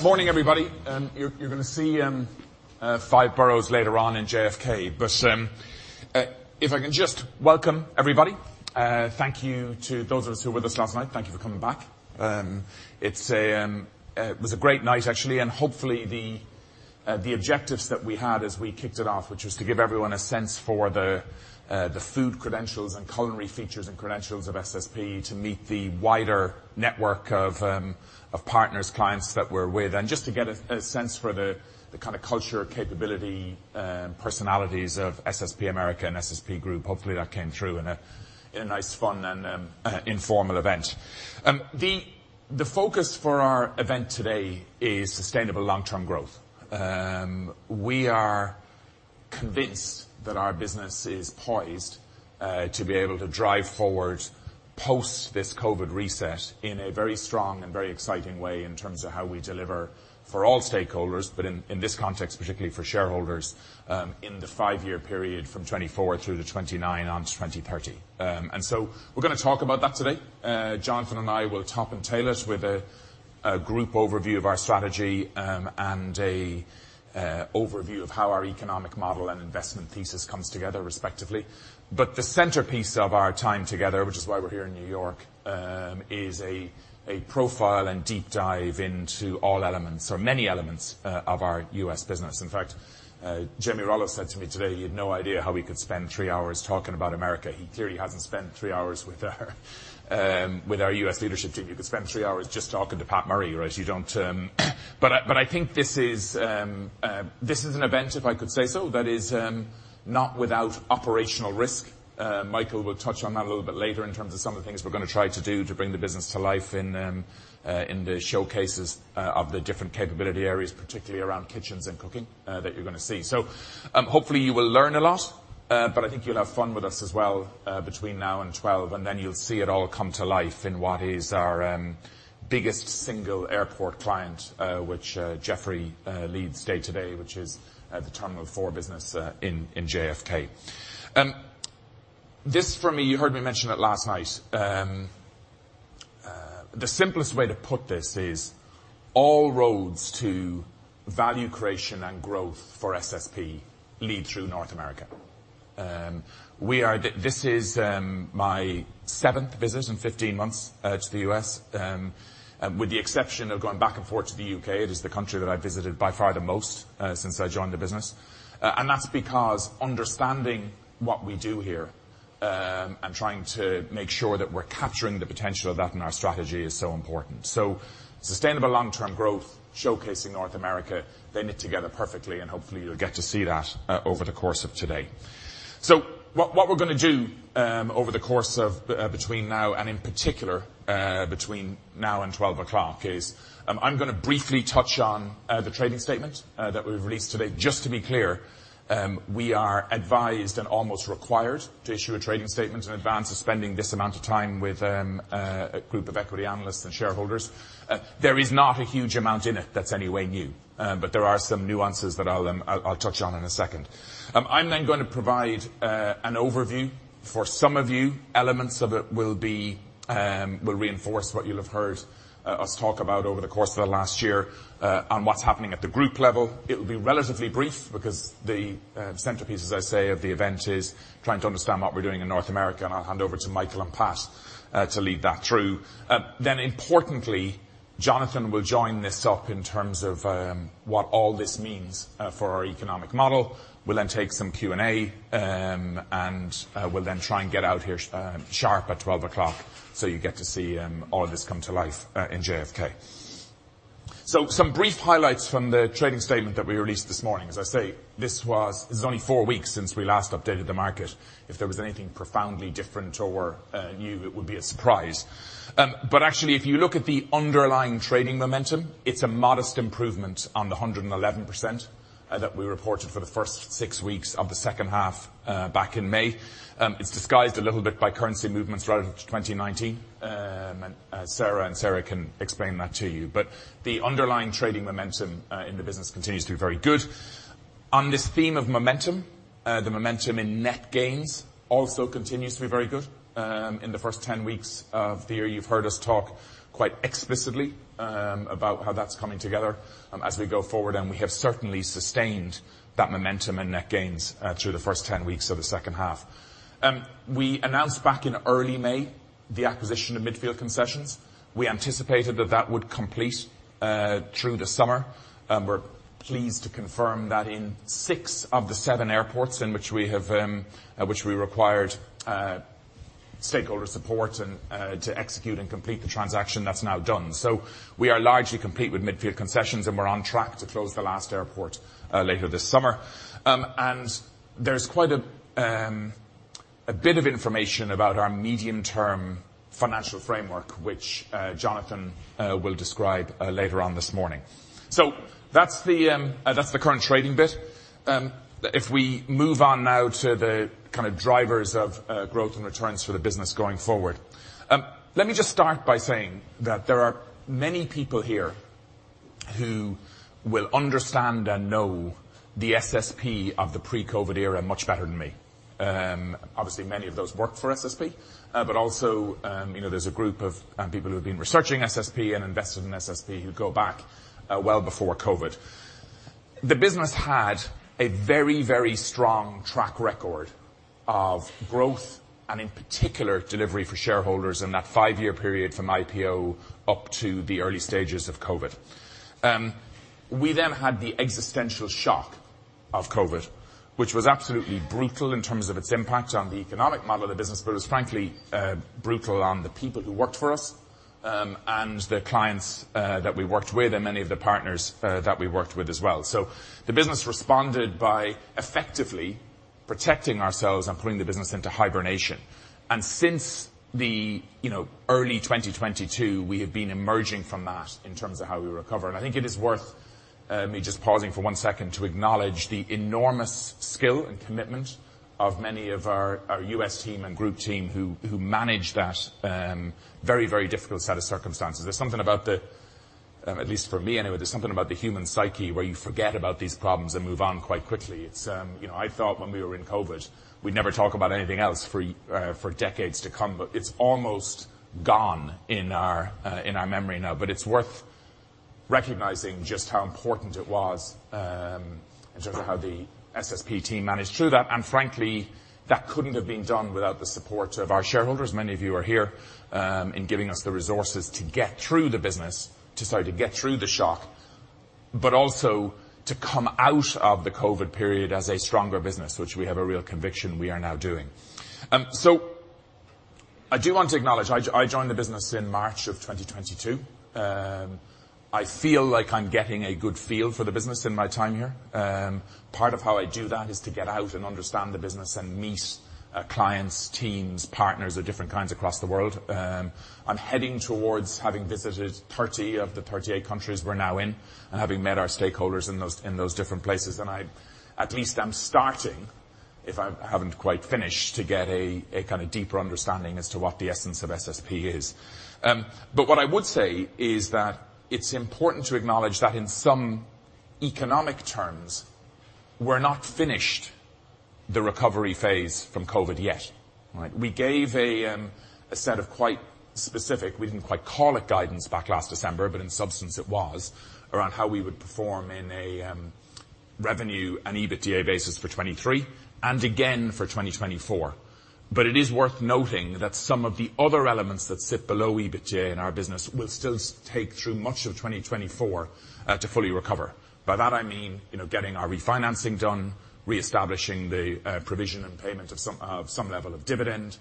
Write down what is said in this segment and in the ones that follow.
Morning, everybody. You're gonna see Five Boroughs later on in JFK, but if I can just welcome everybody. Thank you to those of us who were with us last night. Thank you for coming back. It was a great night, actually, and hopefully, the objectives that we had as we kicked it off, which was to give everyone a sense for the food credentials and culinary features and credentials of SSP, to meet the wider network of partners, clients that we're with, and just to get a sense for the kind of culture, capability, personalities of SSP America and SSP Group. Hopefully, that came through in a nice, fun, and informal event. The focus for our event today is sustainable long-term growth. We are convinced that our business is poised to be able to drive forward post this COVID reset in a very strong and very exciting way in terms of how we deliver for all stakeholders, but in this context, particularly for shareholders in the five-year period from 2024 through to 2029 on to 2030. We're gonna talk about that today. Jonathan and I will top and tail it with a group overview of our strategy and a overview of how our economic model and investment thesis comes together, respectively. But the centerpiece of our time together, which is why we're here in New York, is a profile and deep dive into all elements or many elements of our U.S. business. In fact, Jimmy Rollins said to me today he had no idea how we could spend three hours talking about America. He clearly hasn't spent three hours with our U.S. leadership team. You could spend three hours just talking to Pat Murray, right? You don't. I think this is an event, if I could say so, that is not without operational risk. Michael will touch on that a little bit later in terms of some of the things we're gonna try to do to bring the business to life in the showcases of the different capability areas, particularly around kitchens and cooking that you're gonna see. Hopefully, you will learn a lot, but I think you'll have fun with us as well, between now and 12, and then you'll see it all come to life in what is our biggest single airport client, which Jeffrey leads day-to-day, which is the Terminal 4 business in JFK. This, for me, you heard me mention it last night. The simplest way to put this is all roads to value creation and growth for SSP lead through North America. We are. This is my seventh visit in 15 months to the U.S., with the exception of going back and forth to the U.K., it is the country that I've visited by far the most since I joined the business. That's because understanding what we do here, and trying to make sure that we're capturing the potential of that in our strategy is so important. Sustainable long-term growth, showcasing North America, they knit together perfectly, and hopefully, you'll get to see that over the course of today. What we're gonna do, over the course of, between now and, in particular, between now and 12 o'clock, is, I'm gonna briefly touch on the trading statement that we've released today. Just to be clear, we are advised and almost required to issue a trading statement in advance of spending this amount of time with a group of equity analysts and shareholders. There is not a huge amount in it that's any way new, there are some nuances that I'll touch on in a second. I'm gonna provide an overview. For some of you, elements of it will be, will reinforce what you'll have heard us talk about over the course of the last year, on what's happening at the group level. It'll be relatively brief because the centerpiece, as I say, of the event, is trying to understand what we're doing in North America, I'll hand over to Michael and Pat to lead that through. Importantly, Jonathan will join this up in terms of what all this means for our economic model. We'll then take some Q&A, we'll then try and get out here sharp at 12:00, so you get to see all this come to life in JFK. Some brief highlights from the trading statement that we released this morning. As I say, it's only 4 weeks since we last updated the market. If there was anything profoundly different or new, it would be a surprise. Actually, if you look at the underlying trading momentum, it's a modest improvement on the 111% that we reported for the first 6 weeks of the second half back in May. It's disguised a little bit by currency movements relative to 2019, and Sarah and Sarah can explain that to you, but the underlying trading momentum in the business continues to be very good. On this theme of momentum, the momentum in net gains also continues to be very good in the first 10 weeks of the year. You've heard us talk quite explicitly about how that's coming together as we go forward, and we have certainly sustained that momentum and net gains through the first 10 weeks of the second half. We announced back in early May the acquisition of Midfield Concessions. We anticipated that that would complete through the summer, and we're pleased to confirm that in 6 of the 7 airports in which we have, which we required stakeholder support and to execute and complete the transaction, that's now done. We are largely complete with Midfield Concessions, and we're on track to close the last airport later this summer. There's quite a bit of information about our medium/term financial framework, which Jonathan will describe later on this morning. That's the current trading bit. If we move on now to the kind of drivers of growth and returns for the business going forward, let me just start by saying that there are many people here. will understand and know the SSP of the pre-COVID era much better than me. Obviously, many of those work for SSP, but also, you know, there's a group of people who have been researching SSP and invested in SSP, who go back well before COVID. The business had a very, very strong track record of growth, and in particular, delivery for shareholders in that five-year period from IPO up to the early stages of COVID. We then had the existential shock of COVID, which was absolutely brutal in terms of its impact on the economic model of the business, but it was, frankly, brutal on the people who worked for us, and the clients that we worked with, and many of the partners that we worked with as well. The business responded by effectively protecting ourselves and putting the business into hibernation, and since the, you know, early 2022, we have been emerging from that in terms of how we recover. I think it is worth me just pausing for one second to acknowledge the enormous skill and commitment of many of our U.S. team and Group team who managed that very difficult set of circumstances. There's something about the... at least for me anyway, there's something about the human psyche, where you forget about these problems and move on quite quickly. It's, you know, I thought when we were in COVID, we'd never talk about anything else for decades to come, but it's almost gone in our memory now. It's worth recognizing just how important it was, in terms of how the SSP team managed through that, and frankly, that couldn't have been done without the support of our shareholders, many of you are here, in giving us the resources to get through the business, to sort of get through the shock, but also to come out of the COVID period as a stronger business, which we have a real conviction we are now doing. I do want to acknowledge, I joined the business in March of 2022. I feel like I'm getting a good feel for the business in my time here. Part of how I do that is to get out and understand the business and meet, clients, teams, partners of different kinds across the world. I'm heading towards having visited 30 of the 38 countries we're now in, and having met our stakeholders in those, in those different places, and I, at least, am starting, if I haven't quite finished, to get a kind of deeper understanding as to what the essence of SSP is. What I would say is that it's important to acknowledge that in some economic terms, we're not finished the recovery phase from COVID yet, right? We gave a set of quite specific... We didn't quite call it guidance back last December, but in substance, it was, around how we would perform in a revenue and EBITDA basis for 2023, and again for 2024. It is worth noting that some of the other elements that sit below EBITDA in our business will still take through much of 2024 to fully recover. By that, I mean, you know, getting our refinancing done, reestablishing the provision and payment of some level of dividend,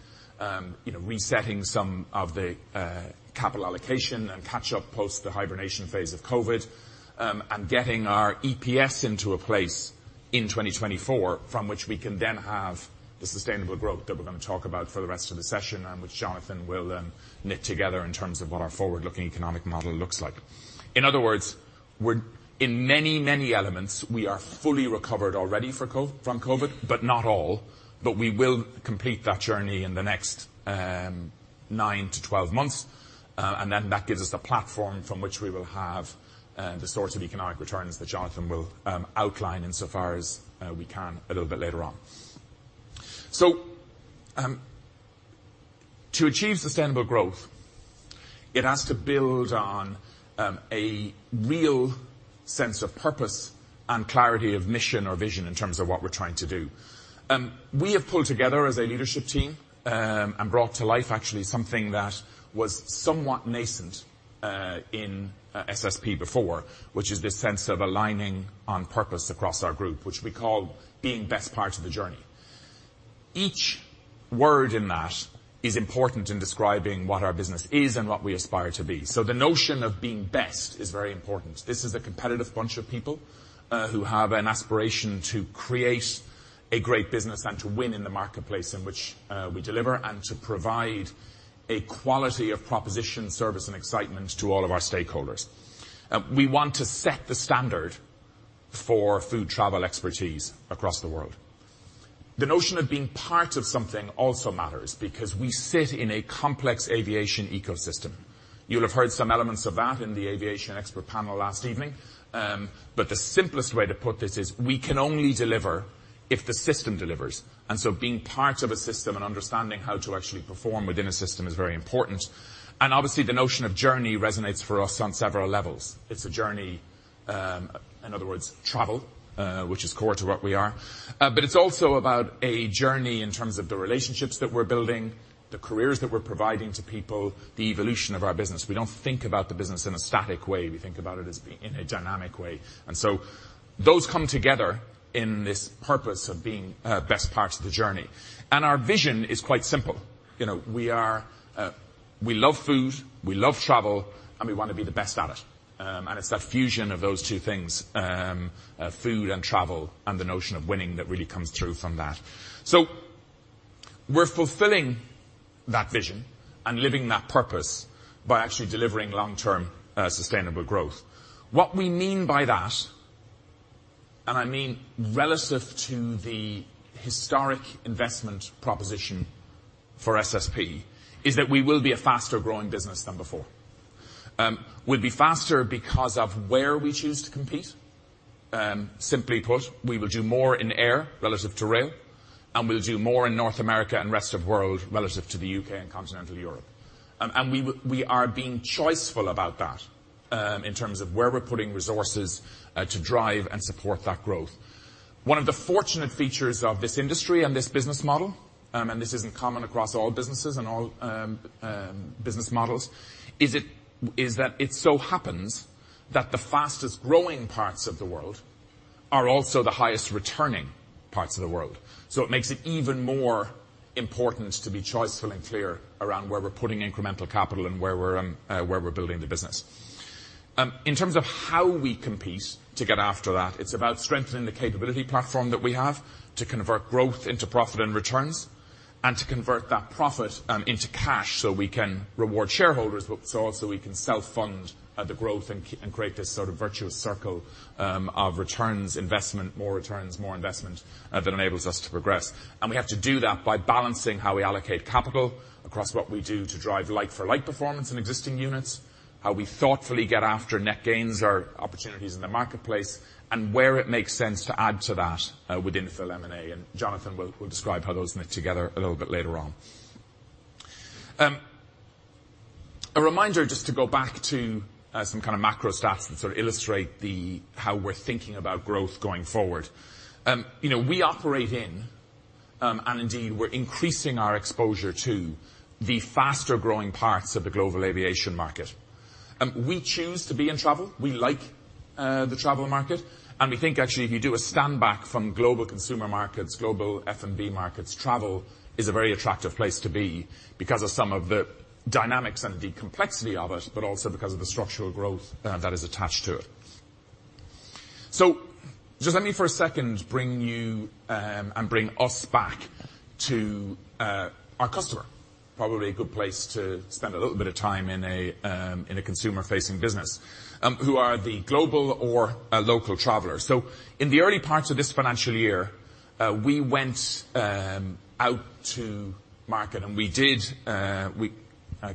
you know, resetting some of the capital allocation and catch-up post the hibernation phase of COVID, and getting our EPS into a place in 2024, from which we can then have the sustainable growth that we're gonna talk about for the rest of the session, and which Jonathan will then knit together in terms of what our forward-looking economic model looks like. In other words, we're, in many elements, we are fully recovered already from COVID, but not all, but we will complete that journey in the next 9-12 months, and then that gives us the platform from which we will have the sorts of economic returns that Jonathan will outline insofar as we can a little bit later on. To achieve sustainable growth, it has to build on a real sense of purpose and clarity of mission or vision in terms of what we're trying to do. We have pulled together as a leadership team and brought to life actually something that was somewhat nascent in SSP before, which is this sense of aligning on purpose across our group, which we call Being Best Part of the Journey. Each word in that is important in describing what our business is and what we aspire to be. The notion of being best is very important. This is a competitive bunch of people who have an aspiration to create a great business and to win in the marketplace in which we deliver, and to provide a quality of proposition, service, and excitement to all of our stakeholders. We want to set the standard for food-travel expertise across the world. The notion of being part of something also matters, because we sit in a complex aviation ecosystem. You'll have heard some elements of that in the aviation expert panel last evening. The simplest way to put this is we can only deliver if the system delivers, and so being part of a system and understanding how to actually perform within a system is very important. Obviously, the notion of journey resonates for us on several levels. It's a journey, in other words, travel, which is core to what we are, but it's also about a journey in terms of the relationships that we're building, the careers that we're providing to people, the evolution of our business. We don't think about the business in a static way. We think about it as being in a dynamic way, so those come together in this purpose of being best part of the journey. Our vision is quite simple. You know, we are. We love food, we love travel, and we want to be the best at it. It's that fusion of those two things, food and travel, and the notion of winning, that really comes through from that. We're fulfilling that vision and living that purpose by actually delivering long-term, sustainable growth. What we mean by that, I mean relative to the historic investment proposition for SSP, is that we will be a faster growing business than before. We'll be faster because of where we choose to compete. Simply put, we will do more in air relative to rail, and we'll do more in North America and rest of world relative to the U.K. and Continental Europe. We are being choiceful about that, in terms of where we're putting resources, to drive and support that growth. One of the fortunate features of this industry and this business model, this isn't common across all businesses and all business models, is that it so happens that the fastest growing parts of the world are also the highest returning parts of the world. It makes it even more important to be choiceful and clear around where we're putting incremental capital and where we're where we're building the business. In terms of how we compete to get after that, it's about strengthening the capability platform that we have to convert growth into profit and returns, and to convert that profit into cash so we can reward shareholders, but so also we can self-fund the growth and create this sort of virtuous circle of returns, investment, more returns, more investment that enables us to progress. We have to do that by balancing how we allocate capital across what we do to drive like-for-like performance in existing units, how we thoughtfully get after net gains or opportunities in the marketplace, and where it makes sense to add to that with infill M&A, and Jonathan will describe how those knit together a little bit later on. A reminder, just to go back to some kind of macro stats that sort of illustrate how we're thinking about growth going forward. You know, we operate in, and indeed, we're increasing our exposure to the faster-growing parts of the global aviation market. We choose to be in travel. We like the travel market, and we think actually, if you do a stand back from global consumer markets, global F&B markets, travel is a very attractive place to be because of some of the dynamics and the complexity of it, but also because of the structural growth that is attached to it. Just let me, for a second, bring you, and bring us back to our customer. Probably a good place to spend a little bit of time in a consumer-facing business, who are the global or a local traveler. In the early parts of this financial year, we went out to market, and we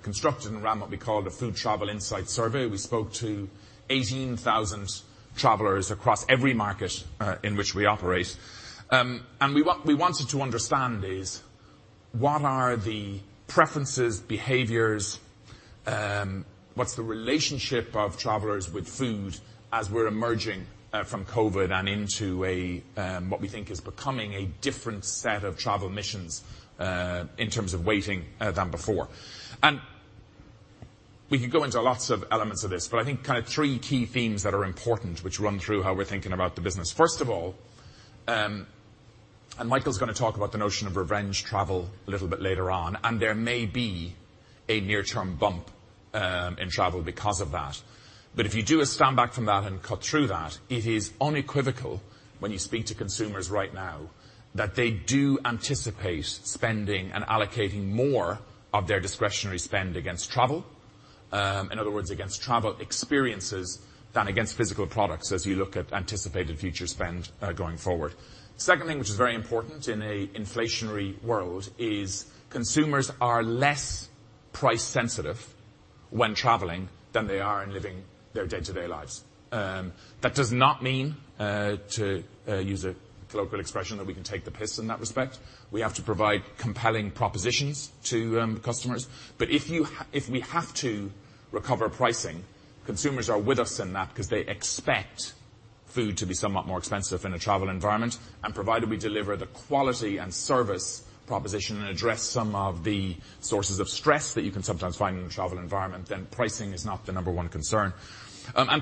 constructed and ran what we called a Food Travel Insight Survey. We spoke to 18,000 travelers across every market in which we operate. We wanted to understand is, what are the preferences, behaviors, what's the relationship of travelers with food as we're emerging from COVID and into a what we think is becoming a different set of travel missions in terms of waiting than before? We could go into lots of elements of this, but I think kind of three key themes that are important, which run through how we're thinking about the business. First of all, Michael's going to talk about the notion of revenge travel a little bit later on, and there may be a near-term bump in travel because of that. If you do a stand back from that and cut through that, it is unequivocal when you speak to consumers right now, that they do anticipate spending and allocating more of their discretionary spend against travel, in other words, against travel experiences than against physical products, as you look at anticipated future spend, going forward. Second thing, which is very important in a inflationary world, is consumers are less price sensitive when traveling than they are in living their day-to-day lives. That does not mean, to use a colloquial expression, that we can take the piss in that respect. We have to provide compelling propositions to customers. If we have to recover pricing, consumers are with us in that because they expect food to be somewhat more expensive in a travel environment, and provided we deliver the quality and service proposition and address some of the sources of stress that you can sometimes find in a travel environment, then pricing is not the number one concern.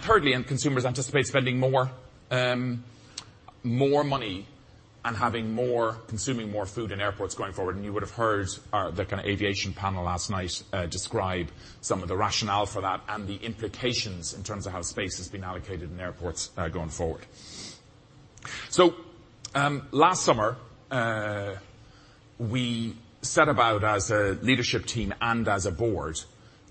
Thirdly, and consumers anticipate spending more money and having more, consuming more food in airports going forward. You would have heard the kind of aviation panel last night describe some of the rationale for that and the implications in terms of how space is being allocated in airports going forward. Last summer, we set about as a leadership team and as a board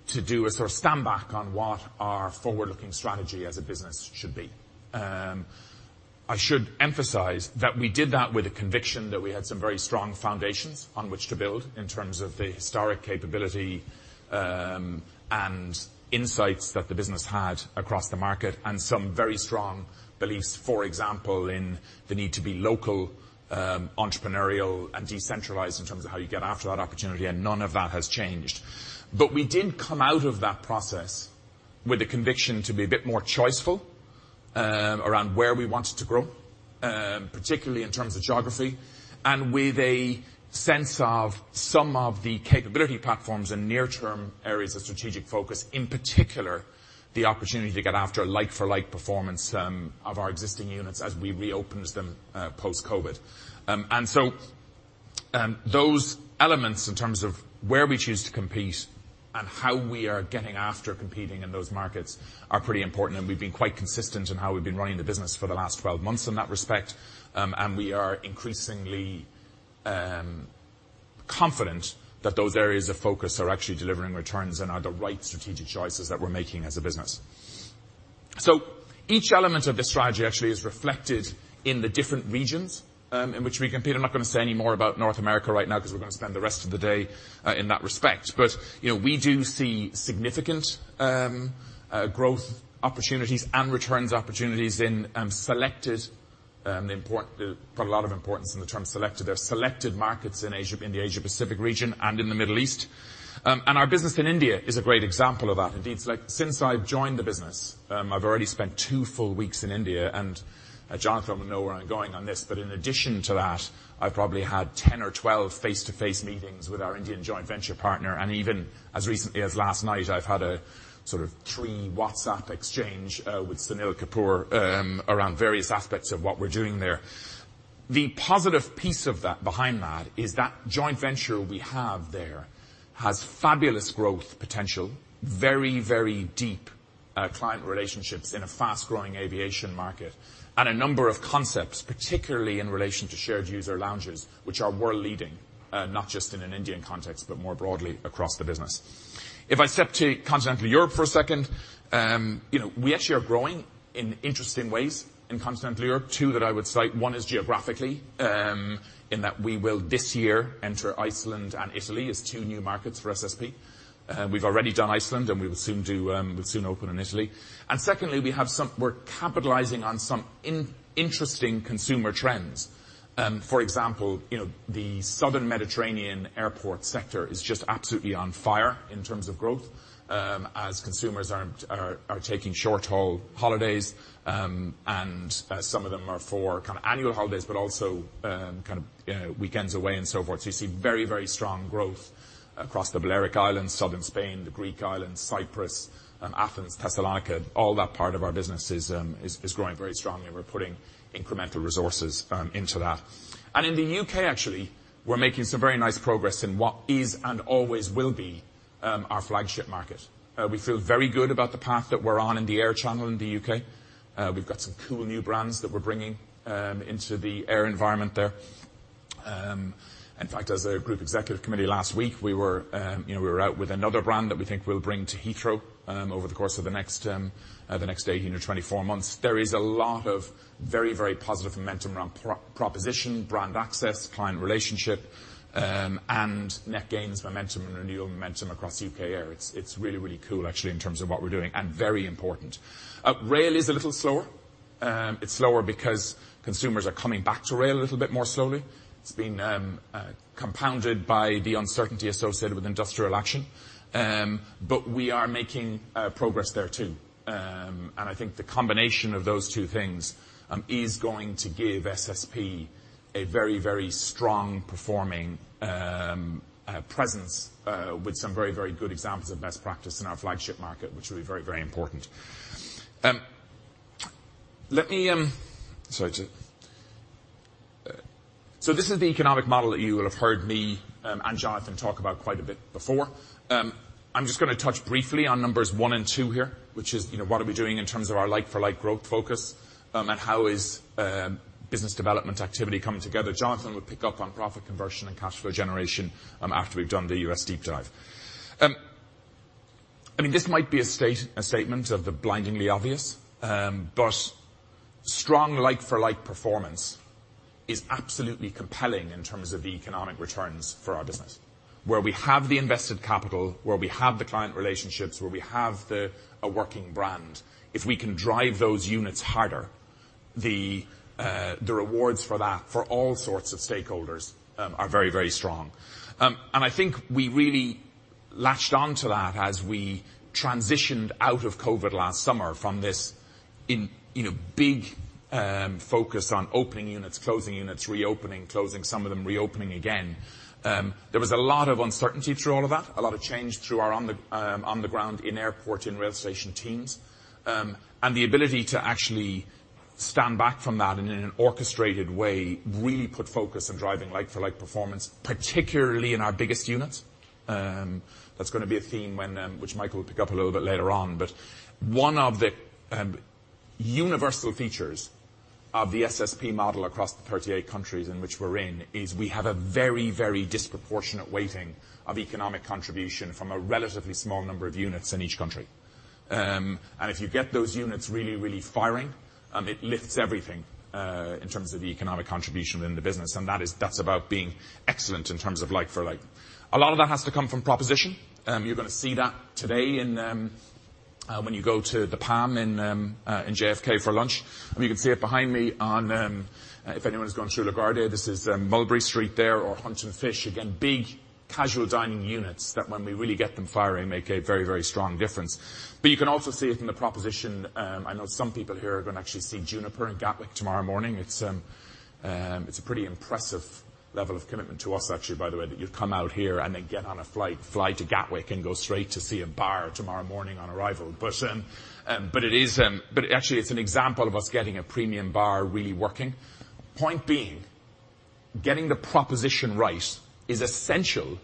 to do a sort of stand back on what our forward-looking strategy as a business should be. I should emphasize that we did that with a conviction that we had some very strong foundations on which to build in terms of the historic capability, and insights that the business had across the market, and some very strong beliefs, for example, in the need to be local, entrepreneurial and decentralized in terms of how you get after that opportunity. None of that has changed. We did come out of that process with a conviction to be a bit more choiceful around where we wanted to grow, particularly in terms of geography, and with a sense of some of the capability platforms and near-term areas of strategic focus, in particular, the opportunity to get after a like-for-like performance of our existing units as we reopened them post-COVID. Those elements in terms of where we choose to compete and how we are getting after competing in those markets are pretty important, and we've been quite consistent in how we've been running the business for the last 12 months in that respect. We are increasingly confident that those areas of focus are actually delivering returns and are the right strategic choices that we're making as a business. Each element of this strategy actually is reflected in the different regions in which we compete. I'm not gonna say any more about North America right now, 'cause we're gonna spend the rest of the day in that respect. You know, we do see significant growth opportunities and returns opportunities in selected, put a lot of importance in the term selected. There are selected markets in Asia, in the Asia Pacific region and in the Middle East. Our business in India is a great example of that. Indeed, it's like since I've joined the business, I've already spent 2 full weeks in India, Jonathan will know where I'm going on this, but in addition to that, I've probably had 10 or 12 face-to-face meetings with our Indian joint venture partner, even as recently as last night, I've had a sort of 3 WhatsApp exchange with Sunil Kapoor around various aspects of what we're doing there. The positive piece of that, behind that, is that joint venture we have there has fabulous growth potential, very, very deep client relationships in a fast-growing aviation market, a number of concepts, particularly in relation to shared user lounges, which are world-leading, not just in an Indian context, but more broadly across the business. If I step to Continental Europe for a second, you know, we actually are growing in interesting ways in Continental Europe. Two that I would cite, one is geographically, in that we will, this year, enter Iceland and Italy as two new markets for SSP. We've already done Iceland, we will soon open in Italy. And secondly, we're capitalizing on some interesting consumer trends. For example, you know, the Southern Mediterranean airport sector is just absolutely on fire in terms of growth, as consumers are taking short-haul holidays. Some of them are for kind of annual holidays, but also, kind of, weekends away and so forth. You see very, very strong growth across the Balearic Islands, southern Spain, the Greek islands, Cyprus, Athens, Thessaloniki, all that part of our business is growing very strongly, and we're putting incremental resources into that. In the U.K., actually, we're making some very nice progress in what is, and always will be, our flagship market. We feel very good about the path that we're on in the air channel in the U.K. We've got some cool new brands that we're bringing into the air environment there. In fact, as a group executive committee last week, we were, you know, we were out with another brand that we think we'll bring to Heathrow over the course of the next, the next 8, you know, 24 months. There is a lot of very, very positive momentum around pro- proposition, brand access, client relationship, and net gains momentum and renewal momentum across U.K. air. It's really, really cool, actually, in terms of what we're doing, and very important. Rail is a little slower. It's slower because consumers are coming back to rail a little bit more slowly. It's been compounded by the uncertainty associated with industrial action. We are making progress there, too. I think the combination of those two things is going to give SSP a very, very strong-performing presence with some very, very good examples of best practice in our flagship market, which will be very, very important. Let me. Sorry, this is the economic model that you will have heard me and Jonathan talk about quite a bit before. I'm just gonna touch briefly on numbers one and two here, which is, you know, what are we doing in terms of our like-for-like growth focus, and how is business development activity coming together? Jonathan will pick up on profit conversion and cashflow generation after we've done the US deep dive. I mean, this might be a statement of the blindingly obvious, strong like-for-like performance is absolutely compelling in terms of economic returns for our business, where we have the invested capital, where we have the client relationships, where we have a working brand. If we can drive those units harder, the rewards for that, for all sorts of stakeholders, are very, very strong. I think we really latched on to that as we transitioned out of COVID last summer from this in, you know, big focus on opening units, closing units, reopening, closing some of them, reopening again. There was a lot of uncertainty through all of that, a lot of change through our on the on-the-ground, in-airport, in-rail-station teams. The ability to actually stand back from that and in an orchestrated way, really put focus on driving like-for-like performance, particularly in our biggest units, that's gonna be a theme when Michael will pick up a little bit later on. One of the universal features of the SSP model across the 38 countries in which we're in, is we have a very, very disproportionate weighting of economic contribution from a relatively small number of units in each country. If you get those units really, really firing, it lifts everything in terms of the economic contribution in the business, and that's about being excellent in terms of like for like. A lot of that has to come from proposition. You're gonna see that today in when you go to the Palm in JFK for lunch, and you can see it behind me on if anyone's gone through LaGuardia, this is Mulberry Street there, or Hunt & Fish. Big casual dining units that, when we really get them firing, make a very, very strong difference. You can also see it in the proposition. I know some people here are gonna actually see Juniper in Gatwick tomorrow morning. It's, it's a pretty impressive level of commitment to us, actually, by the way, that you'd come out here and then get on a flight, fly to Gatwick, and go straight to see a bar tomorrow morning on arrival. It is, but actually, it's an example of us getting a premium bar really working. Point being, getting the proposition right is essential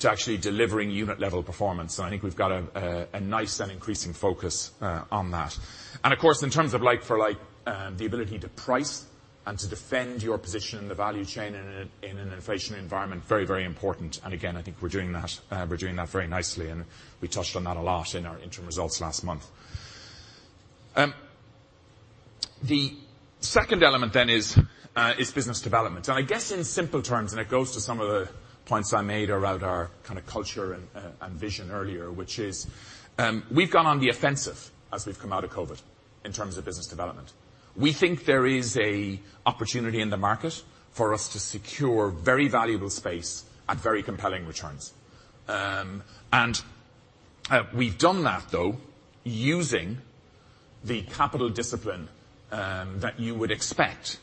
to actually delivering unit-level performance, and I think we've got a nice and increasing focus on that. Of course, in terms of like for like, the ability to price and to defend your position in the value chain in an, in an inflationary environment, very, very important, and again, I think we're doing that, we're doing that very nicely, and we touched on that a lot in our interim results last month. The second element then is business development, and I guess in simple terms, and it goes to some of the points I made around our kind of culture and vision earlier, which is, we've gone on the offensive as we've come out of COVID in terms of business development. We think there is an opportunity in the market for us to secure very valuable space at very compelling returns. We've done that, though, using the capital discipline that you would expect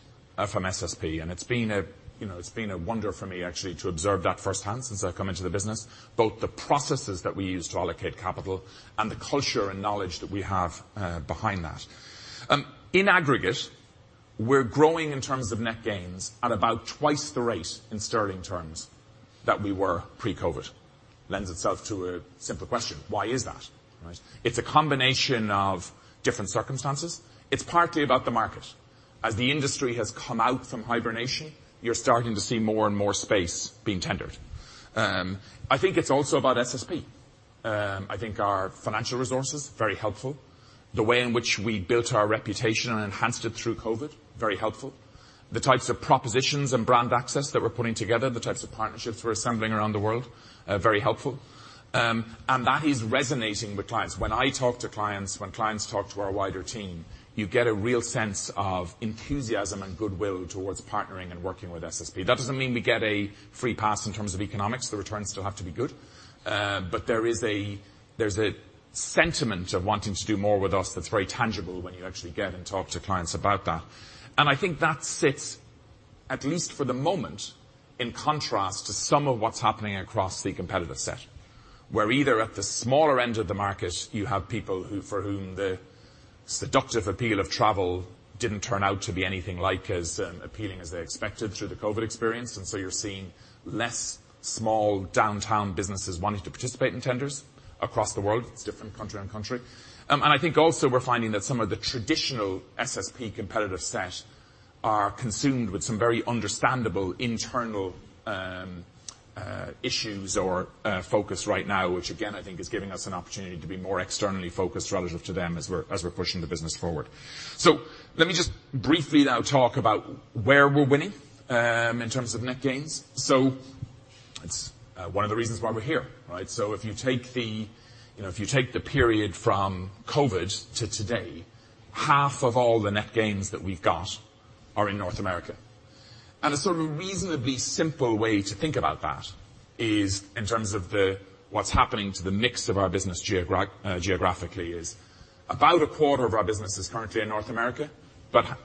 from SSP, and it's been a, you know, it's been a wonder for me actually to observe that firsthand since I've come into the business, both the processes that we use to allocate capital and the culture and knowledge that we have behind that. In aggregate, we're growing in terms of net gains at about twice the rate in sterling terms that we were pre-COVID. Lends itself to a simple question: Why is that, right? It's a combination of different circumstances. It's partly about the market. As the industry has come out from hibernation, you're starting to see more and more space being tendered. I think it's also about SSP. I think our financial resources, very helpful. The way in which we built our reputation and enhanced it through COVID, very helpful. The types of propositions and brand access that we're putting together, the types of partnerships we're assembling around the world, very helpful. That is resonating with clients. When I talk to clients, when clients talk to our wider team, you get a real sense of enthusiasm and goodwill towards partnering and working with SSP. That doesn't mean we get a free pass in terms of economics. The returns still have to be good. There's a sentiment of wanting to do more with us that's very tangible when you actually get and talk to clients about that. I think that sits, at least for the moment, in contrast to some of what's happening across the competitive set, where either at the smaller end of the market, you have people who, for whom the seductive appeal of travel didn't turn out to be anything like as appealing as they expected through the COVID experience. You're seeing less small downtown businesses wanting to participate in tenders across the world. It's different country on country. I think also we're finding that some of the traditional SSP competitive set are consumed with some very understandable internal issues or focus right now, which again, I think is giving us an opportunity to be more externally focused relative to them as we're pushing the business forward. Let me just briefly now talk about where we're winning in terms of net gains. It's one of the reasons why we're here, right? If you take the period from COVID to today, half of all the net gains that we've got are in North America. A sort of reasonably simple way to think about that is in terms of the what's happening to the mix of our business geographically, is about a quarter of our business is currently in North America, but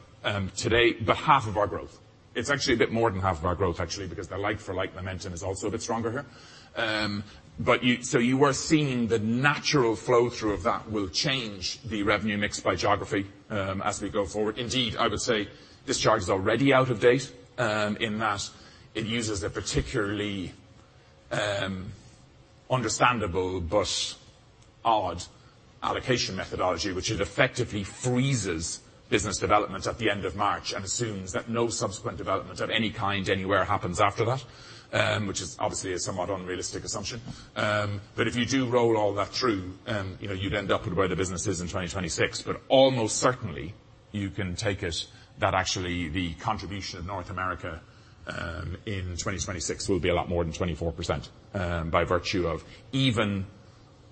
today, but half of our growth. It's actually a bit more than half of our growth, actually, because the like-for-like momentum is also a bit stronger here. You are seeing the natural flow through of that will change the revenue mix by geography, as we go forward. I would say this chart is already out of date, in that it uses a particularly understandable but odd allocation methodology, which it effectively freezes business development at the end of March and assumes that no subsequent development of any kind, anywhere, happens after that, which is obviously a somewhat unrealistic assumption. If you do roll all that through, you know, you'd end up with where the business is in 2026, but almost certainly you can take it that actually the contribution of North America in 2026 will be a lot more than 24%, by virtue of even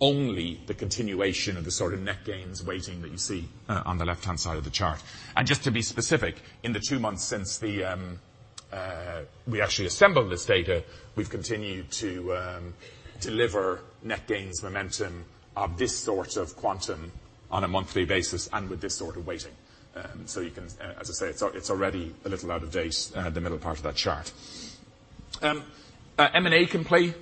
only the continuation of the sort of net gains weighting that you see on the left-hand side of the chart. Just to be specific, in the 2 months since the we actually assembled this data, we've continued to deliver net gains momentum of this sort of quantum on a monthly basis and with this sort of weighting. As I say, it's already a little out of date, the middle part of that chart. M&A can play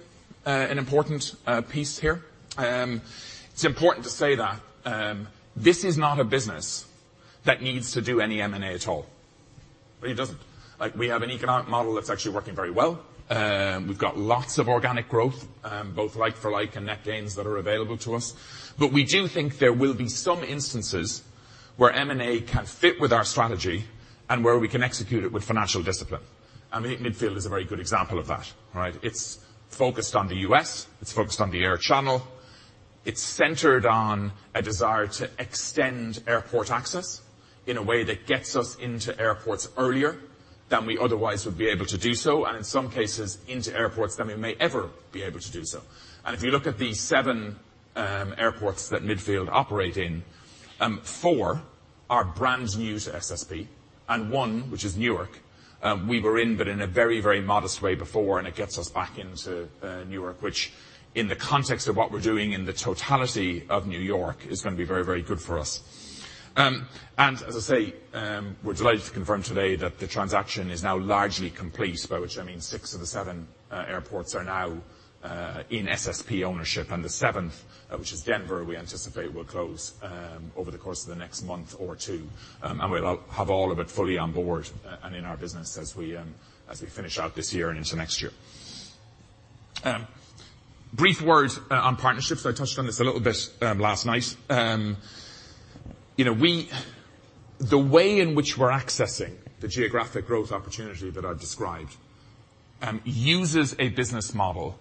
an important piece here. It's important to say that this is not a business that needs to do any M&A at all. It really doesn't. Like, we have an economic model that's actually working very well. We've got lots of organic growth, both like for like and net gains, that are available to us. We do think there will be some instances where M&A can fit with our strategy and where we can execute it with financial discipline, and Midfield is a very good example of that, right? It's focused on the U.S., it's focused on the air channel, it's centered on a desire to extend airport access in a way that gets us into airports earlier than we otherwise would be able to do so, and in some cases, into airports than we may ever be able to do so. If you look at the 7 airports that Midfield operate in, 4 are brand new to SSP, and 1, which is Newark, we were in, but in a very, very modest way before, and it gets us back into Newark, which, in the context of what we're doing and the totality of New York, is gonna be very, very good for us. As I say, we're delighted to confirm today that the transaction is now largely complete, by which I mean 6 of the 7 airports are now in SSP ownership, and the seventh, which is Denver, we anticipate will close over the course of the next month or 2, and we'll have all of it fully on board and in our business as we finish out this year and into next year. Brief word on partnerships. I touched on this a little bit last night. You know, the way in which we're accessing the geographic growth opportunity that I've described, uses a business model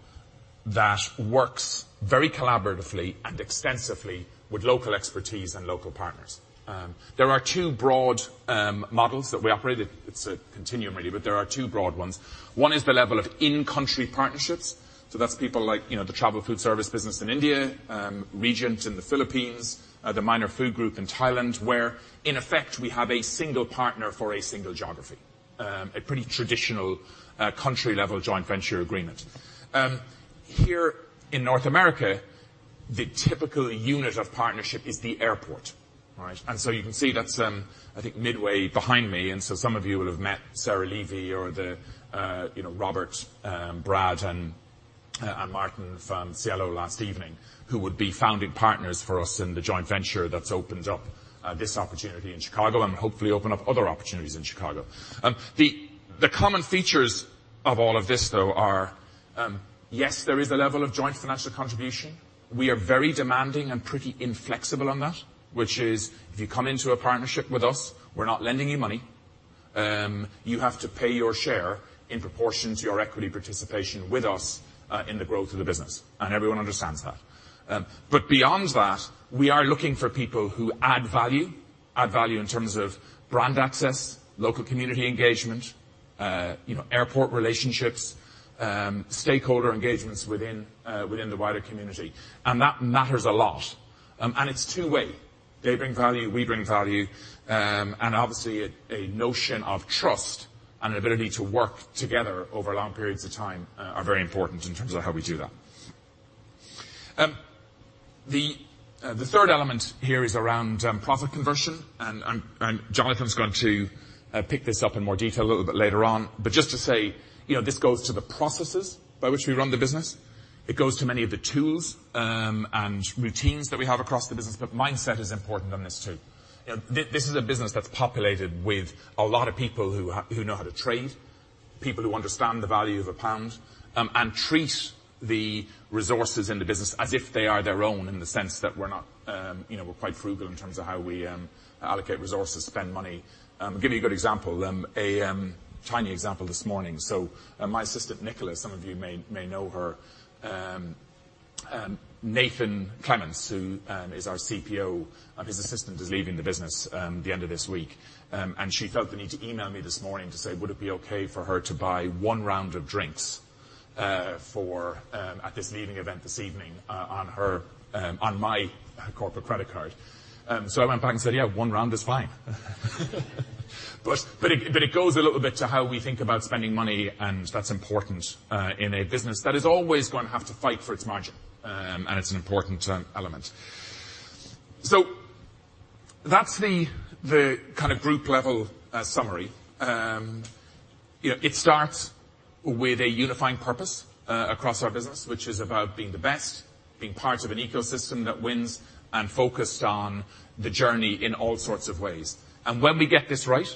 that works very collaboratively and extensively with local expertise and local partners. There are two broad models that we operate. It's a continuum, really, but there are two broad ones. One is the level of in-country partnerships, so that's people like, you know, the Travel Food Services business in India, Regent in the Philippines, the Minor Food Group in Thailand, where, in effect, we have a single partner for a single geography. A pretty traditional country-level joint venture agreement. Here in North America, the typical unit of partnership is the airport, all right? You can see that's, I think Midfield behind me, some of you will have met Sarah Levy or the, you know, Robert, Brad, and Martin from Cielo last evening, who would be founding partners for us in the joint venture that's opened up this opportunity in Chicago and hopefully open up other opportunities in Chicago. The common features of all of this, though, are, yes, there is a level of joint financial contribution. We are very demanding and pretty inflexible on that, which is, if you come into a partnership with us, we're not lending you money. You have to pay your share in proportion to your equity participation with us, in the growth of the business, and everyone understands that. Beyond that, we are looking for people who add value, add value in terms of brand access, local community engagement, you know, airport relationships, stakeholder engagements within the wider community, and that matters a lot. It's two-way. They bring value, we bring value, and obviously, a notion of trust and an ability to work together over long periods of time, are very important in terms of how we do that. The third element here is around profit conversion, and Jonathan's going to pick this up in more detail a little bit later on. Just to say, you know, this goes to the processes by which we run the business. It goes to many of the tools, and routines that we have across the business, but mindset is important on this, too. This is a business that's populated with a lot of people who know how to trade, people who understand the value of a pound, and treat the resources in the business as if they are their own, in the sense that we're not... You know, we're quite frugal in terms of how we allocate resources, spend money. I'll give you a good example, a tiny example this morning. My assistant, Nicholas, some of you may know her. Nathan Clements, who is our CPO, his assistant is leaving the business the end of this week. She felt the need to email me this morning to say, would it be okay for her to buy one round of drinks for at this leaving event this evening on her on my corporate credit card? I went back and said, "Yeah, one round is fine." It goes a little bit to how we think about spending money, and that's important in a business that is always going to have to fight for its margin, and it's an important element. That's the kind of group-level summary. You know, it starts with a unifying purpose across our business, which is about being the best, being part of an ecosystem that wins, and focused on the journey in all sorts of ways. When we get this right,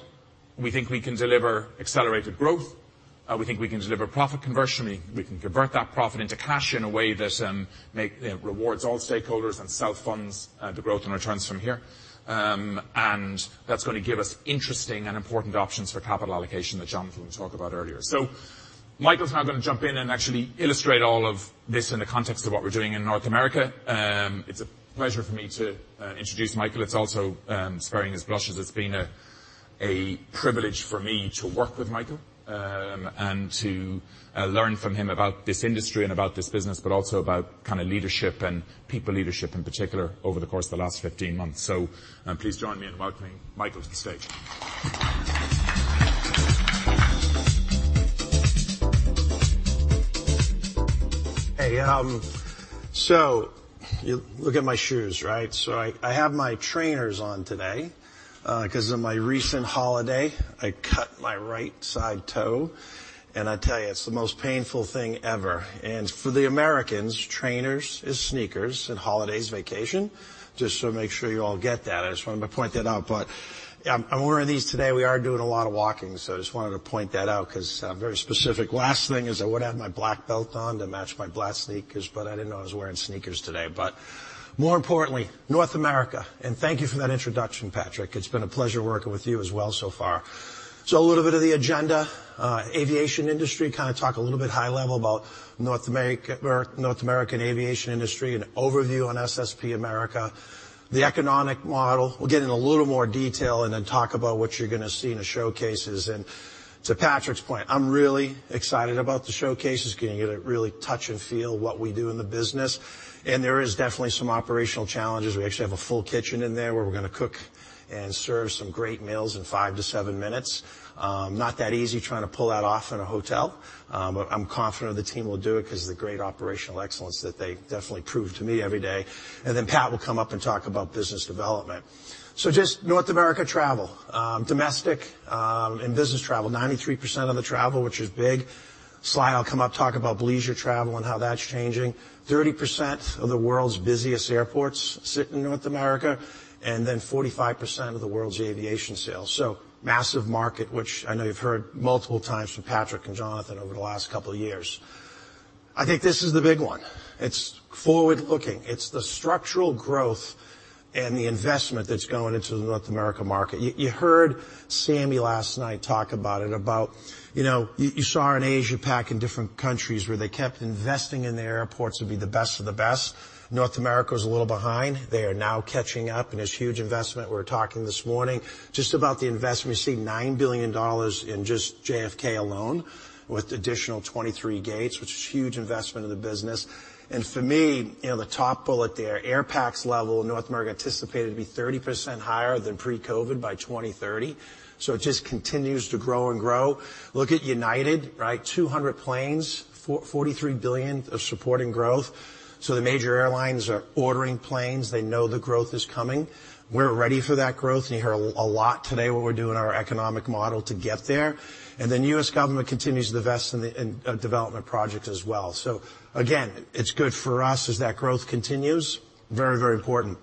we think we can deliver accelerated growth, we think we can deliver profit conversion. We can convert that profit into cash in a way that rewards all stakeholders and self-funds the growth and returns from here. That's gonna give us interesting and important options for capital allocation that Jonathan will talk about earlier. Michael's now gonna jump in and actually illustrate all of this in the context of what we're doing in North America. It's a pleasure for me to introduce Michael. It's also, sparing his blushes, it's been a privilege for me to work with Michael, and to learn from him about this industry and about this business, but also about kind of leadership and people leadership, in particular, over the course of the last 15 months. Please join me in welcoming Michael to the stage. Hey, you look at my shoes, right? I have my trainers on today, 'cause of my recent holiday. I cut my right-side toe, I tell you, it's the most painful thing ever. For the Americans, trainers is sneakers, and holiday is vacation, just to make sure you all get that. I just wanted to point that out, I'm wearing these today. We are doing a lot of walking, I just wanted to point that out, 'cause, very specific. Last thing is I would've had my black belt on to match my black sneakers, I didn't know I was wearing sneakers today. More importantly, North America, thank you for that introduction, Patrick. It's been a pleasure working with you as well so far. A little bit of the agenda, aviation industry, kind of talk a little bit high level about North American aviation industry and overview on SSP America. The economic model, we'll get in a little more detail and talk about what you're gonna see in the showcases. To Patrick's point, I'm really excited about the showcases. You're gonna get to really touch and feel what we do in the business, and there is definitely some operational challenges. We actually have a full kitchen in there, where we're gonna cook and serve some great meals in 5-7 minutes. Not that easy trying to pull that off in a hotel, but I'm confident the team will do it, 'cause of the great operational excellence that they definitely prove to me every day. Pat will come up and talk about business development. Just North America travel, domestic, and business travel, 93% of the travel, which is big. Slide, I'll come up, talk about leisure travel and how that's changing. 30% of the world's busiest airports sit in North America, then 45% of the world's aviation sales, massive market, which I know you've heard multiple times from Patrick and Jonathan over the last couple of years. I think this is the big one. It's forward-looking. It's the structural growth and the investment that's going into the North America market. You heard Sammy last night talk about it, about, you know, you saw in Asia-Pac in different countries where they kept investing in their airports to be the best of the best. North America is a little behind. They are now catching up, and there's huge investment. We were talking this morning just about the investment. You see $9 billion in just JFK alone, with additional 23 gates, which is a huge investment in the business. For me, you know, the top bullet there, air pax level, North America anticipated to be 30% higher than pre-COVID by 2030. It just continues to grow and grow. Look at United, right? 200 planes, $43 billion of supporting growth. The major airlines are ordering planes. They know the growth is coming. We're ready for that growth, and you heard a lot today what we're doing in our economic model to get there. U.S. government continues to invest in the, in development project as well. Again, it's good for us as that growth continues. Very, very important.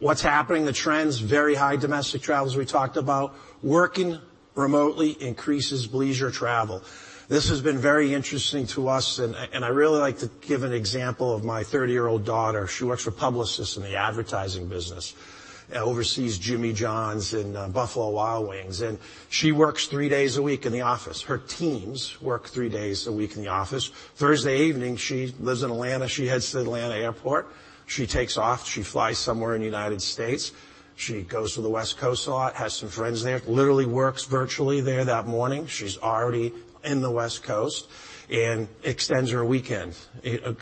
What's happening? The trends, very high domestic travels, we talked about. Working remotely increases leisure travel. This has been very interesting to us, and I really like to give an example of my 30-year-old daughter. She works for Publicis in the advertising business, oversees Jimmy John's and Buffalo Wild Wings, and she works three days a week in the office. Her teams work three days a week in the office. Thursday evening, she lives in Atlanta, she heads to the Atlanta Airport. She takes off, she flies somewhere in the United States. She goes to the West Coast a lot, has some friends there. Literally works virtually there that morning. She's already in the West Coast and extends her weekend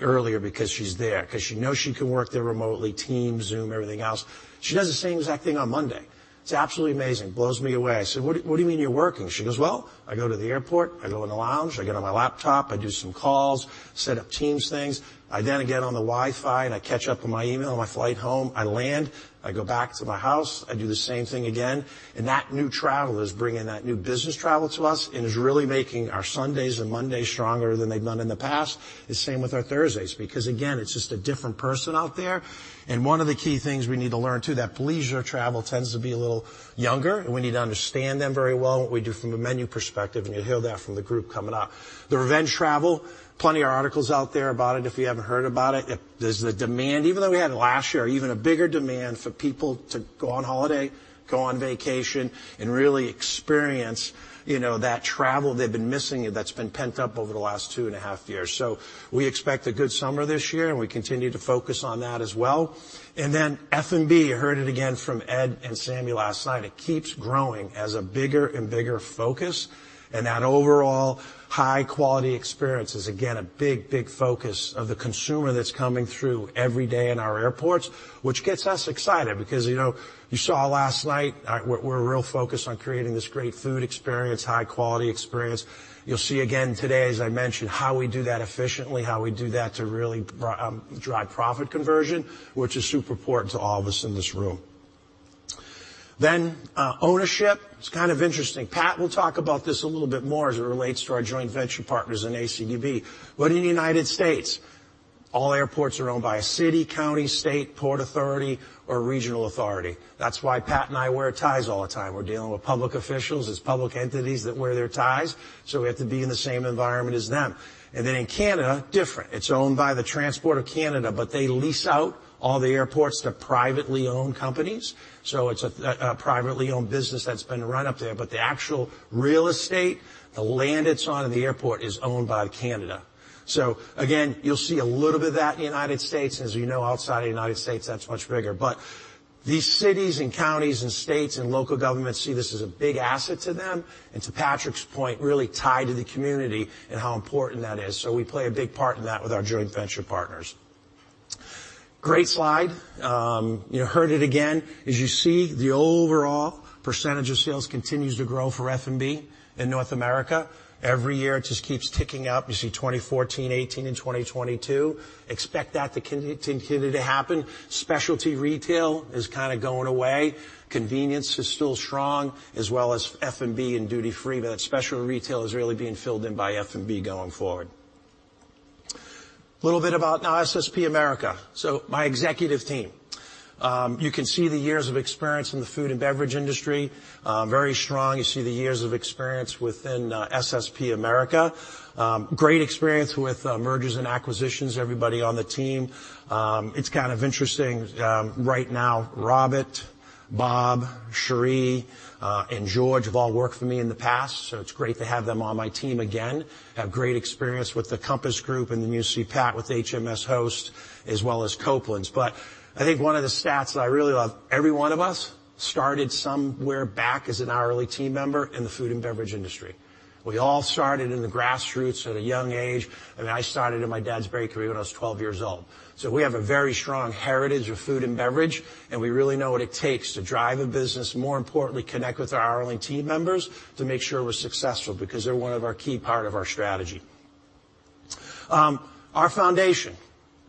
earlier because she's there, because she knows she can work there remotely, Teams, Zoom, everything else. She does the same exact thing on Monday. It's absolutely amazing. Blows me away. I said, "What do you mean you're working?" She goes, "Well, I go to the airport, I go in the lounge, I get on my laptop, I do some calls, set up Teams things. I then get on the Wi-Fi, and I catch up on my email on my flight home. I land, I go back to my house, I do the same thing again." That new travel is bringing that new business travel to us and is really making our Sundays and Mondays stronger than they've done in the past. It's same with our Thursdays, because, again, it's just a different person out there. One of the key things we need to learn, too, that leisure travel tends to be a little younger, and we need to understand them very well, what we do from a menu perspective, and you'll hear that from the group coming up. The revenge travel, plenty of articles out there about it if you haven't heard about it. There's the demand, even though we had it last year, even a bigger demand for people to go on holiday, go on vacation, and really experience, you know, that travel they've been missing that's been pent up over the last two and a half years. We expect a good summer this year, and we continue to focus on that as well. F&B, you heard it again from Ed and Sammy last night, it keeps growing as a bigger and bigger focus, and that overall high-quality experience is, again, a big, big focus of the consumer that's coming through every day in our airports, which gets us excited because, you know, you saw last night, we're real focused on creating this great food experience, high-quality experience. You'll see again today, as I mentioned, how we do that efficiently, how we do that to really drive profit conversion, which is super important to all of us in this room. Ownership. It's kind of interesting. Pat will talk about this a little bit more as it relates to our joint venture partners in ACDBE. In the United States, all airports are owned by a city, county, state, port authority, or regional authority. That's why Pat and I wear ties all the time. We're dealing with public officials. It's public entities that wear their ties. We have to be in the same environment as them. In Canada, different. It's owned by Transport Canada. They lease out all the airports to privately-owned companies. It's a privately-owned business that's been run up there. The actual real estate, the land it's on in the airport, is owned by Canada. Again, you'll see a little bit of that in the United States. As you know, outside of the United States, that's much bigger. These cities and counties and states and local governments see this as a big asset to them, and to Patrick's point, really tied to the community and how important that is. We play a big part in that with our joint venture partners. Great slide. You heard it again. As you see, the overall percentage of sales continues to grow for F&B in North America. Every year, it just keeps ticking up. You see 2014, 2018, and 2022. Expect that to continue to happen. Specialty retail is kind of going away. Convenience is still strong, as well as F&B and duty-free, but that specialty retail is really being filled in by F&B going forward. Little bit about now SSP America, so my executive team. You can see the years of experience in the food and beverage industry, very strong. You see the years of experience within SSP America. Great experience with mergers and acquisitions, everybody on the team. It's kind of interesting, right now, Robert, Bob, Cherie, and George have all worked for me in the past, so it's great to have them on my team again. I have great experience with the Compass Group and then you see Pat with HMSHost, as well as Copeland's. I think one of the stats that I really love, every one of us started somewhere back as an hourly team member in the food and beverage industry. We all started in the grassroots at a young age. I mean, I started in my dad's bakery when I was 12 years old. We have a very strong heritage of food and beverage, and we really know what it takes to drive a business, more importantly, connect with our hourly team members to make sure we're successful, because they're one of our key part of our strategy. Our foundation.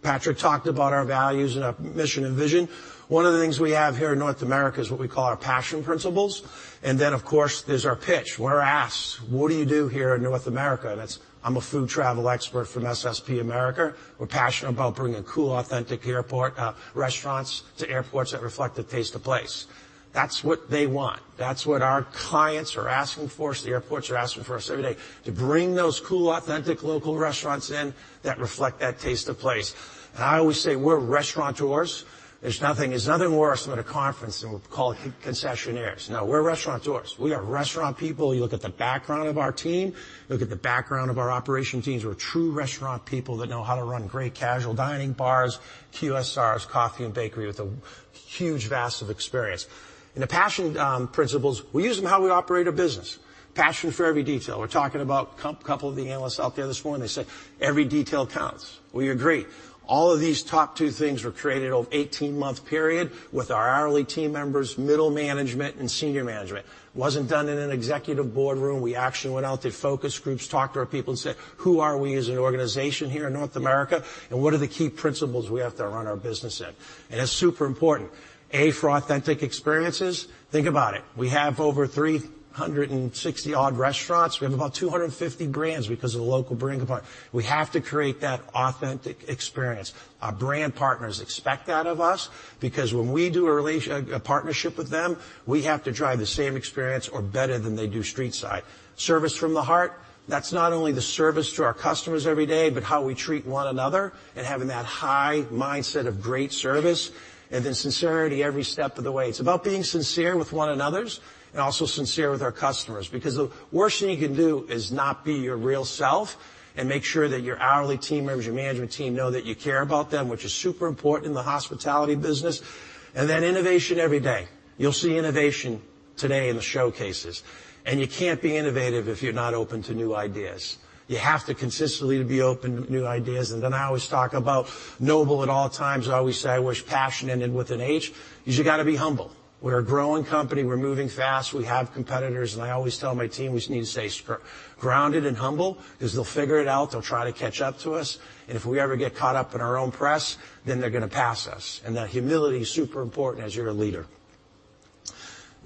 Patrick talked about our values and our mission and vision. One of the things we have here in North America is what we call our passion principles, then, of course, there's our pitch. When we're asked: "What do you do here in North America?" It's, "I'm a food travel expert from SSP America. We're passionate about bringing cool, authentic airport restaurants to airports that reflect the Taste the Place." That's what they want. That's what our clients are asking for, the airports are asking for us every day, to bring those cool, authentic, local restaurants in that reflect that Taste the Place. I always say we're restaurateurs. There's nothing worse than at a conference, and we're called concessionaires. No, we're restaurateurs. We are restaurant people. You look at the background of our team, look at the background of our operation teams, we're true restaurant people that know how to run great casual dining bars, QSRs, coffee and bakery, with a huge vast of experience. The Passion principles, we use them how we operate a business. Passion for every detail. We're talking about a couple of the analysts out there this morning, they say, "Every detail counts." We agree. All of these top 2 things were created over an 18-month period with our hourly team members, middle management, and senior management. Wasn't done in an executive boardroom. We actually went out, did focus groups, talked to our people, and said: "Who are we as an organization here in North America, and what are the key principles we have to run our business in?" It's super important. A, for authentic experiences. Think about it. We have over 360 odd restaurants. We have about 250 brands because of the local bring aboard. We have to create that authentic experience. Our brand partners expect that of us because when we do a partnership with them, we have to drive the same experience or better than they do street side. Service from the heart, that's not only the service to our customers every day, but how we treat one another and having that high mindset of great service, and then sincerity every step of the way. It's about being sincere with one another and also sincere with our customers because the worst thing you can do is not be your real self and make sure that your hourly team members, your management team, know that you care about them, which is super important in the hospitality business. Innovation every day. You'll see innovation today in the showcases, and you can't be innovative if you're not open to new ideas. You have to consistently be open to new ideas. I always talk about noble at all times. I always say I was passionate and with an H, is you gotta be humble. We're a growing company. We're moving fast. We have competitors, and I always tell my team we just need to stay grounded and humble because they'll figure it out. They'll try to catch up to us, and if we ever get caught up in our own press, then they're gonna pass us, and that humility is super important as you're a leader.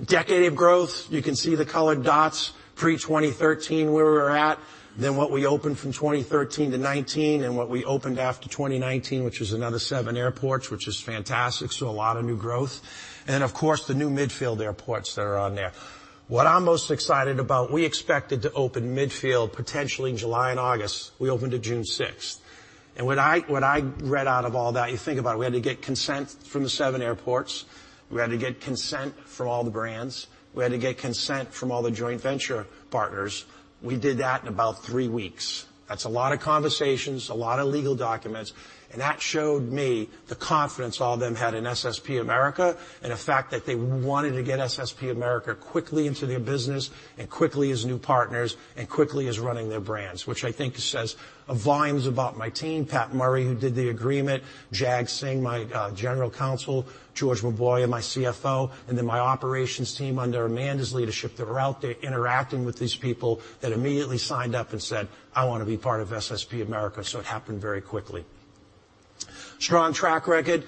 Decade of growth, you can see the colored dots, pre-2013, where we were at, then what we opened from 2013 to 2019, what we opened after 2019, which is another seven airports, which is fantastic, a lot of new growth. Then, of course, the new Midfield airports that are on there. What I'm most excited about, we expected to open Midfield potentially in July and August. We opened it June 6th. What I read out of all that. You think about it. We had to get consent from the seven airports. We had to get consent from all the brands. We had to get consent from all the joint venture partners. We did that in about 3 weeks. That's a lot of conversations, a lot of legal documents, that showed me the confidence all of them had in SSP America and the fact that they wanted to get SSP America quickly into their business and quickly as new partners and quickly as running their brands, which I think says volumes about my team, Pat Murray, who did the agreement, Jag Singh, my general counsel, George Mboya, my CFO, and then my operations team under Amanda's leadership, that were out there interacting with these people, that immediately signed up and said, "I want to be part of SSP America." It happened very quickly. Strong track record.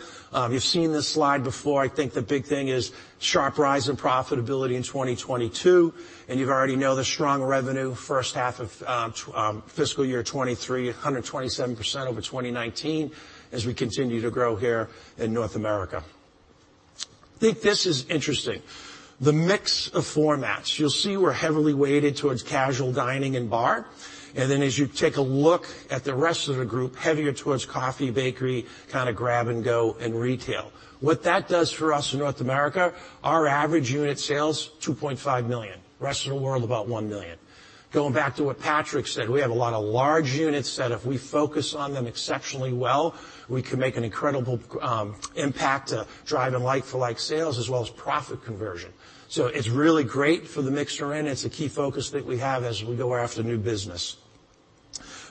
You've seen this slide before. I think the big thing is sharp rise in profitability in 2022. You already know the strong revenue, first half of fiscal year '23, 127% over 2019, as we continue to grow here in North America. I think this is interesting, the mix of formats. You'll see we're heavily weighted towards casual dining and bar. As you take a look at the rest of the group, heavier towards coffee, bakery, kind of grab and go, and retail. What that does for us in North America, our average unit sales, $2.5 million. Rest of the world, about $1 million. Going back to what Patrick said, we have a lot of large units that if we focus on them exceptionally well, we can make an incredible impact to driving like-for-like sales as well as profit conversion. It's really great for the mixture in. It's a key focus that we have as we go after new business.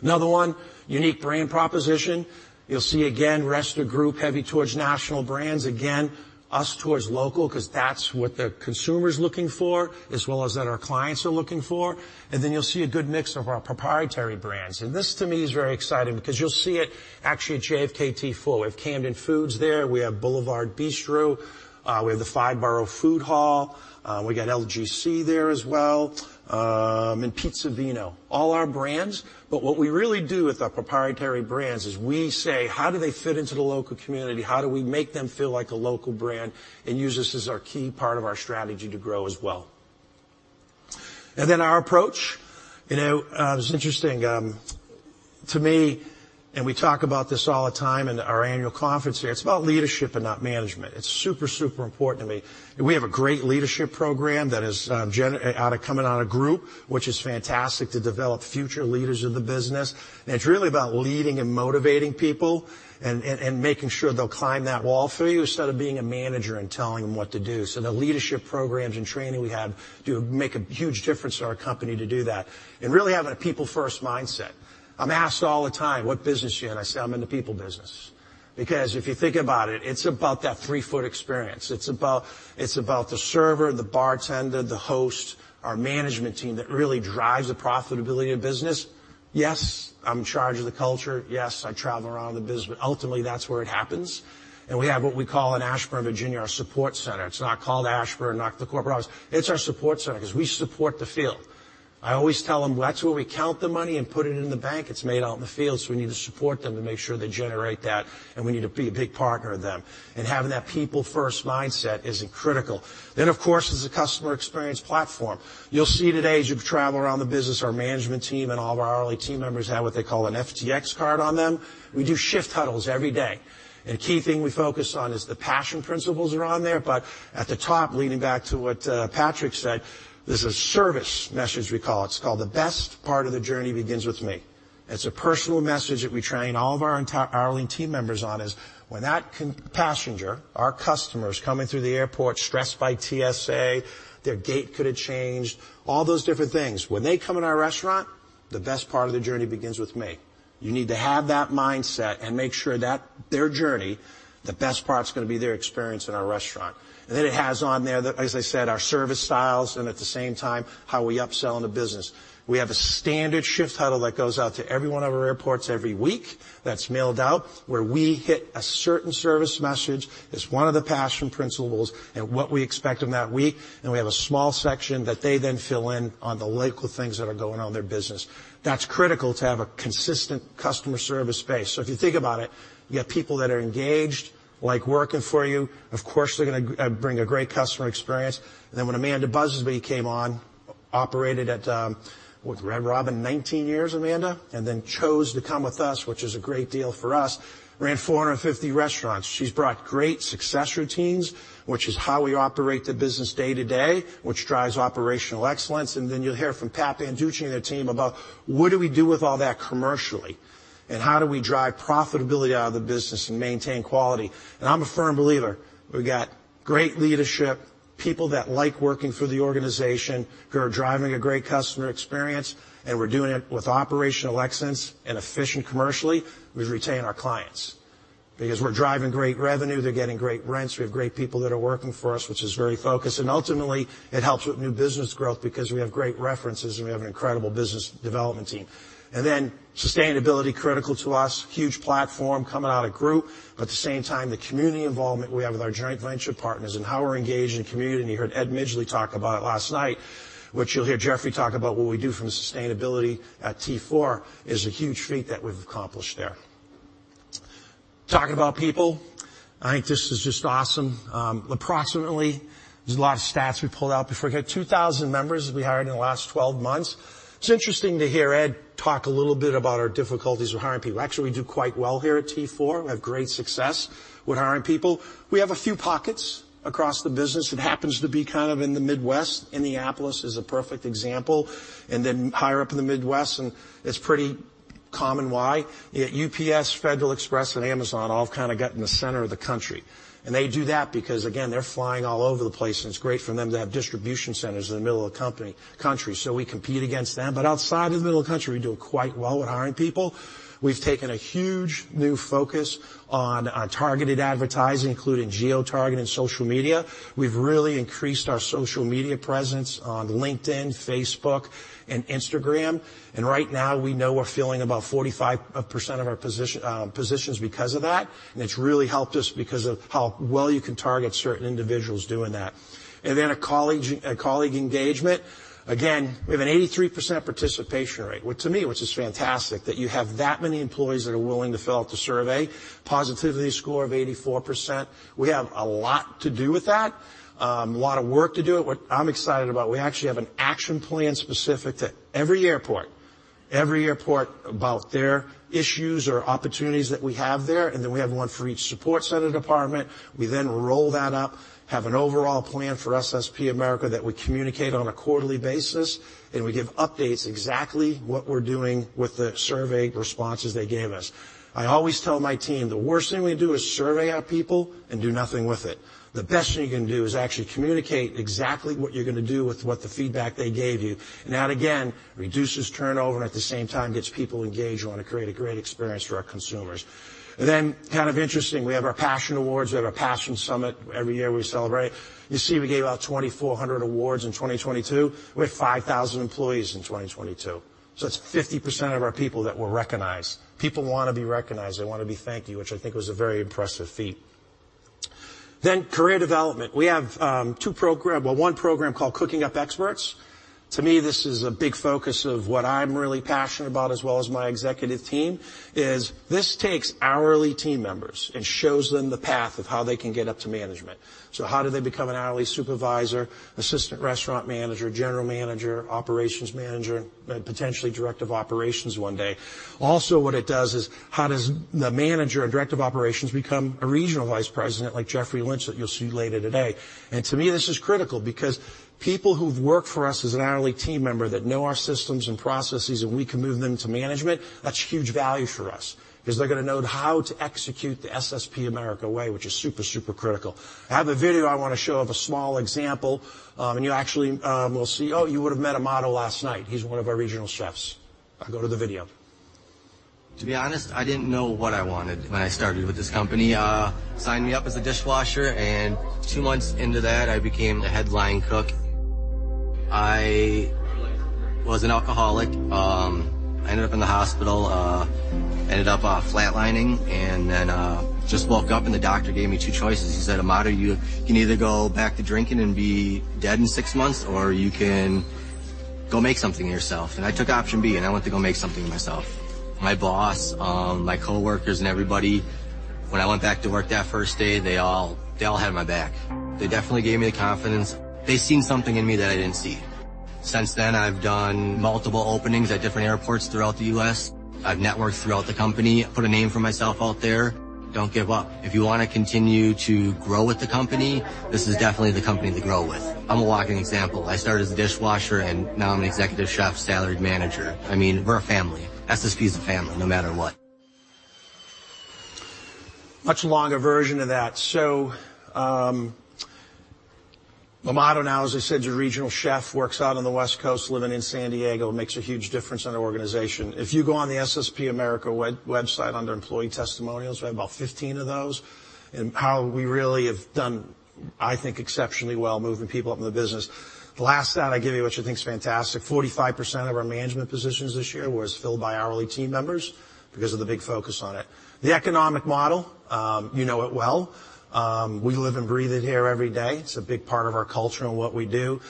Another one, unique brand proposition. You'll see again, rest of the Group, heavy towards national brands. Again, us towards local, 'cause that's what the consumer's looking for, as well as that our clients are looking for, then you'll see a good mix of our proprietary brands. This to me is very exciting because you'll see it actually at JFK T4. We have Camden food co. there. We have Boulevard Bistro. We have the Five Borough Food Hall. We got LGC there as well, and PizzaVino, all our brands. What we really do with our proprietary brands is we say: "How do they fit into the local community? How do we make them feel like a local brand and use this as our key part of our strategy to grow as well? Our approach, you know, it's interesting to me, and we talk about this all the time in our annual conference here, it's about leadership and not management. It's super important to me. We have a great leadership program that is coming out of Group, which is fantastic to develop future leaders of the business, and it's really about leading and motivating people and making sure they'll climb that wall for you, instead of being a manager and telling them what to do. The leadership programs and training we have do make a huge difference to our company to do that and really having a people-first mindset. I'm asked all the time, "What business are you in?" I say, "I'm in the people business." If you think about it's about that three-foot experience. It's about, it's about the server, the bartender, the host, our management team that really drives the profitability of business. Yes, I'm in charge of the culture. Yes, I travel around the business. Ultimately, that's where it happens. We have what we call in Ashburn, Virginia, our support center. It's not called Ashburn, not the corporate office. It's our support center 'cause we support the field. I always tell them, "That's where we count the money and put it in the bank. It's made out in the field, so we need to support them to make sure they generate that, and we need to be a big partner to them." Having that people-first mindset is critical. Of course, there's the customer experience platform. You'll see today, as you travel around the business, our management team and all of our hourly team members have what they call an FTX card on them. We do shift huddles every day, and a key thing we focus on is the PASSION principles are on there. At the top, leading back to what Patrick said, there's a service message we call. It's called, "The best part of the journey begins with me." It's a personal message that we train all of our entire hourly team members on is, when that passenger, our customers, coming through the airport, stressed by TSA, their gate could have changed, all those different things, when they come in our restaurant, the best part of their journey begins with me. You need to have that mindset and make sure that their journey, the best part's gonna be their experience in our restaurant. It has on there the, as I said, our service styles and, at the same time, how we upsell in the business. We have a standard shift huddle that goes out to every one of our airports every week, that's mailed out, where we hit a certain service message. It's one of the PASSION principles and what we expect in that week, we have a small section that they then fill in on the local things that are going on in their business. That's critical to have a consistent customer service base. If you think about it, you have people that are engaged, like working for you. Of course, they're gonna bring a great customer experience. When Amanda Busby came on, operated at, what, Red Robin 19 years, Amanda? Chose to come with us, which is a great deal for us. Ran 450 restaurants. She's brought great success routines, which is how we operate the business day to day, which drives operational excellence, and then you'll hear from Pat Banducci and their team about what do we do with all that commercially, and how do we drive profitability out of the business and maintain quality? I'm a firm believer, we've got great leadership, people that like working for the organization, who are driving a great customer experience, and we're doing it with operational excellence and efficient commercially, we retain our clients. We're driving great revenue, they're getting great rents. We have great people that are working for us, which is very focused, and ultimately, it helps with new business growth because we have great references, and we have an incredible business development team. Sustainability, critical to us. Huge platform coming out of Group, but at the same time, the community involvement we have with our joint venture partners and how we're engaged in the community, and you heard Ed Midgley talk about it last night, which you'll hear Jeffrey talk about what we do from a sustainability at T4, is a huge feat that we've accomplished there. Talking about people, I think this is just awesome. Approximately, there's a lot of stats we pulled out before. We had 2,000 members we hired in the last 12 months. It's interesting to hear Ed talk a little bit about our difficulties with hiring people. Actually, we do quite well here at T4. We have great success with hiring people. We have a few pockets across the business. It happens to be kind of in the Midwest. Indianapolis is a perfect example, and then higher up in the Midwest, and it's pretty common why. UPS, Federal Express, and Amazon all kind of get in the center of the country, and they do that because, again, they're flying all over the place, and it's great for them to have distribution centers in the middle of the country, so we compete against them. Outside of the middle of the country, we're doing quite well with hiring people. We've taken a huge new focus on targeted advertising, including geo-targeting and social media. We've really increased our social media presence on LinkedIn, Facebook, and Instagram. Right now, we know we're filling about 45% of our positions because of that. It's really helped us because of how well you can target certain individuals doing that. A colleague engagement, again, we have an 83% participation rate, which to me is fantastic, that you have that many employees that are willing to fill out the survey. Positivity score of 84%. We have a lot to do with that, a lot of work to do it. What I'm excited about, we actually have an action plan specific to every airport, about their issues or opportunities that we have there, and then we have one for each support center department. We roll that up, have an overall plan for SSP America that we communicate on a quarterly basis, and we give updates exactly what we're doing with the survey responses they gave us. I always tell my team, "The worst thing we can do is survey our people and do nothing with it." The best thing you can do is actually communicate exactly what you're gonna do with what the feedback they gave you, and that, again, reduces turnover, and at the same time, gets people engaged. We want to create a great experience for our consumers. Kind of interesting, we have our Passion Awards. We have our Passion Summit. Every year, we celebrate. You see, we gave out 2,400 awards in 2022. We had 5,000 employees in 2022, that's 50% of our people that were recognized. People wanna be recognized. They wanna be thanked you, which I think was a very impressive feat. Career development. We have one program called Cooking Up Experts. To me, this is a big focus of what I'm really passionate about, as well as my executive team, is this takes hourly team members and shows them the path of how they can get up to management. How do they become an hourly supervisor, assistant restaurant manager, general manager, operations manager, and potentially director of operations one day? What it does is, how does the manager or director of operations become a regional vice president like Jeffrey Lynch, that you'll see later today? To me, this is critical because people who've worked for us as an hourly team member that know our systems and processes, and we can move them to management. That's huge value for us because they're gonna know how to execute the SSP America way, which is super critical. I have a video I wanna show of a small example, and you actually will see. Oh, you would have met Amado last night. He's one of our regional chefs. I'll go to the video. To be honest, I didn't know what I wanted when I started with this company. Signed me up as a dishwasher, and two months into that, I became the headline cook. I was an alcoholic. I ended up in the hospital, ended up flatlining, then just woke up, and the doctor gave me two choices. He said, "Amado, you can either go back to drinking and be dead in six months, or you can go make something of yourself." I took option B, and I went to go make something of myself. My boss, my coworkers, and everybody, when I went back to work that first day, they all had my back. They definitely gave me the confidence. They seen something in me that I didn't see. Since then, I've done multiple openings at different airports throughout the U.S. I've networked throughout the company, put a name for myself out there. Don't give up. If you want to continue to grow with the company, this is definitely the company to grow with. I'm a walking example. I started as a dishwasher, and now I'm an executive chef, salaried manager. I mean, we're a family. SSP is a family, no matter what. Much longer version of that. Amado now, as I said, is a regional chef, works out on the West Coast, living in San Diego, makes a huge difference in our organization. If you go on the SSP America website under employee testimonials, we have about 15 of those, and how we really have done, I think, exceptionally well, moving people up in the business. The last stat I give you, which I think is fantastic, 45% of our management positions this year was filled by hourly team members because of the big focus on it. The economic model, you know it well. We live and breathe it here every day. It's a big part of our culture and what we do.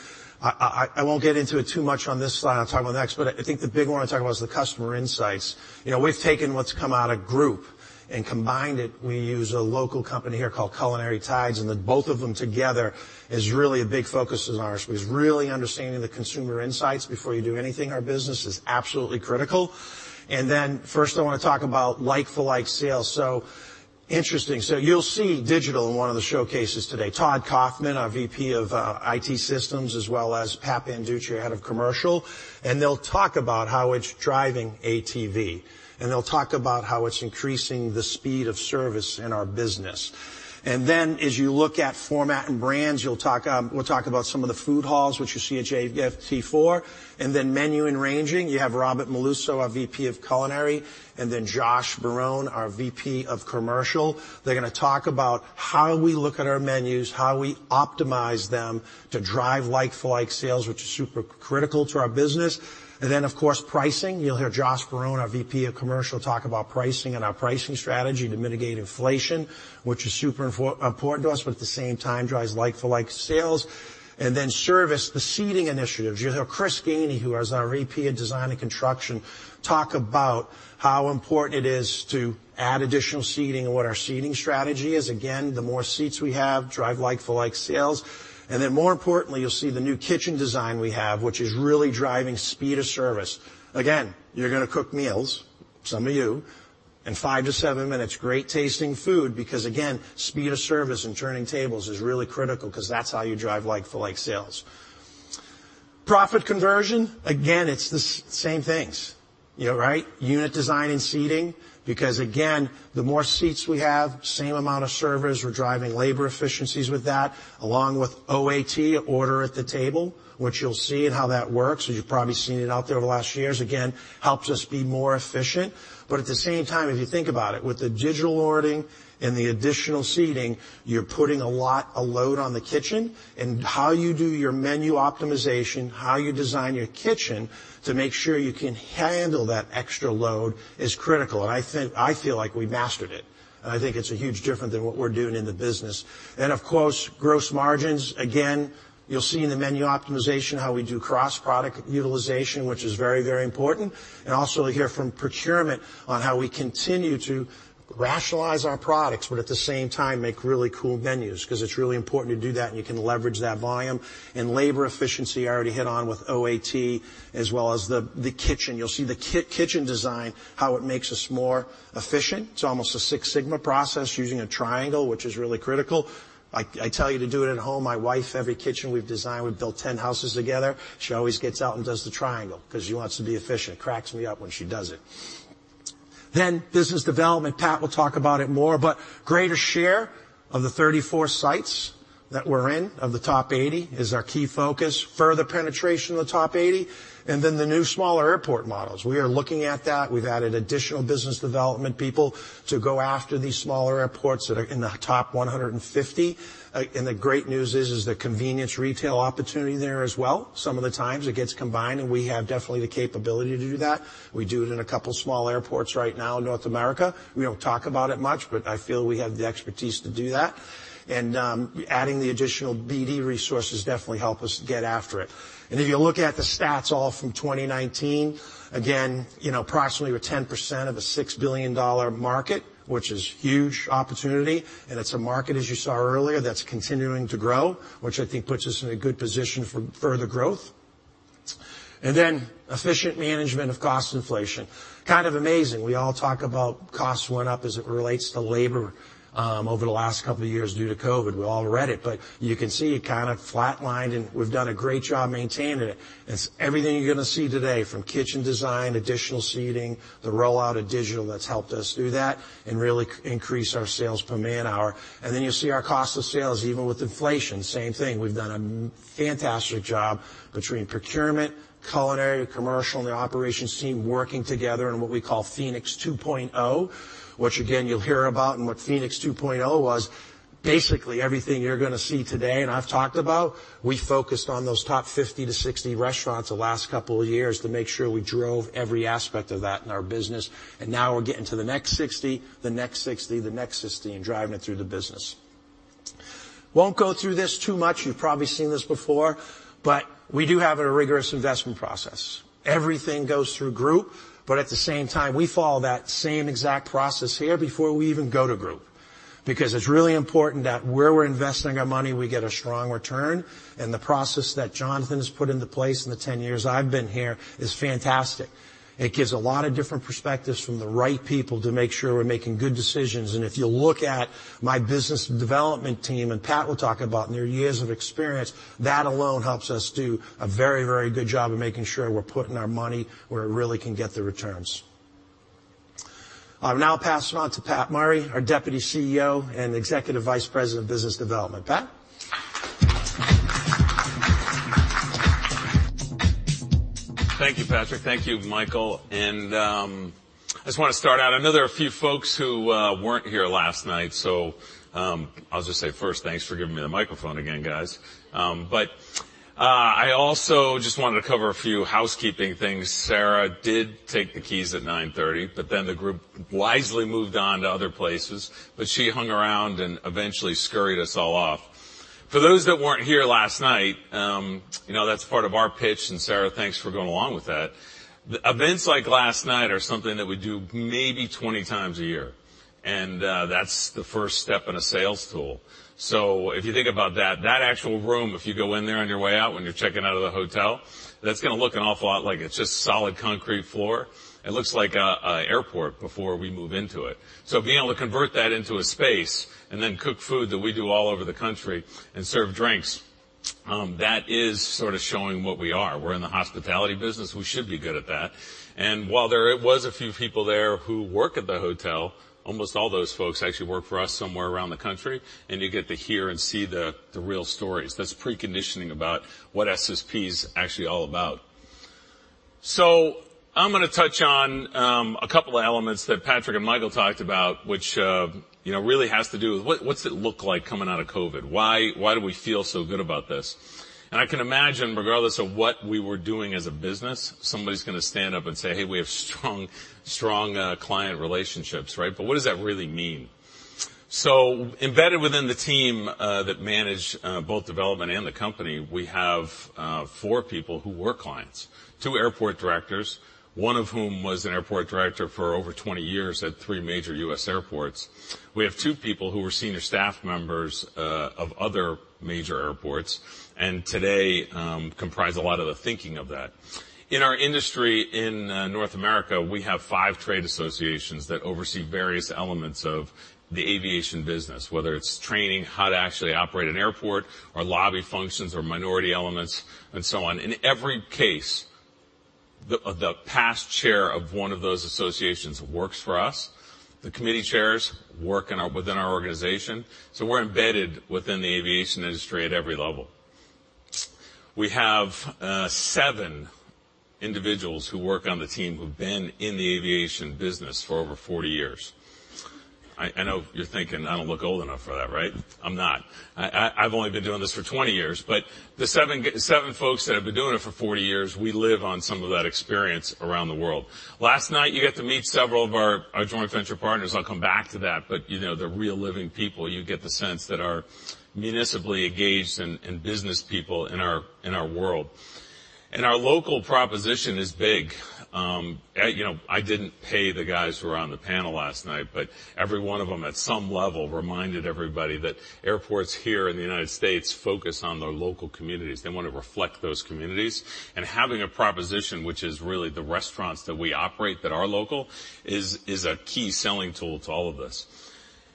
I won't get into it too much on this slide. I'll talk about it next, but I think the big one I want to talk about is the customer insights. You know, we've taken what's come out of group and combined it. We use a local company here called CulinaryTides, the both of them together is really a big focus of ours, because really understanding the consumer insights before you do anything in our business is absolutely critical. First, I wanna talk about like-for-like sales. Interesting. You'll see digital in one of the showcases today. Todd Kaufman, our VP of IT Systems, as well as Pat Banducci, Head of Commercial, and they'll talk about how it's driving ATV, and they'll talk about how it's increasing the speed of service in our business. As you look at format and brands, you'll talk... we'll talk about some of the food halls, which you'll see at JFK T4. menu and ranging, you have Robert Maluso, our VP of Culinary, and then Josh Barone, our VP of Commercial. They're gonna talk about how we look at our menus, how we optimize them to drive like-for-like sales, which is super critical to our business. Of course, pricing. You'll hear Josh Barone, our VP of Commercial, talk about pricing and our pricing strategy to mitigate inflation, which is super important to us, but at the same time, drives like-for-like sales. Service, the seating initiatives. You'll hear Chris Gainey, who is our VP of Design and Construction, talk about how important it is to add additional seating and what our seating strategy is. Again, the more seats we have drive like-for-like sales. Then, more importantly, you'll see the new kitchen design we have, which is really driving speed of service. Again, you're gonna cook meals, some of you, in 5-7 minutes, great-tasting food, because, again, speed of service and turning tables is really critical, because that's how you drive like-for-like sales. Profit conversion, again, it's the same things, you know, right? Unit design and seating, because, again, the more seats we have, same amount of servers, we're driving labor efficiencies with that, along with OAT, order at the table, which you'll see and how that works, as you've probably seen it out there over the last years. Again, helps us be more efficient, but at the same time, if you think about it, with the digital ordering and the additional seating, you're putting a load on the kitchen. How you do your menu optimization, how you design your kitchen to make sure you can handle that extra load is critical, and I feel like we've mastered it, and I think it's a huge difference in what we're doing in the business. Of course, gross margins, again, you'll see in the menu optimization how we do cross-product utilization, which is very, very important, and also hear from procurement on how we continue to rationalize our products, but at the same time, make really cool menus, because it's really important to do that, and you can leverage that volume. Labor efficiency, I already hit on with OAT, as well as the kitchen. You'll see the kitchen design, how it makes us more efficient. It's almost a Six Sigma process using a triangle, which is really critical. I tell you to do it at home. My wife, every kitchen we've designed, we've built 10 houses together, she always gets out and does the triangle because she wants to be efficient. Cracks me up when she does it. Business development, Pat will talk about it more, but greater share of the 34 sites that we're in, of the top 80, is our key focus. Further penetration in the top 80, then the new smaller airport models. We are looking at that. We've added additional business development people to go after these smaller airports that are in the top 150. The great news is the convenience retail opportunity there as well. Some of the times it gets combined, we have definitely the capability to do that. We do it in 2 small airports right now in North America. We don't talk about it much, but I feel we have the expertise to do that. Adding the additional BD resources definitely help us get after it. If you look at the stats all from 2019, again, you know, approximately we're 10% of a $6 billion market, which is huge opportunity, and it's a market, as you saw earlier, that's continuing to grow, which I think puts us in a good position for further growth. Efficient management of cost inflation. Kind of amazing, we all talk about costs went up as it relates to labor, over the last couple of years due to COVID. We've all read it, but you can see it kind of flatlined, and we've done a great job maintaining it. It's everything you're gonna see today, from kitchen design, additional seating, the rollout of digital that's helped us do that and really increase our sales per man-hour. You'll see our cost of sales, even with inflation, same thing. We've done a fantastic job between procurement, culinary, commercial, and the operations team working together on what we call Phoenix 2.0, which again, you'll hear about and what Phoenix 2.0 was, basically, everything you're gonna see today, and I've talked about, we focused on those top 50 to 60 restaurants the last couple of years to make sure we drove every aspect of that in our business, and now we're getting to the next 60, the next 60, the next 60, and driving it through the business. Won't go through this too much, you've probably seen this before, but we do have a rigorous investment process. Everything goes through Group, but at the same time, we follow that same exact process here before we even go to Group. It's really important that where we're investing our money, we get a strong return. The process that Jonathan has put into place in the 10 years I've been here is fantastic. It gives a lot of different perspectives from the right people to make sure we're making good decisions. If you look at my business development team, Pat will talk about their years of experience, that alone helps us do a very, very good job of making sure we're putting our money where it really can get the returns. I'll now pass it on to Pat Murray, our Deputy CEO and Executive Vice President of Business Development. Pat? Thank you, Patrick. Thank you, Michael. I just wanna start out, I know there are a few folks who weren't here last night, so I'll just say first, thanks for giving me the microphone again, guys. I also just wanted to cover a few housekeeping things. Sarah did take the keys at 9:30, but then the group wisely moved on to other places, but she hung around and eventually scurried us all off. For those that weren't here last night, you know, that's part of our pitch, and Sarah, thanks for going along with that. Events like last night are something that we do maybe 20 times a year, that's the first step in a sales tool. If you think about that actual room, if you go in there on your way out, when you're checking out of the hotel, that's gonna look an awful lot like it's just solid concrete floor. It looks like an airport before we move into it. Being able to convert that into a space and then cook food that we do all over the country and serve drinks, that is sort of showing what we are. We're in the hospitality business. We should be good at that. While there was a few people there who work at the hotel, almost all those folks actually work for us somewhere around the country, and you get to hear and see the real stories. That's preconditioning about what SSP is actually all about. I'm gonna touch on a couple of elements that Patrick and Michael talked about, which, you know, really has to do with what's it look like coming out of COVID? Why do we feel so good about this? I can imagine, regardless of what we were doing as a business, somebody's gonna stand up and say, "Hey, we have strong client relationships," right? What does that really mean? Embedded within the team that manage both development and the company, we have 4 people who were clients, 2 airport directors, one of whom was an airport director for over 20 years at 3 major U.S. airports. We have 2 people who were senior staff members of other major airports, and today comprise a lot of the thinking of that. In our industry in North America, we have five trade associations that oversee various elements of the aviation business, whether it's training, how to actually operate an airport, or lobby functions or minority elements, and so on. In every case, the past chair of one of those associations works for us. The committee chairs work within our organization. We're embedded within the aviation industry at every level. We have seven individuals who work on the team who've been in the aviation business for over 40 years. I know you're thinking I don't look old enough for that, right? I'm not. I've only been doing this for 20 years, but the seven folks that have been doing it for 40 years, we live on some of that experience around the world. Last night, you got to meet several of our joint venture partners. I'll come back to that, but, you know, they're real, living people. You get the sense that are municipally engaged and business people in our, in our world. Our local proposition is big. You know, I didn't pay the guys who were on the panel last night, but every one of them, at some level, reminded everybody that airports here in the United States focus on their local communities. They want to reflect those communities, and having a proposition, which is really the restaurants that we operate that are local, is a key selling tool to all of this.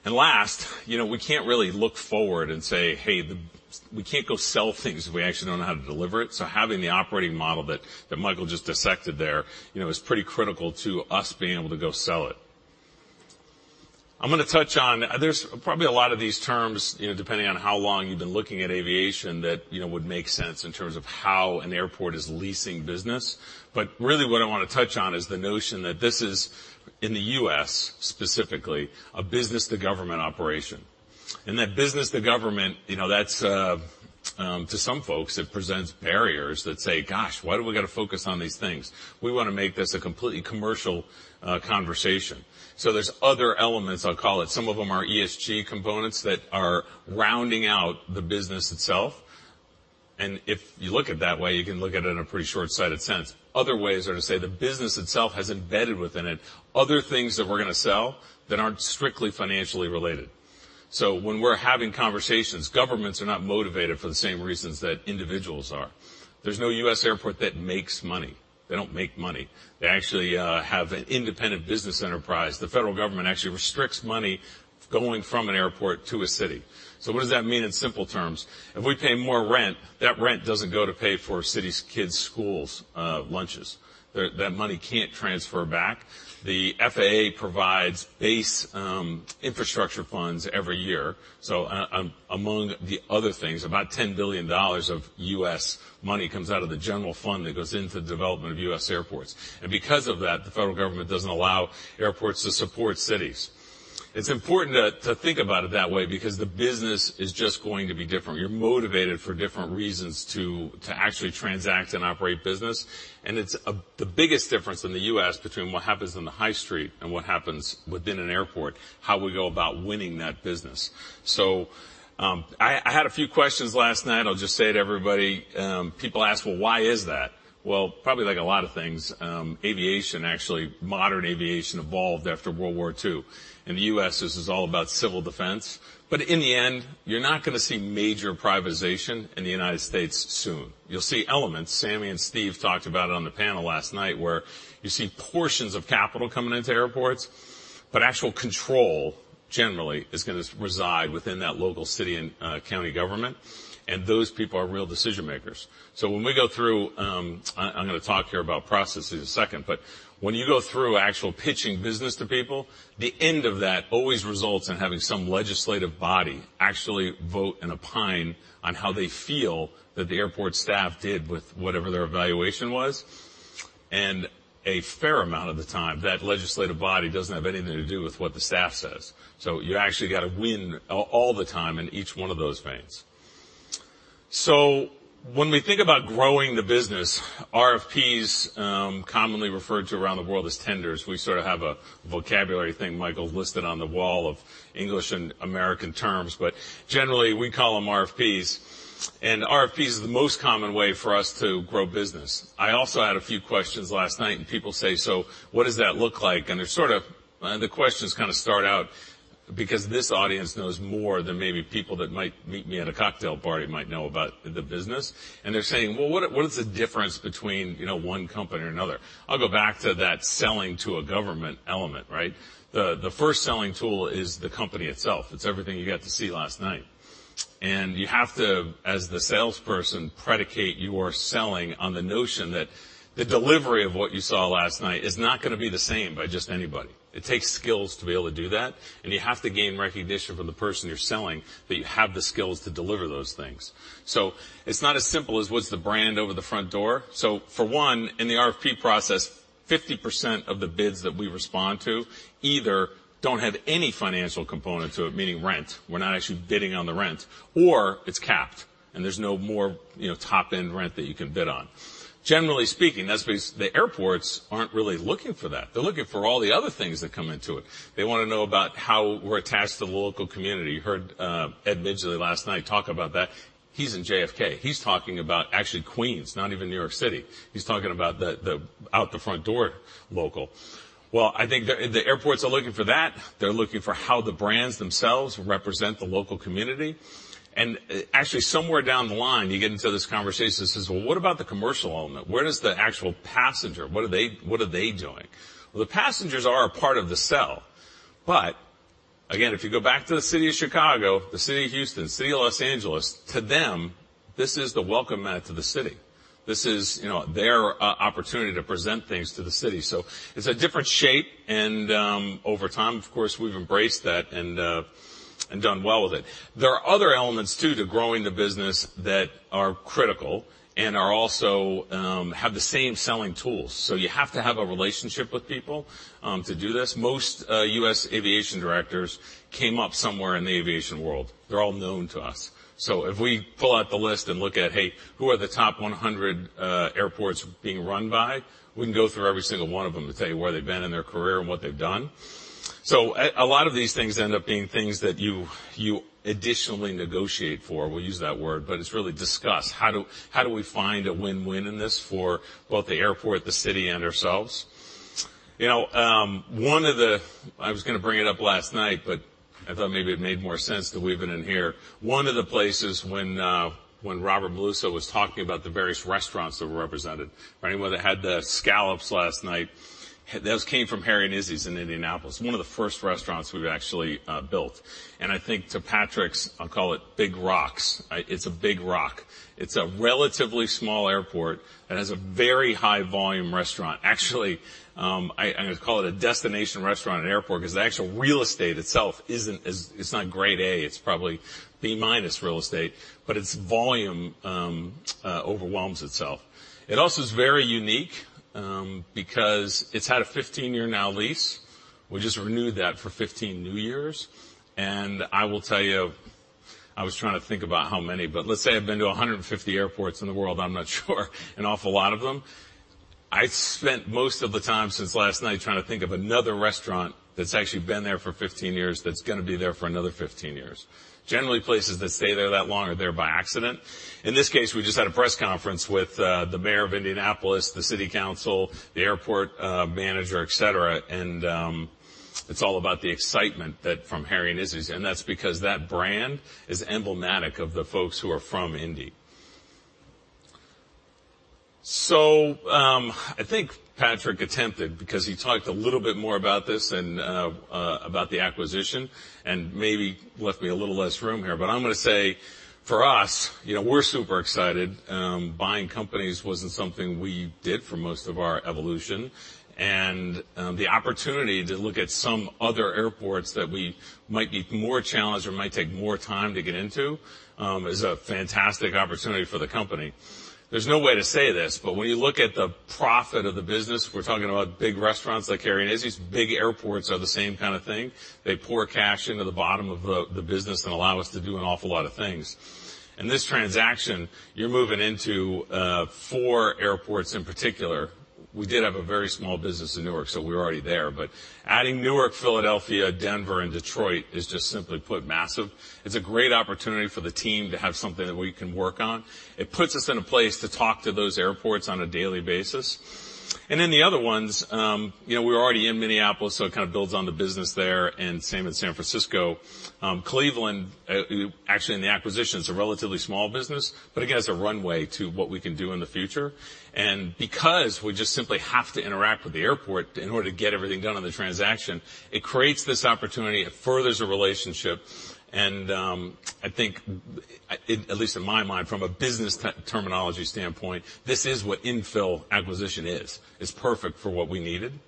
Last, you know, we can't really look forward and say, "Hey," We can't go sell things if we actually don't know how to deliver it. Having the operating model that Michael just dissected there, you know, is pretty critical to us being able to go sell it. I'm gonna touch on... There's probably a lot of these terms, you know, depending on how long you've been looking at aviation, that, you know, would make sense in terms of how an airport is leasing business. Really, what I wanna touch on is the notion that this is, in the U.S., specifically, a business-to-government operation. That business to government, you know, that's to some folks, it presents barriers that say, "Gosh, why do we gotta focus on these things? We wanna make this a completely commercial conversation." There's other elements, I'll call it. Some of them are ESG components that are rounding out the business itself. If you look at it that way, you can look at it in a pretty short-sighted sense. Other ways are to say the business itself has embedded within it other things that we're gonna sell that aren't strictly financially related. When we're having conversations, governments are not motivated for the same reasons that individuals are. There's no U.S. airport that makes money. They don't make money. They actually have an independent business enterprise. The federal government actually restricts money going from an airport to a city. What does that mean in simple terms? If we pay more rent, that rent doesn't go to pay for a city's kids' schools' lunches. That money can't transfer back. The FAA provides base infrastructure funds every year. Among the other things, about $10 billion of U.S. money comes out of the general fund that goes into the development of U.S. airports. Because of that, the federal government doesn't allow airports to support cities. It's important to think about it that way because the business is just going to be different. You're motivated for different reasons to actually transact and operate business. It's the biggest difference in the U.S. between what happens in the high street and what happens within an airport, how we go about winning that business. I had a few questions last night. I'll just say to everybody, people ask, "Well, why is that?" Probably like a lot of things, aviation, actually, modern aviation evolved after World War II. In the U.S., this is all about civil defense. In the end, you're not gonna see major privatization in the United States soon. You'll see elements. Sammy and Steve talked about it on the panel last night, where you see portions of capital coming into airports, but actual control, generally, is gonna reside within that local city and county government, and those people are real decision makers. When we go through, I'm gonna talk here about processes in a second, but when you go through actual pitching business to people, the end of that always results in having some legislative body actually vote and opine on how they feel that the airport staff did with whatever their evaluation was. A fair amount of the time, that legislative body doesn't have anything to do with what the staff says. You actually got to win all the time in each one of those veins. When we think about growing the business, RFPs, commonly referred to around the world as tenders, we sort of have a vocabulary thing Michael listed on the wall of English and American terms, but generally, we call them RFPs. RFPs is the most common way for us to grow business. I also had a few questions last night, and people say: "So what does that look like?" They're sort of, the questions kind of start out because this audience knows more than maybe people that might meet me at a cocktail party might know about the business. They're saying, "Well, what is the difference between, you know, one company or another?" I'll go back to that selling to a government element, right? The first selling tool is the company itself. It's everything you got to see last night. You have to, as the salesperson, predicate your selling on the notion that the delivery of what you saw last night is not gonna be the same by just anybody. It takes skills to be able to do that, and you have to gain recognition from the person you're selling, that you have the skills to deliver those things. It's not as simple as what's the brand over the front door. For one, in the RFP process, 50% of the bids that we respond to either don't have any financial component to it, meaning rent. We're not actually bidding on the rent, or it's capped, and there's no more, you know, top-end rent that you can bid on. Generally speaking, that's because the airports aren't really looking for that. They're looking for all the other things that come into it. You heard Ed Midgley last night talk about that. He's in JFK. He's talking about actually Queens, not even New York City. He's talking about the out the front door, local. Well, I think the airports are looking for that. They're looking for how the brands themselves represent the local community. And actually, somewhere down the line, you get into this conversation that says: "Well, what about the commercial element? Where does the actual passenger, what are they doing?" Well, the passengers are a part of the sell, but again, if you go back to the city of Chicago, the city of Houston, city of Los Angeles, to them, this is the welcome mat to the city. This is, you know, their opportunity to present things to the city. It's a different shape, and over time, of course, we've embraced that and done well with it. There are other elements, too, to growing the business that are critical and are also have the same selling tools. You have to have a relationship with people to do this. Most U.S. aviation directors came up somewhere in the aviation world. They're all known to us. If we pull out the list and look at, hey, who are the top 100 airports being run by? We can go through every single one of them to tell you where they've been in their career and what they've done. A lot of these things end up being things that you additionally negotiate for. We'll use that word, but it's really discuss how do, how do we find a win-win in this for both the airport, the city, and ourselves. You know, one of the... I was gonna bring it up last night, but I thought maybe it made more sense to weave it in here. One of the places when Robert Maluso was talking about the various restaurants that were represented, right? Where they had the scallops last night, those came from Harry & Izzy's in Indianapolis, one of the first restaurants we've actually built. I think to Patrick's, I'll call it Big Rocks. It's a big rock. It's a relatively small airport that has a very high volume restaurant. Actually, I'm gonna call it a destination restaurant and airport, because the actual real estate itself it's not grade A, it's probably B-minus real estate, but its volume overwhelms itself. It also is very unique, because it's had a 15-year now lease. We just renewed that for 15 new years, I will tell you, I was trying to think about how many, but let's say I've been to 150 airports in the world. I'm not sure, an awful lot of them. I spent most of the time since last night trying to think of another restaurant that's actually been there for 15 years, that's gonna be there for another 15 years. Generally, places that stay there that long are there by accident. In this case, we just had a press conference with the mayor of Indianapolis, the city council, the airport manager, et cetera, and it's all about the excitement that from Harry & Izzy's, and that's because that brand is emblematic of the folks who are from Indy. I think Patrick attempted, because he talked a little bit more about this and about the acquisition, and maybe left me a little less room here. I'm gonna say, for us, you know, we're super excited. Buying companies wasn't something we did for most of our evolution, the opportunity to look at some other airports that might be more challenged or might take more time to get into, is a fantastic opportunity for the company. There's no way to say this, but when you look at the profit of the business, we're talking about big restaurants like Harry & Izzy's. Big airports are the same kind of thing. They pour cash into the bottom of the business and allow us to do an awful lot of things. In this transaction, you're moving into four airports in particular. We did have a very small business in Newark, so we're already there, but adding Newark, Philadelphia, Denver, and Detroit is just simply put, massive. It's a great opportunity for the team to have something that we can work on. It puts us in a place to talk to those airports on a daily basis. The other ones, you know, we're already in Minneapolis, so it kind of builds on the business there, and same in San Francisco. Cleveland, actually, in the acquisition, is a relatively small business, but again, it's a runway to what we can do in the future. Because we just simply have to interact with the airport in order to get everything done on the transaction, it creates this opportunity. It furthers the relationship, and, I think, at least in my mind, from a business terminology standpoint, this is what infill acquisition is. It's perfect for what we needed.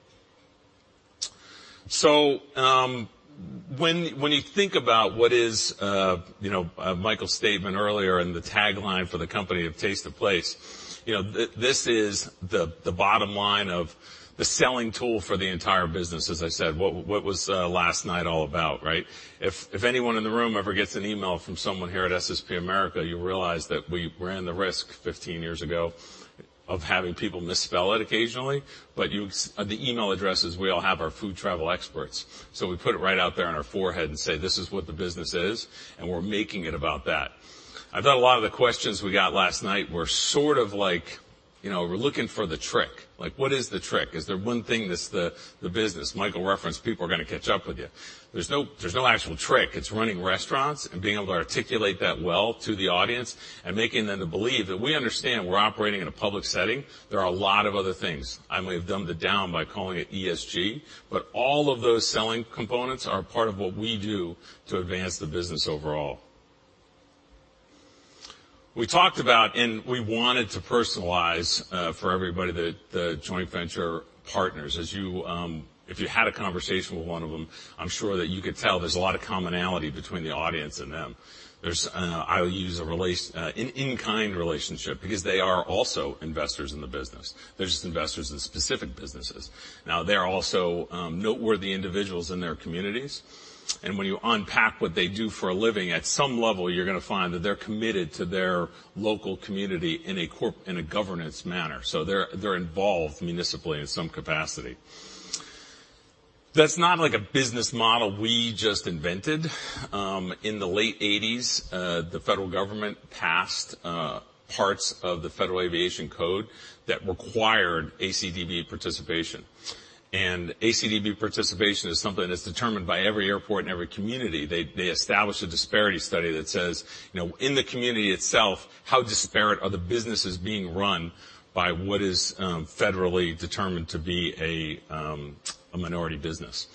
When you think about what is, you know, Michael's statement earlier and the tagline for the company of Taste the Place, you know, this is the bottom line of the selling tool for the entire business, as I said. What, what was, last night all about, right? If anyone in the room ever gets an email from someone here at SSP America, you realize that we ran the risk 15 years ago of having people misspell it occasionally, but the email addresses we all have are food travel experts. We put it right out there on our forehead and say, "This is what the business is," and we're making it about that. I thought a lot of the questions we got last night were sort of like, you know, we're looking for the trick. What is the trick? Is there one thing that's the business? Michael referenced, "People are gonna catch up with you." There's no actual trick. It's running restaurants and being able to articulate that well to the audience and making them to believe that we understand we're operating in a public setting. There are a lot of other things. I may have dumbed it down by calling it ESG. All of those selling components are part of what we do to advance the business overall. We talked about, and we wanted to personalize, for everybody, the joint venture partners. As you, If you had a conversation with one of them, I'm sure that you could tell there's a lot of commonality between the audience and them. There's, I would use a release, an in-kind relationship because they are also investors in the business. They're just investors in specific businesses. They're also noteworthy individuals in their communities, and when you unpack what they do for a living, at some level, you're gonna find that they're committed to their local community in a governance manner. They're involved municipally in some capacity. That's not, like, a business model we just invented. In the late eighties, the federal government passed parts of the Federal Aviation Code that required ACDB participation. ACDB participation is something that's determined by every airport and every community. They establish a disparity study that says, you know, in the community itself, how disparate are the businesses being run by what is federally determined to be a minority business?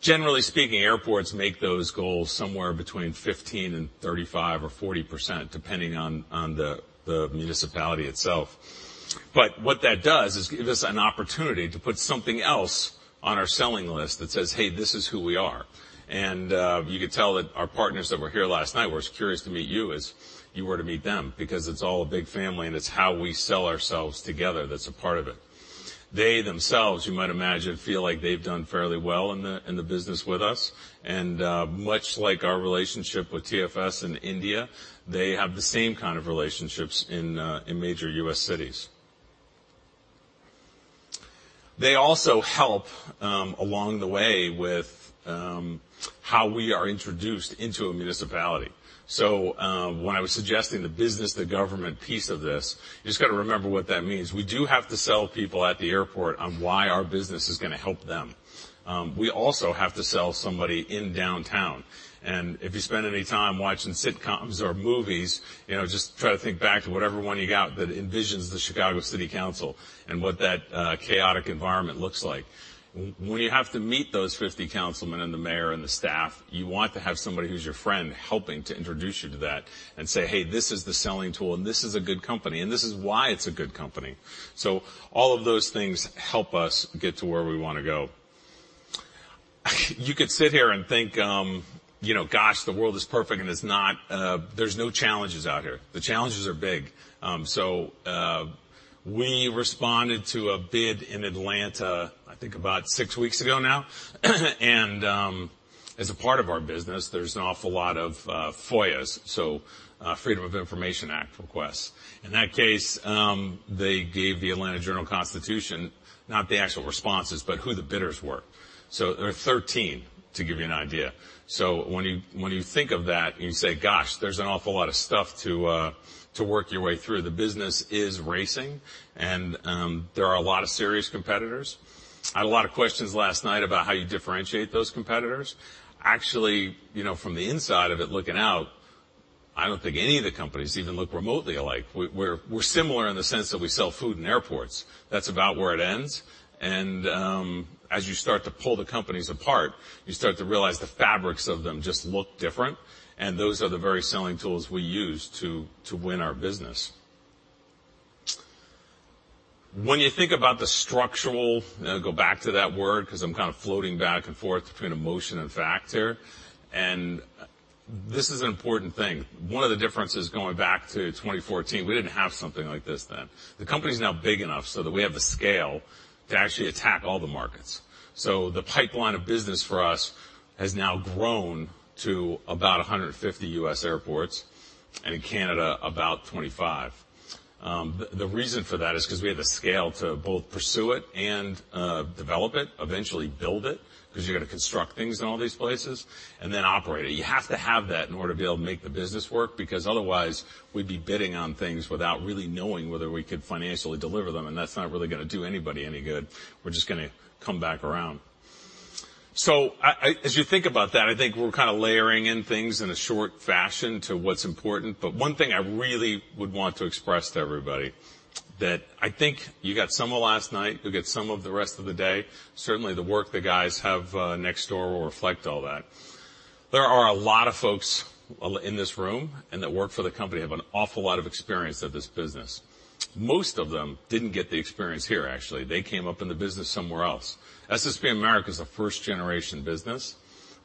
Generally speaking, airports make those goals somewhere between 15% and 35% or 40%, depending on the municipality itself. What that does is give us an opportunity to put something else on our selling list that says, "Hey, this is who we are." You could tell that our partners that were here last night were as curious to meet you as you were to meet them, because it's all a big family, and it's how we sell ourselves together that's a part of it. They themselves, you might imagine, feel like they've done fairly well in the, in the business with us, and much like our relationship with TFS in India, they have the same kind of relationships in major U.S. cities. They also help along the way with how we are introduced into a municipality. When I was suggesting the business, the government piece of this, you just got to remember what that means. We do have to sell people at the airport on why our business is gonna help them. We also have to sell somebody in downtown. If you spend any time watching sitcoms or movies, you know, just try to think back to whatever one you got that envisions the Chicago City Council and what that chaotic environment looks like. When you have to meet those 50 councilmen and the mayor and the staff, you want to have somebody who's your friend helping to introduce you to that and say, "Hey, this is the selling tool, and this is a good company, and this is why it's a good company." All of those things help us get to where we wanna go. You could sit here and think, you know, gosh, the world is perfect, and it's not. There's no challenges out here. The challenges are big. We responded to a bid in Atlanta, I think, about 6 weeks ago now, and as a part of our business, there's an awful lot of FOIAs, Freedom of Information Act requests. In that case, they gave The Atlanta Journal-Constitution, not the actual responses, but who the bidders were. There were 13, to give you an idea. When you think of that, and you say, "Gosh, there's an awful lot of stuff to work your way through," the business is racing, and there are a lot of serious competitors. I had a lot of questions last night about how you differentiate those competitors. Actually, you know, from the inside of it looking out, I don't think any of the companies even look remotely alike. We're similar in the sense that we sell food in airports. That's about where it ends, and as you start to pull the companies apart, you start to realize the fabrics of them just look different, and those are the very selling tools we use to win our business.... When you think about the structural, and I'll go back to that word, because I'm kind of floating back and forth between emotion and fact here, and this is an important thing. One of the differences going back to 2014, we didn't have something like this then. The company's now big enough so that we have the scale to actually attack all the markets. The pipeline of business for us has now grown to about 150 U.S. airports, and in Canada, about 25. The, the reason for that is because we have the scale to both pursue it and develop it, eventually build it, because you've got to construct things in all these places, and then operate it. You have to have that in order to be able to make the business work, because otherwise we'd be bidding on things without really knowing whether we could financially deliver them, and that's not really going to do anybody any good. We're just going to come back around. As you think about that, I think we're kind of layering in things in a short fashion to what's important. One thing I really would want to express to everybody, that I think you got some of it last night, you'll get some of it the rest of the day. Certainly, the work the guys have next door will reflect all that. There are a lot of folks in this room and that work for the company, have an awful lot of experience of this business. Most of them didn't get the experience here, actually. They came up in the business somewhere else. SSP America is a first-generation business.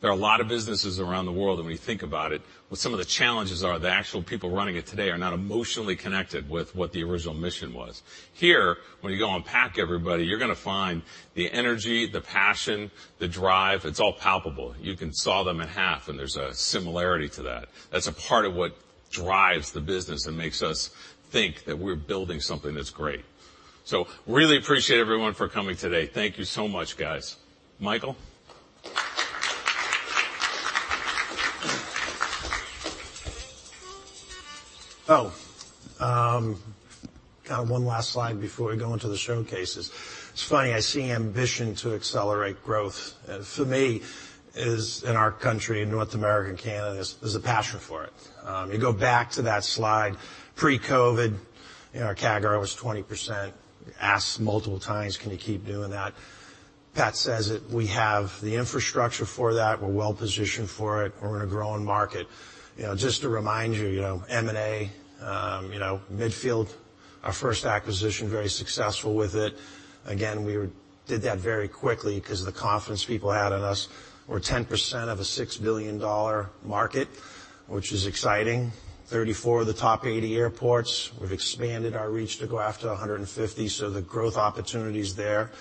There are a lot of businesses around the world, and when you think about it, what some of the challenges are, the actual people running it today are not emotionally connected with what the original mission was. Here, when you go unpack everybody, you're going to find the energy, the passion, the drive. It's all palpable. You can saw them in half, and there's a similarity to that. That's a part of what drives the business and makes us think that we're building something that's great. Really appreciate everyone for coming today. Thank you so much, guys. Michael? Got one last slide before we go into the showcases. It's funny, I see ambition to accelerate growth. For me, is in our country, in North America and Canada, there's a passion for it. You go back to that slide, pre-COVID, you know, our CAGR was 20%. Asked multiple times, "Can you keep doing that?" Pat says it, we have the infrastructure for that. We're well positioned for it. We're in a growing market. You know, just to remind you know, M&A, you know, Midfield, our first acquisition, very successful with it. Again, we did that very quickly because of the confidence people had in us. We're 10% of a $6 billion market, which is exciting. 34 of the top 80 airports. We've expanded our reach to go after 150, so the growth opportunity is there.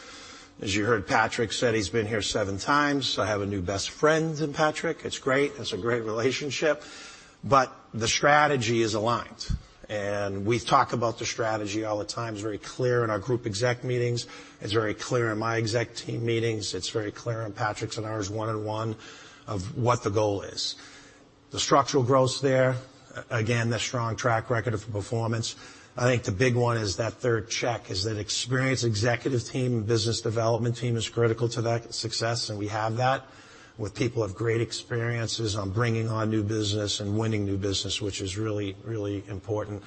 As you heard, Patrick said he's been here seven times, so I have a new best friend in Patrick. It's great. It's a great relationship, but the strategy is aligned, and we talk about the strategy all the time. It's very clear in our group exec meetings. It's very clear in my exec team meetings. It's very clear in Patrick's and ours, one-on-one, of what the goal is. The structural growth there, again, the strong track record of performance. I think the big one is that third check, is that experienced executive team, business development team is critical to that success, and we have that, with people of great experiences on bringing on new business and winning new business, which is really, really important.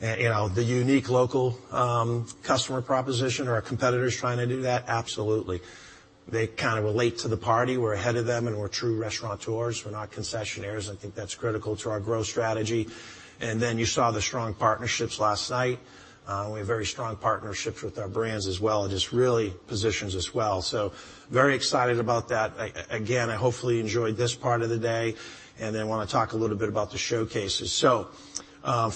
You know, the unique local customer proposition. Are our competitors trying to do that? Absolutely. They kind of relate to the party. We're ahead of them, we're true restaurateurs. We're not concessionaires, I think that's critical to our growth strategy. You saw the strong partnerships last night. We have very strong partnerships with our brands as well, it just really positions us well. Very excited about that. Again, I hopefully you enjoyed this part of the day, I want to talk a little bit about the showcases.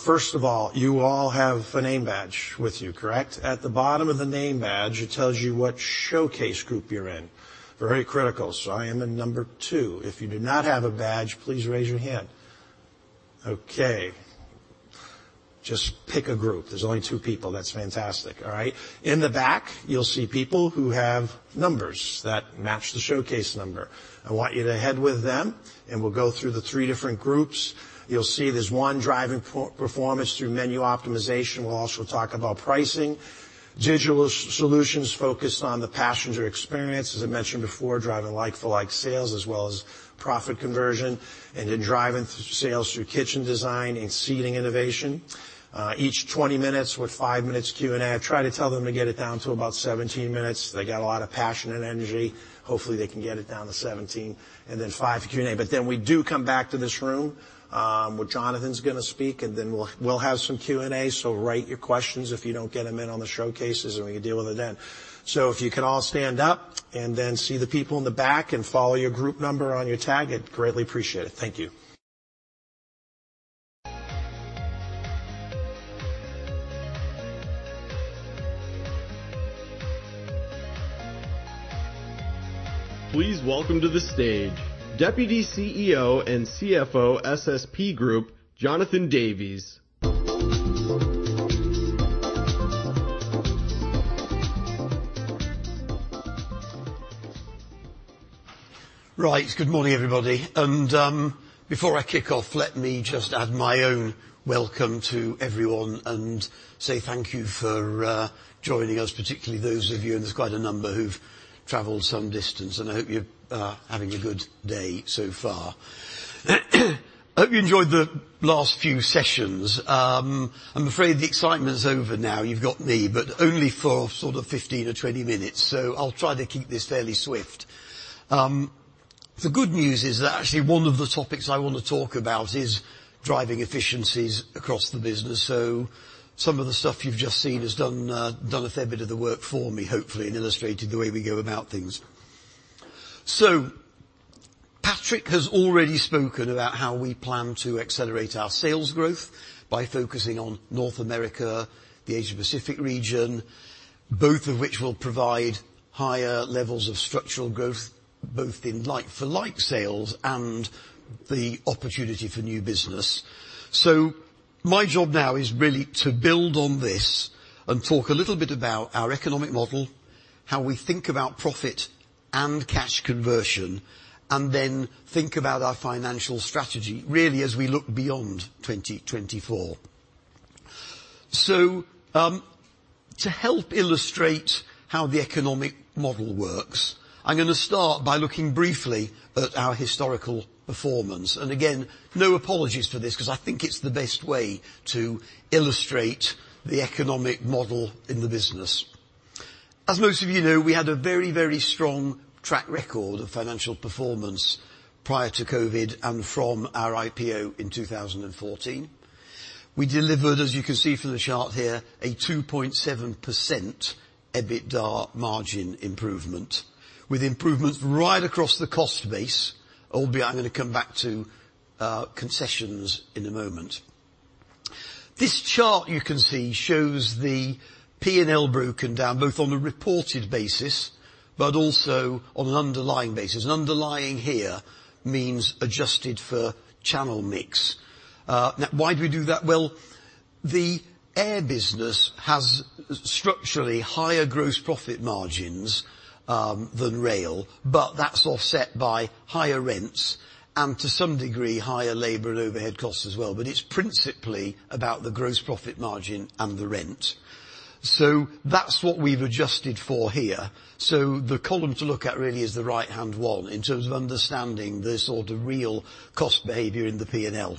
First of all, you all have a name badge with you, correct? At the bottom of the name badge, it tells you what showcase group you're in. Very critical. I am in number 2. If you do not have a badge, please raise your hand. Okay, just pick a group. There's only 2 people. That's fantastic. All right. In the back, you'll see people who have numbers that match the showcase number. I want you to head with them, we'll go through the three different groups. You'll see there's one, driving performance through menu optimization. We'll also talk about pricing. Digital solutions focused on the passenger experience, as I mentioned before, driving like-for-like sales, as well as profit conversion, driving sales through kitchen design and seating innovation. Each 20 minutes, with five minutes Q&A. I try to tell them to get it down to about 17 minutes. They got a lot of passion and energy. Hopefully, they can get it down to 17, five Q&A. We do come back to this room, where Jonathan's going to speak, we'll have some Q&A, write your questions if you don't get them in on the showcases, we can deal with it then. If you can all stand up and then see the people in the back and follow your group number on your tag, I'd greatly appreciate it. Thank you. Please welcome to the stage Deputy CEO and CFO, SSP Group, Jonathan Davies. Right. Good morning, everybody. Before I kick off, let me just add my own welcome to everyone and say thank you for joining us, particularly those of you, and there's quite a number, who've traveled some distance, and I hope you're having a good day so far. I hope you enjoyed the last few sessions. I'm afraid the excitement's over now. You've got me, only for sort of 15 or 20 minutes, I'll try to keep this fairly swift. The good news is that actually one of the topics I want to talk about is driving efficiencies across the business. Some of the stuff you've just seen has done a fair bit of the work for me, hopefully, and illustrated the way we go about things. Patrick has already spoken about how we plan to accelerate our sales growth by focusing on North America, the Asia-Pacific region, both of which will provide higher levels of structural growth, both in like-for-like sales and the opportunity for new business. My job now is really to build on this and talk a little bit about our economic model, how we think about profit and cash conversion, and then think about our financial strategy, really, as we look beyond 2024. To help illustrate how the economic model works, I'm going to start by looking briefly at our historical performance. Again, no apologies for this, because I think it's the best way to illustrate the economic model in the business. As most of you know, we had a very, very strong track record of financial performance prior to COVID and from our IPO in 2014. We delivered, as you can see from the chart here, a 2.7% EBITDA margin improvement, with improvements right across the cost base, albeit I'm going to come back to concessions in a moment. This chart you can see shows the P&L broken down, both on a reported basis, but also on an underlying basis. Underlying here means adjusted for channel mix. Now, why do we do that? Well, the air business has structurally higher gross profit margins than rail, but that's offset by higher rents and to some degree, higher labor and overhead costs as well. But it's principally about the gross profit margin and the rent. That's what we've adjusted for here. The column to look at really is the right-hand one in terms of understanding the sort of real cost behavior in the P&L.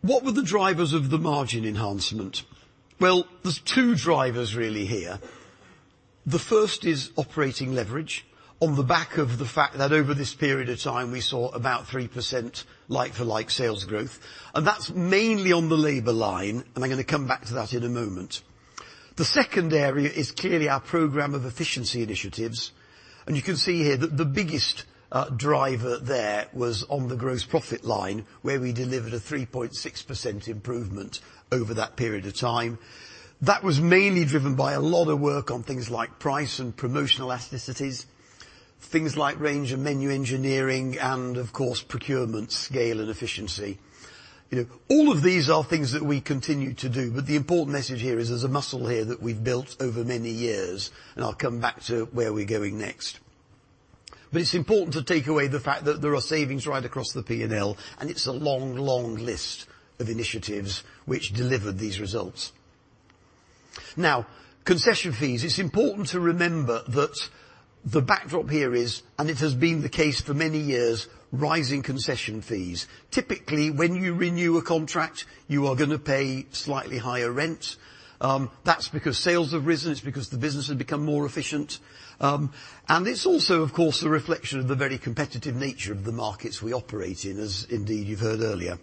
What were the drivers of the margin enhancement? Well, there's two drivers really here. The first is operating leverage on the back of the fact that over this period of time, we saw about 3% like-for-like sales growth, and that's mainly on the labor line, and I'm going to come back to that in a moment. The second area is clearly our program of efficiency initiatives, and you can see here that the biggest driver there was on the gross profit line, where we delivered a 3.6% improvement over that period of time. That was mainly driven by a lot of work on things like price and promotional elasticities, things like range and menu engineering and of course, procurement, scale and efficiency. You know, all of these are things that we continue to do, but the important message here is there's a muscle here that we've built over many years, and I'll come back to where we're going next. It's important to take away the fact that there are savings right across the P&L, and it's a long, long list of initiatives which delivered these results. Concession fees. It's important to remember that the backdrop here is, and it has been the case for many years, rising concession fees. Typically, when you renew a contract, you are going to pay slightly higher rents. That's because sales have risen, it's because the business has become more efficient. It's also, of course, a reflection of the very competitive nature of the markets we operate in, as indeed you've heard earlier.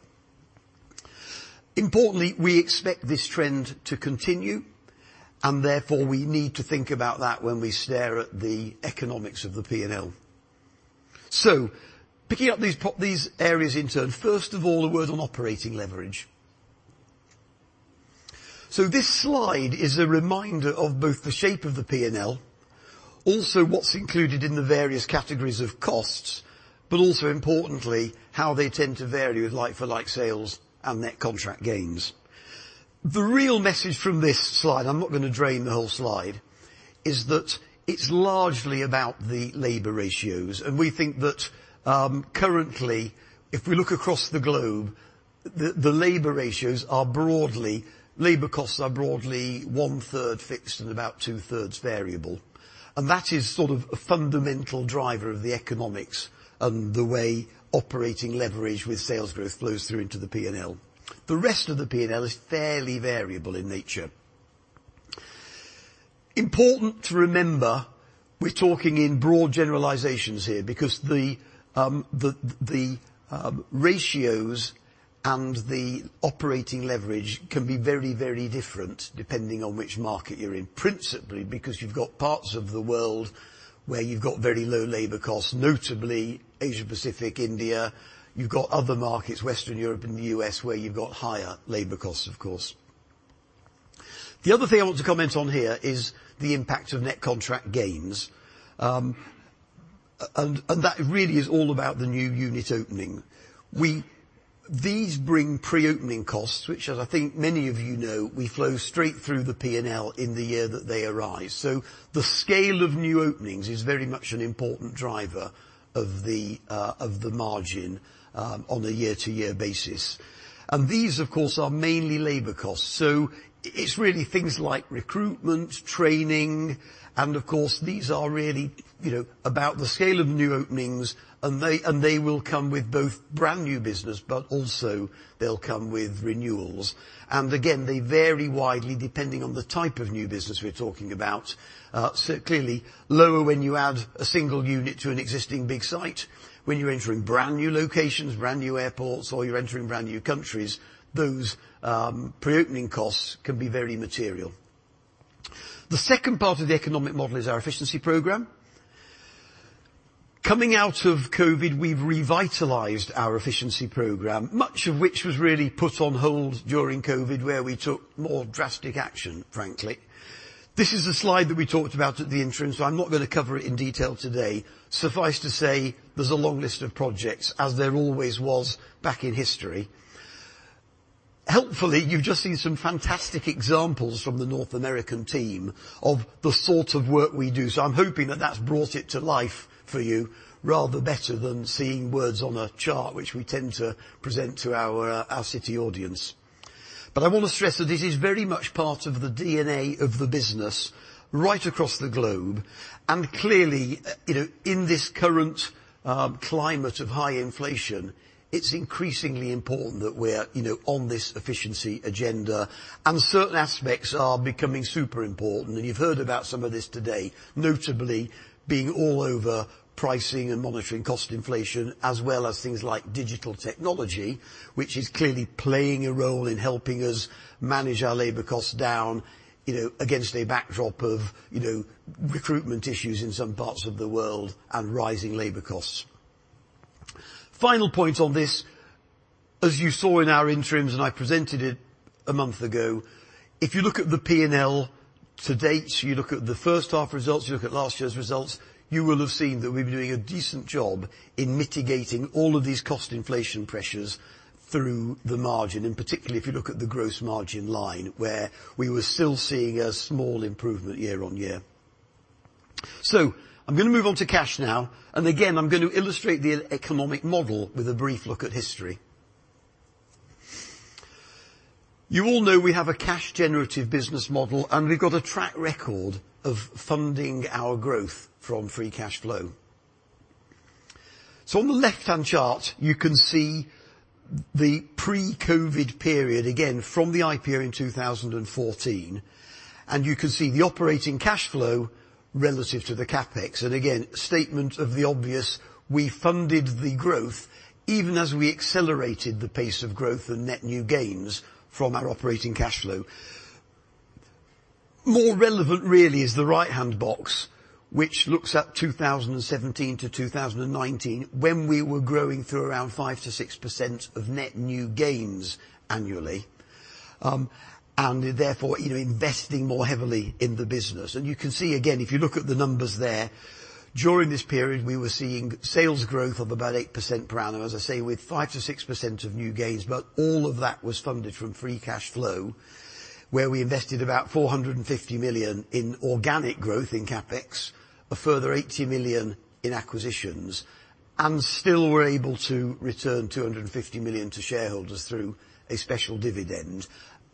Importantly, we expect this trend to continue. Therefore, we need to think about that when we stare at the economics of the P&L. Picking up these areas in turn, first of all, a word on operating leverage. This slide is a reminder of both the shape of the P&L, also what's included in the various categories of costs, also importantly, how they tend to vary with like-for-like sales and net contract gains. The real message from this slide, I'm not going to drain the whole slide, is that it's largely about the labor ratios. We think that, currently, if we look across the globe, the labor costs are broadly one third fixed and about two-thirds variable. That is sort of a fundamental driver of the economics and the way operating leverage with sales growth flows through into the P&L. The rest of the P&L is fairly variable in nature. Important to remember, we're talking in broad generalizations here because the ratios and the operating leverage can be very, very different depending on which market you're in. Principally, because you've got parts of the world where you've got very low labor costs, notably Asia Pacific, India. You've got other markets, Western Europe and the U.S., where you've got higher labor costs, of course. The other thing I want to comment on here is the impact of net contract gains. That really is all about the new unit opening. These bring pre-opening costs, which as I think many of you know, we flow straight through the P&L in the year that they arise. The scale of new openings is very much an important driver of the margin on a year-to-year basis. These, of course, are mainly labor costs. It's really things like recruitment, training, and of course, these are really, you know, about the scale of new openings, and they will come with both brand-new business, but also they'll come with renewals. Again, they vary widely depending on the type of new business we're talking about. Clearly, lower when you add a single unit to an existing big site. When you're entering brand-new locations, brand-new airports, or you're entering brand-new countries, those pre-opening costs can be very material. The second part of the economic model is our efficiency program. Coming out of COVID, we've revitalized our efficiency program, much of which was really put on hold during COVID, where we took more drastic action, frankly. This is a slide that we talked about at the interim, I'm not going to cover it in detail today. Suffice to say, there's a long list of projects, as there always was back in history. Helpfully, you've just seen some fantastic examples from the North American team of the sort of work we do, so I'm hoping that that's brought it to life for you, rather better than seeing words on a chart, which we tend to present to our City audience. I want to stress that this is very much part of the DNA of the business right across the globe. Clearly, you know, in this current climate of high inflation, it's increasingly important that we're, you know, on this efficiency agenda, and certain aspects are becoming super important. You've heard about some of this today, notably being all over pricing and monitoring cost inflation, as well as things like digital technology, which is clearly playing a role in helping us manage our labor costs down, you know, against a backdrop of, you know, recruitment issues in some parts of the world and rising labor costs. Final point on this, as you saw in our interims, I presented it a month ago, if you look at the P&L to date, you look at the first half results, you look at last year's results, you will have seen that we've been doing a decent job in mitigating all of these cost inflation pressures through the margin, and particularly if you look at the gross margin line, where we were still seeing a small improvement year-on-year. I'm going to move on to cash now, and again, I'm going to illustrate the economic model with a brief look at history. You all know we have a cash-generative business model, and we've got a track record of funding our growth from free cash flow. On the left-hand chart, you can see the pre-COVID period, again from the IPO in 2014, and you can see the operating cash flow relative to the CapEx. Again, statement of the obvious, we funded the growth even as we accelerated the pace of growth and net new gains from our operating cash flow. More relevant really is the right-hand box, which looks at 2017-2019, when we were growing through around 5%-6% of net new gains annually, therefore, you know, investing more heavily in the business. You can see again, if you look at the numbers there, during this period, we were seeing sales growth of about 8% per annum, as I say, with 5%-6% of new gains. All of that was funded from free cash flow, where we invested about 450 million in organic growth in CapEx, a further 80 million in acquisitions, and still were able to return 250 million to shareholders through a special dividend,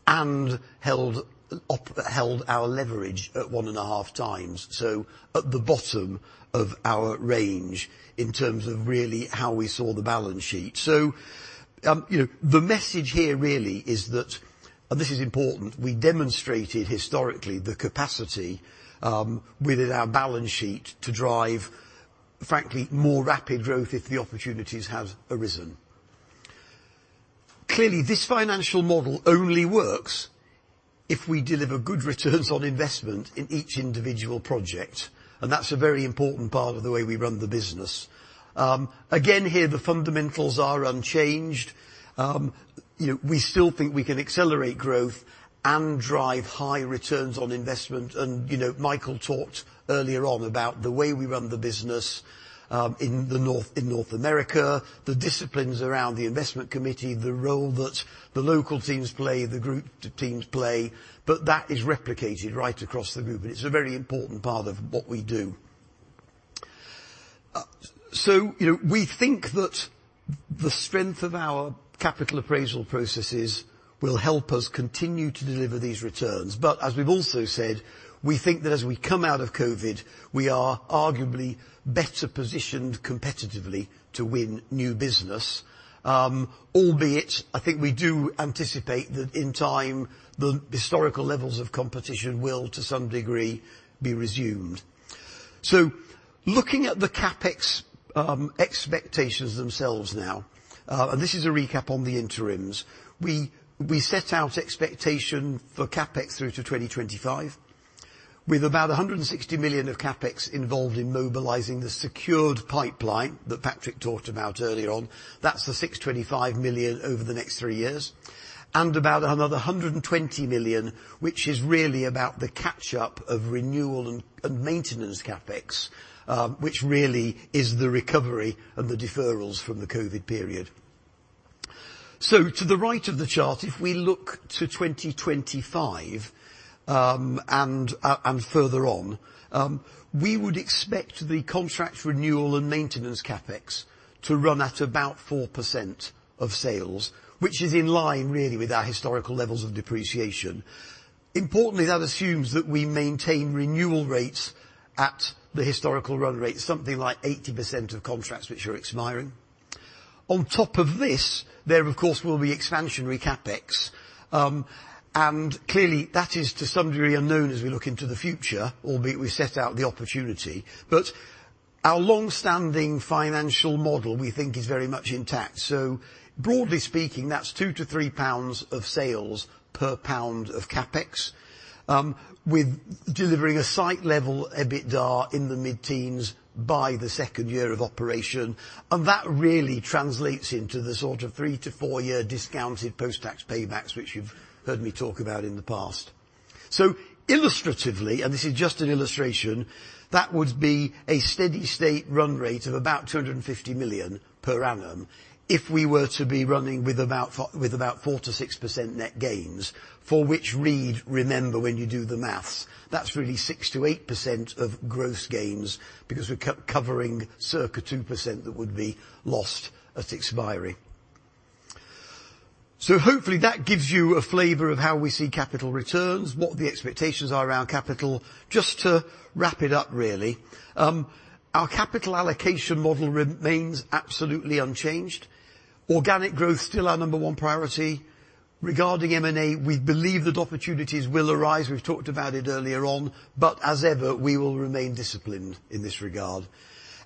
and held our leverage at 1.5x. At the bottom of our range in terms of really how we saw the balance sheet. The message here really is that, this is important, we demonstrated historically the capacity within our balance sheet to drive, frankly, more rapid growth if the opportunities have arisen. Clearly, this financial model only works if we deliver good returns on investment in each individual project. That's a very important part of the way we run the business. Again, here, the fundamentals are unchanged. We still think we can accelerate growth and drive high returns on investment. You know, Michael talked earlier on about the way we run the business, in North America, the disciplines around the investment committee, the role that the local teams play, the group teams play, but that is replicated right across the group. It's a very important part of what we do. You know, we think that the strength of our capital appraisal processes will help us continue to deliver these returns. As we've also said, we think that as we come out of COVID, we are arguably better positioned competitively to win new business. Albeit, I think we do anticipate that in time, the historical levels of competition will, to some degree, be resumed. Looking at the CapEx, expectations themselves now, and this is a recap on the interims. We set out expectation for CapEx through to 2025, with about 160 million of CapEx involved in mobilizing the secured pipeline that Patrick talked about earlier on. That's the 625 million over the next three years, and about another 120 million, which is really about the catch-up of renewal and maintenance CapEx, which really is the recovery of the deferrals from the COVID period. To the right of the chart, if we look to 2025 and further on, we would expect the contract renewal and maintenance CapEx to run at about 4% of sales, which is in line really with our historical levels of depreciation. Importantly, that assumes that we maintain renewal rates at the historical run rate, something like 80% of contracts which are expiring. On top of this, there of course, will be expansionary CapEx. Clearly, that is to some degree unknown as we look into the future, albeit we set out the opportunity. Our long-standing financial model, we think, is very much intact. Broadly speaking, that's 2-3 pounds of sales per GBP of CapEx, with delivering a site-level EBITDA in the mid-teens by the 2nd year of operation. That really translates into the sort of 3-4-year discounted post-tax paybacks, which you've heard me talk about in the past. Illustratively, and this is just an illustration, that would be a steady state run rate of about 250 million per annum if we were to be running with about 4%-6% net gains, for which read, remember, when you do the maths, that's really 6%-8% of gross gains, because we're co-covering circa 2% that would be lost at expiry. Hopefully that gives you a flavor of how we see capital returns, what the expectations are around capital. Just to wrap it up really, our capital allocation model remains absolutely unchanged. Organic growth, still our number one priority. Regarding M&A, we believe that opportunities will arise. We've talked about it earlier on, as ever, we will remain disciplined in this regard,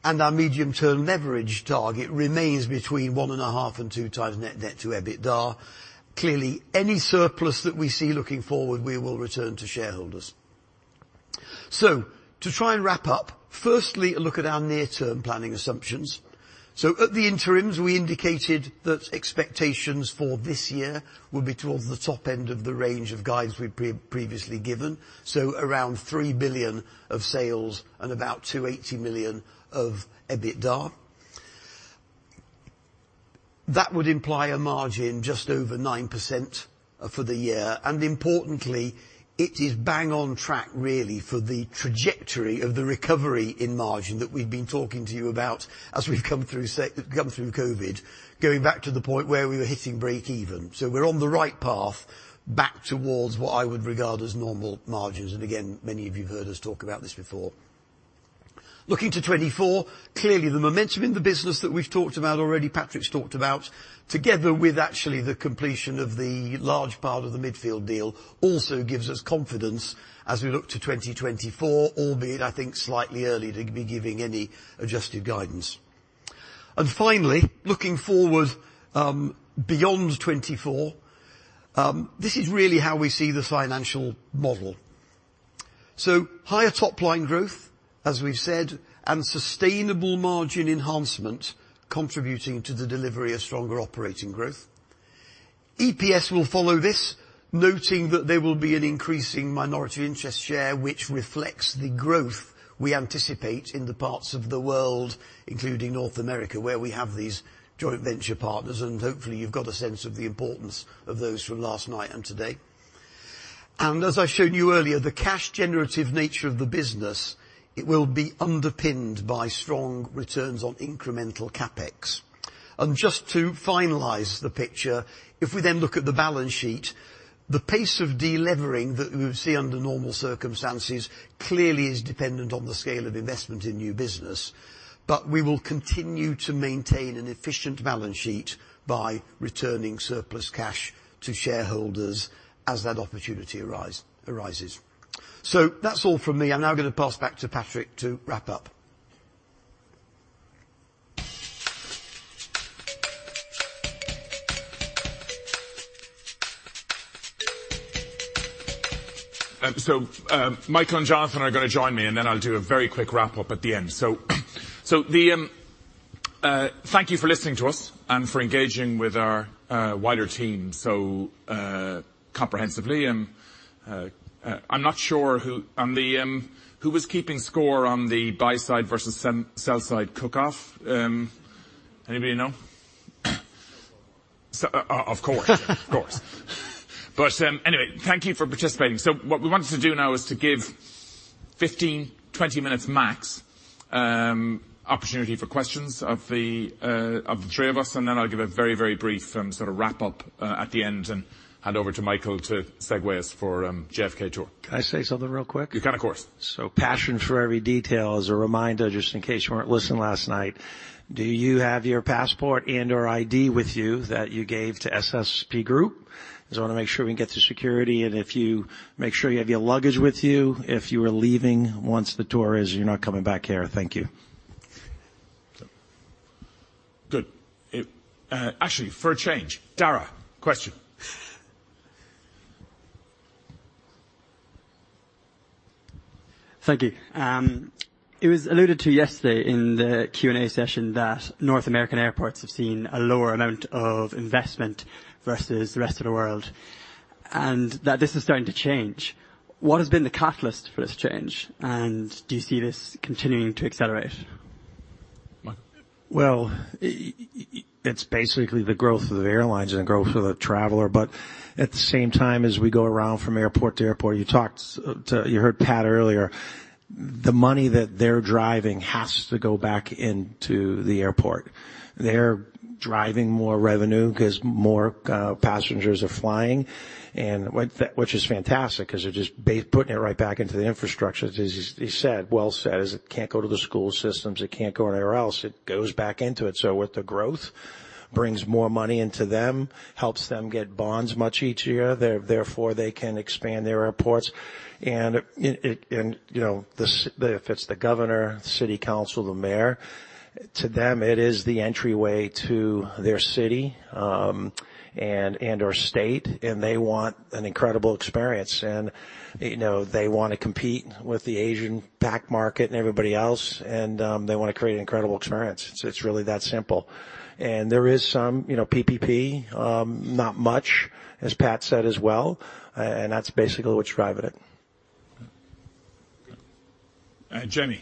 and our medium-term leverage target remains between 1.5x and 2x net debt to EBITDA. Clearly, any surplus that we see looking forward, we will return to shareholders. To try and wrap up, firstly, a look at our near-term planning assumptions. At the interims, we indicated that expectations for this year will be towards the top end of the range of guides we've previously given, around 3 billion of sales and about 280 million of EBITDA. That would imply a margin just over 9% for the year. Importantly, it is bang on track, really, for the trajectory of the recovery in margin that we've been talking to you about as we've come through COVID, going back to the point where we were hitting breakeven. We're on the right path, back towards what I would regard as normal margins. Again, many of you've heard us talk about this before. Looking to 2024, clearly the momentum in the business that we've talked about already, Patrick's talked about, together with actually the completion of the large part of the Midfield deal, also gives us confidence as we look to 2024, albeit I think, slightly early to be giving any adjusted guidance. Finally, looking forward beyond 2024, this is really how we see the financial model. Higher top line growth, as we've said, and sustainable margin enhancement contributing to the delivery of stronger operating growth. EPS will follow this, noting that there will be an increasing minority interest share, which reflects the growth we anticipate in the parts of the world, including North America, where we have these joint venture partners, and hopefully you've got a sense of the importance of those from last night and today. As I showed you earlier, the cash generative nature of the business, it will be underpinned by strong returns on incremental CapEx. Just to finalize the picture, if we then look at the balance sheet, the pace of delevering that we see under normal circumstances, clearly is dependent on the scale of investment in new business. We will continue to maintain an efficient balance sheet by returning surplus cash to shareholders as that opportunity arises. That's all from me. I'm now going to pass back to Patrick to wrap up. Michael and Jonathan are going to join me, and then I'll do a very quick wrap up at the end. Thank you for listening to us and for engaging with our wider team, so comprehensively. I'm not sure who, on the, who was keeping score on the buy side versus sell side cook-off. Anybody know? Of course. Of course. Anyway, thank you for participating. What we wanted to do now is to give 15, 20 minutes max, opportunity for questions of the of the three of us, and then I'll give a very, very brief, sort of wrap up at the end, and hand over to Michael to segue us for JFK tour. Can I say something real quick? Yeah, of course. Passion for every detail is a reminder, just in case you weren't listening last night? Do you have your passport and/or ID with you that you gave to SSP Group? Because I want to make sure we can get through security, and if you make sure you have your luggage with you, if you are leaving once the tour is, you're not coming back here. Thank you. Good. Actually, for a change, Dara, question. Thank you. It was alluded to yesterday in the Q&A session that North American airports have seen a lower amount of investment versus the rest of the world, and that this is starting to change. What has been the catalyst for this change, and do you see this continuing to accelerate? Michael? It's basically the growth of the airlines and the growth of the traveler, at the same time, as we go around from airport to airport, you heard Pat earlier, the money that they're driving has to go back into the airport. They're driving more revenue because more passengers are flying, which is fantastic, because they're just putting it right back into the infrastructure, as he said, well said, it can't go to the school systems, it can't go anywhere else. It goes back into it. With the growth, brings more money into them, helps them get bonds much each year. Therefore, they can expand their airports, and, you know, if it's the governor, city council, the mayor, to them, it is the entryway to their city. and or state, they want an incredible experience. You know, they want to compete with the Asia-PAC market and everybody else, they want to create an incredible experience. It's really that simple. There is some, you know, PPP, not much, as Pat said, as well, and that's basically what's driving it. Jamie?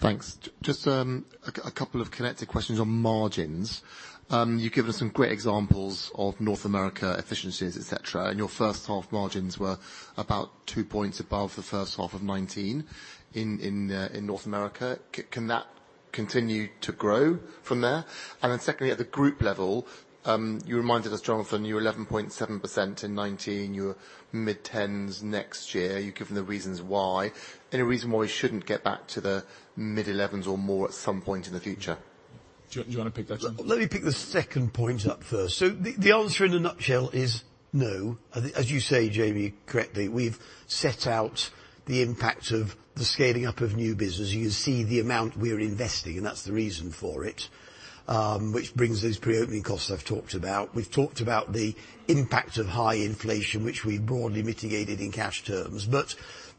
Thanks. Just a couple of connected questions on margins. You've given us some great examples of North America efficiencies, et cetera, and your first half margins were about 2 points above the first half of 2019 in North America. Can that continue to grow from there? Secondly, at the group level, you reminded us, Jonathan, you were 11.7% in 2019, you're mid-10s next year. You've given the reasons why. Any reason why you shouldn't get back to the mid-11s or more at some point in the future? Do you want to pick that, Jonathan? Let me pick the second point up first. The answer in a nutshell is no. As you say, Jamie, correctly, we've set out the impact of the scaling up of new business. You can see the amount we are investing, and that's the reason for it, which brings those pre-opening costs I've talked about. We've talked about the impact of high inflation, which we broadly mitigated in cash terms.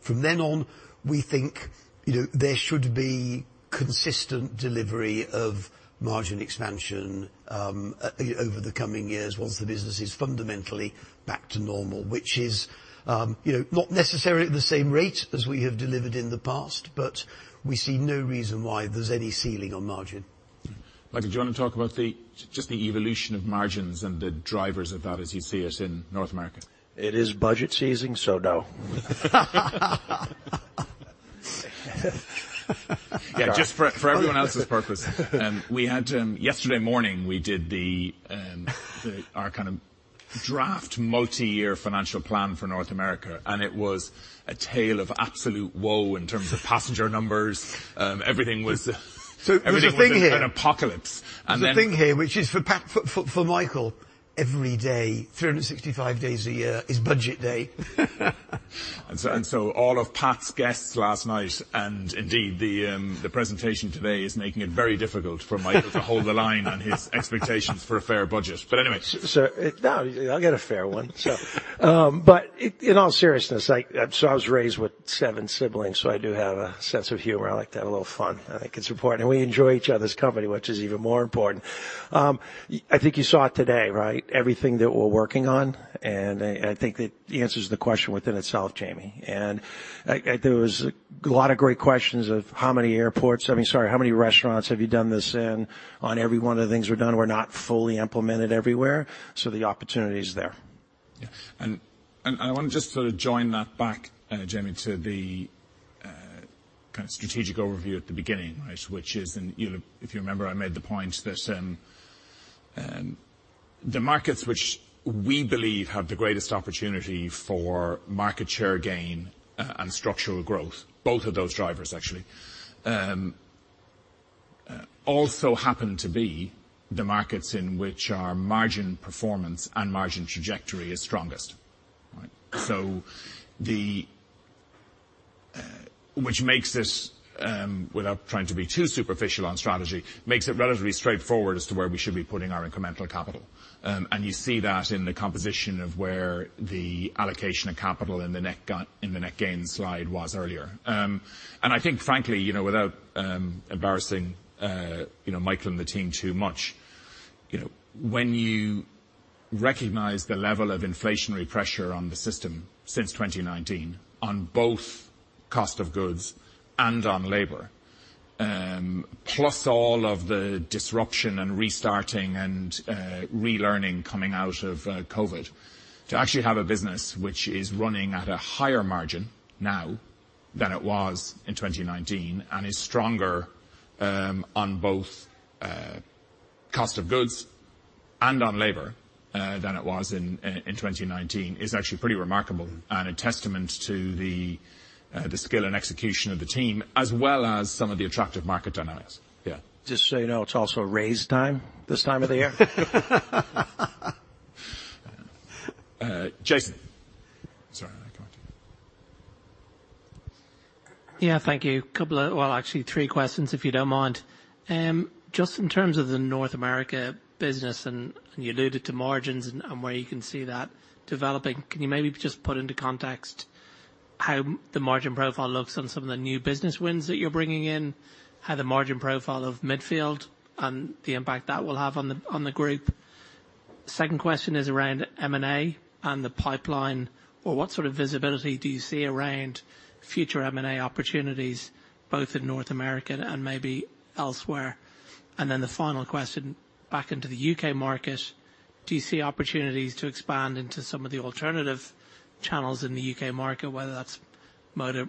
From then on, we think, you know, there should be consistent delivery of margin expansion over the coming years, once the business is fundamentally back to normal, which is, you know, not necessarily at the same rate as we have delivered in the past, but we see no reason why there's any ceiling on margin. Michael, do you want to talk about the evolution of margins and the drivers of that as you see it in North America? It is budget season, so no. Yeah, just for everyone else's purpose, Yesterday morning, we did our kind of draft multi-year financial plan for North America. It was a tale of absolute woe in terms of passenger numbers. everything was- There's a thing here. an apocalypse. There's a thing here, which is for Pat, for Michael, every day, 365 days a year, is budget day. All of Pat's guests last night, and indeed, the presentation today, is making it very difficult for Michael to hold the line on his expectations for a fair budget. No, I'll get a fair one. In all seriousness, I was raised with seven siblings, so I do have a sense of humor. I like to have a little fun. I think it's important, and we enjoy each other's company, which is even more important. I think you saw it today, right? Everything that we're working on, I think it answers the question within itself, Jamie. There was a lot of great questions of how many airports, I mean, sorry, how many restaurants have you done this in? On every one of the things we've done, we're not fully implemented everywhere, so the opportunity is there. Yeah. I want to just sort of join that back, Jamie, to the kind of strategic overview at the beginning, right? Which is, you know, if you remember, I made the point that the markets which we believe have the greatest opportunity for market share gain and structural growth, both of those drivers, actually, also happen to be the markets in which our margin performance and margin trajectory is strongest, right? Which makes this, without trying to be too superficial on strategy, makes it relatively straightforward as to where we should be putting our incremental capital. You see that in the composition of where the allocation of capital in the net gain, in the net gain slide was earlier. I think, frankly, you know, without, you know, embarrassing Michael and the team too much, you know, when you recognize the level of inflationary pressure on the system since 2019, on both cost of goods and on labor, plus all of the disruption and restarting and relearning coming out of COVID, to actually have a business which is running at a higher margin now than it was in 2019 and is stronger, on both cost of goods and on labor, than it was in 2019, is actually pretty remarkable and a testament to the skill and execution of the team, as well as some of the attractive market dynamics. Yeah. Just so you know, it's also raise time this time of the year. Jason. Sorry, go on. Yeah, thank you. A couple of, well, actually, 3 questions, if you don't mind. Just in terms of the North America business, and you alluded to margins and where you can see that developing, can you maybe just put into context how the margin profile looks on some of the new business wins that you're bringing in? How the margin profile of Midfield and the impact that will have on the Group? Second question is around M&A and the pipeline, what sort of visibility do you see around future M&A opportunities, both in North America and maybe elsewhere? The final question, back into the U.K. market, do you see opportunities to expand into some of the alternative channels in the U.K. market, whether that's motor,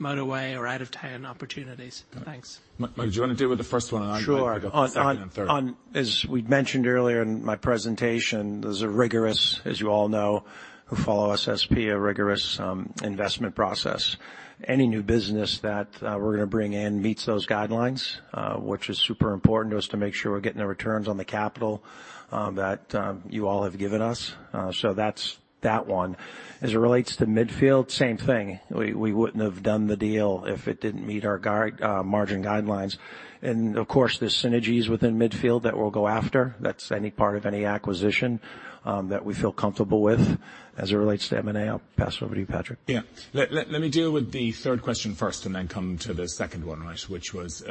motorway or out-of-town opportunities? Thanks. Mike, do you want to deal with the first one. Sure. Will pick up the second and third. On, as we mentioned earlier in my presentation, there's a rigorous, as you all know, who follow SSP, a rigorous investment process. Any new business that we're going to bring in meets those guidelines, which is super important to us to make sure we're getting the returns on the capital that you all have given us. So that's that one. As it relates to Midfield, same thing. We wouldn't have done the deal if it didn't meet our guide margin guidelines. Of course, there's synergies within Midfield that we'll go after. That's any part of any acquisition that we feel comfortable with. As it relates to M&A, I'll pass it over to you, Patrick. Yeah. Let me deal with the third question first and then come to the second one, right, which was.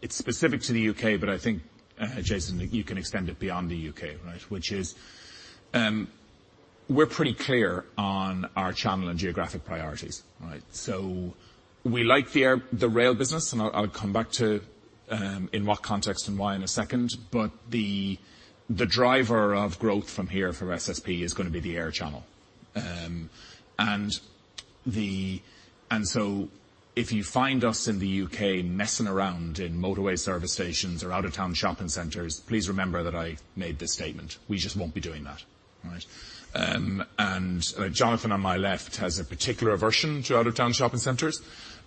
It's specific to the U.K., but I think Jason, you can extend it beyond the U.K., right? Which is, we're pretty clear on our channel and geographic priorities, right? We like the rail business, and I'll come back to in what context and why in a second, but the driver of growth from here for SSP is gonna be the air channel. If you find us in the U.K. messing around in motorway service stations or out-of-town shopping centers, please remember that I made this statement. We just won't be doing that, all right? Jonathan on my left, has a particular aversion to out-of-town shopping centers.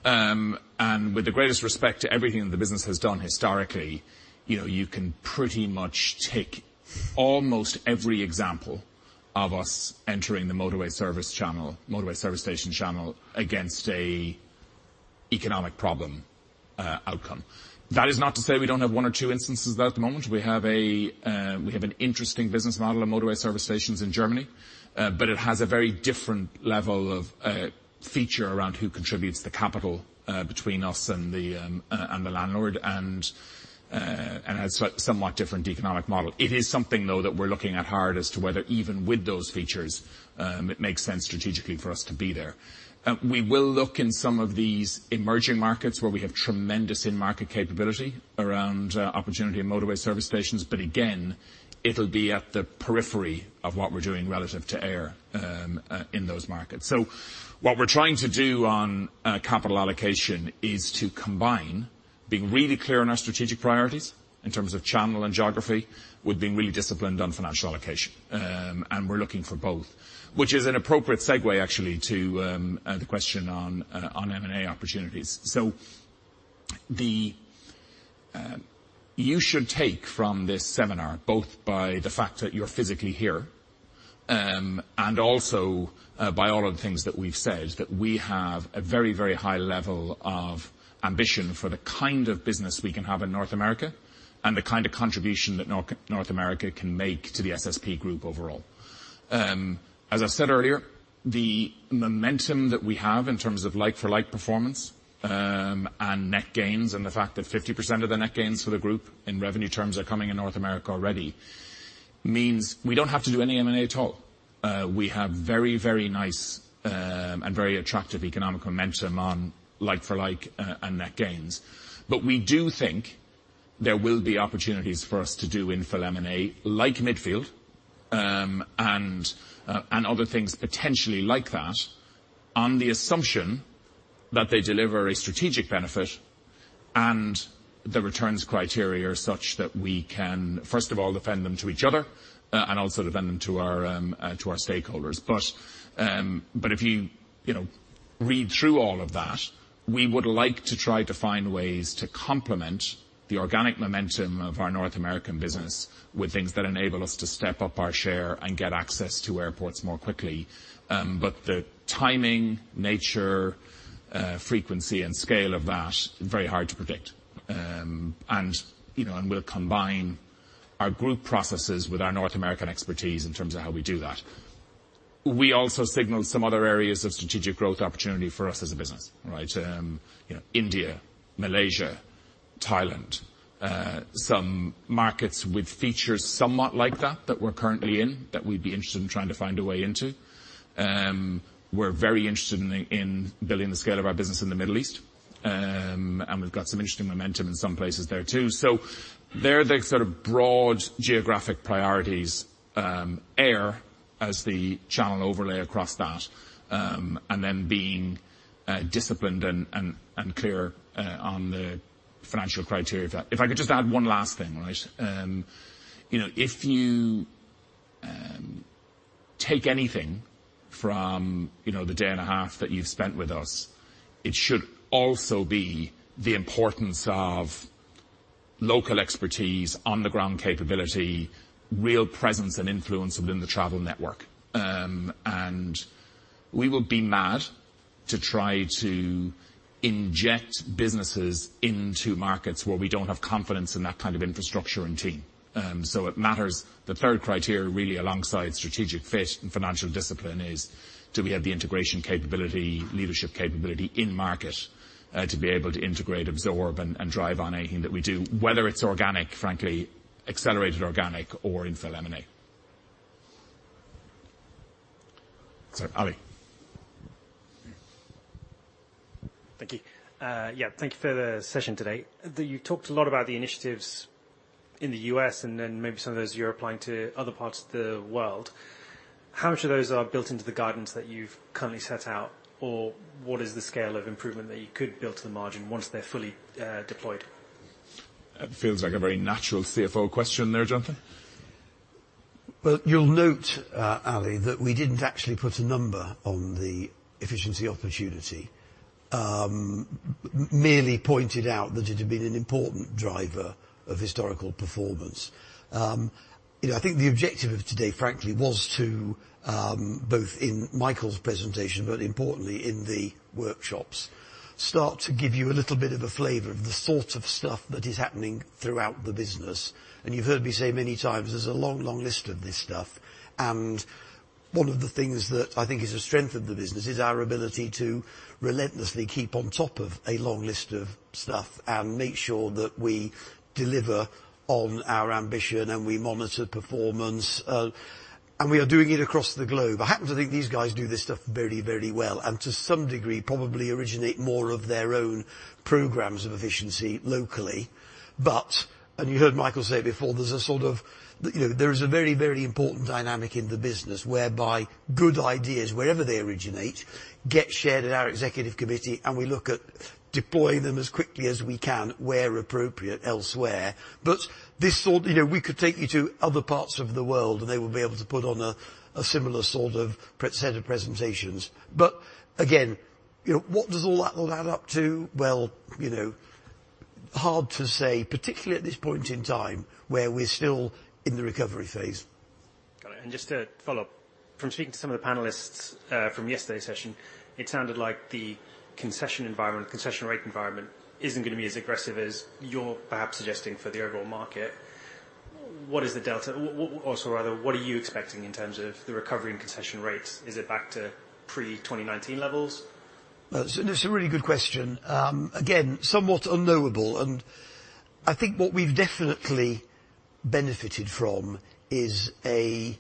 With the greatest respect to everything that the business has done historically, you know, you can pretty much take almost every example of us entering the motorway service channel, motorway service station channel against a economic problem, outcome. That is not to say we don't have 1 or 2 instances of that at the moment. We have an interesting business model of motorway service stations in Germany, but it has a very different level of feature around who contributes the capital between us and the landlord, and has somewhat different economic model. It is something, though, that we're looking at hard as to whether even with those features, it makes sense strategically for us to be there. We will look in some of these emerging markets where we have tremendous in-market capability around opportunity and motorway service stations, but again, it'll be at the periphery of what we're doing relative to air in those markets. What we're trying to do on capital allocation is to combine being really clear on our strategic priorities in terms of channel and geography, with being really disciplined on financial allocation. We're looking for both, which is an appropriate segue, actually, to the question on M&A opportunities. The you should take from this seminar, both by the fact that you're physically here, and also by all of the things that we've said, that we have a very, very high level of ambition for the kind of business we can have in North America, and the kind of contribution that North America can make to the SSP Group overall. As I've said earlier, the momentum that we have in terms of like-for-like performance, and net gains, and the fact that 50% of the net gains for the group in revenue terms are coming in North America already, means we don't have to do any M&A at all. We have very, very nice, and very attractive economic momentum on like-for-like, and net gains. We do think there will be opportunities for us to do infill M&A, like Midfield, and other things potentially like that, on the assumption that they deliver a strategic benefit and the returns criteria are such that we can, first of all, defend them to each other, and also defend them to our stakeholders. If you know, read through all of that, we would like to try to find ways to complement the organic momentum of our North American business with things that enable us to step up our share and get access to airports more quickly. The timing, nature, frequency, and scale of that, very hard to predict. You know, we'll combine our group processes with our North American expertise in terms of how we do that. We also signaled some other areas of strategic growth opportunity for us as a business, right? You know, India, Malaysia, Thailand, some markets with features somewhat like that we're currently in, that we'd be interested in trying to find a way into. We're very interested in building the scale of our business in the Middle East. And we've got some interesting momentum in some places there, too. They're the sort of broad geographic priorities, air as the channel overlay across that, and then being disciplined and clear on the financial criteria of that. If I could just add one last thing, right? You know, if you take anything from, you know, the day and a half that you've spent with us, it should also be the importance of local expertise, on-the-ground capability, real presence and influence within the travel network. We would be mad to try to inject businesses into markets where we don't have confidence in that kind of infrastructure and team. It matters. The third criteria, really, alongside strategic fit and financial discipline, is do we have the integration capability, leadership capability in market, to be able to integrate, absorb, and drive on anything that we do, whether it's organic, frankly, accelerated organic or infill M&A. Sorry, Ali. Thank you. Yeah, thank you for the session today. You've talked a lot about the initiatives in the U.S., maybe some of those you're applying to other parts of the world. How much of those are built into the guidance that you've currently set out? What is the scale of improvement that you could build to the margin once they're fully deployed? That feels like a very natural cfo question there, Jonathan. Well, you'll note, Ali, that we didn't actually put a number on the efficiency opportunity, merely pointed out that it had been an important driver of historical performance. You know, I think the objective of today, frankly, was to, both in Michael's presentation, but importantly in the workshops, start to give you a little bit of a flavor of the sort of stuff that is happening throughout the business. You've heard me say many times, there's a long, long list of this stuff. One of the things that I think is a strength of the business is our ability to relentlessly keep on top of a long list of stuff, and make sure that we deliver on our ambition, and we monitor performance. We are doing it across the globe. I happen to think these guys do this stuff very, very well, and to some degree, probably originate more of their own programs of efficiency locally. And you heard Michael say it before, there's a sort of, you know, there is a very, very important dynamic in the business whereby good ideas, wherever they originate, get shared at our executive committee, and we look at deploying them as quickly as we can, where appropriate, elsewhere. This sort, you know, we could take you to other parts of the world, and they would be able to put on a similar sort of set of presentations. Again, you know, what does all that all add up to? Well, you know, hard to say, particularly at this point in time, where we're still in the recovery phase. Got it. Just to follow up, from speaking to some of the panelists, from yesterday's session, it sounded like the concession environment, concession rate environment isn't gonna be as aggressive as you're perhaps suggesting for the overall market. What is the delta? Well, so rather, what are you expecting in terms of the recovery and concession rates? Is it back to pre-2019 levels? That's a really good question. Again, somewhat unknowable, and I think what we've definitely benefited from is a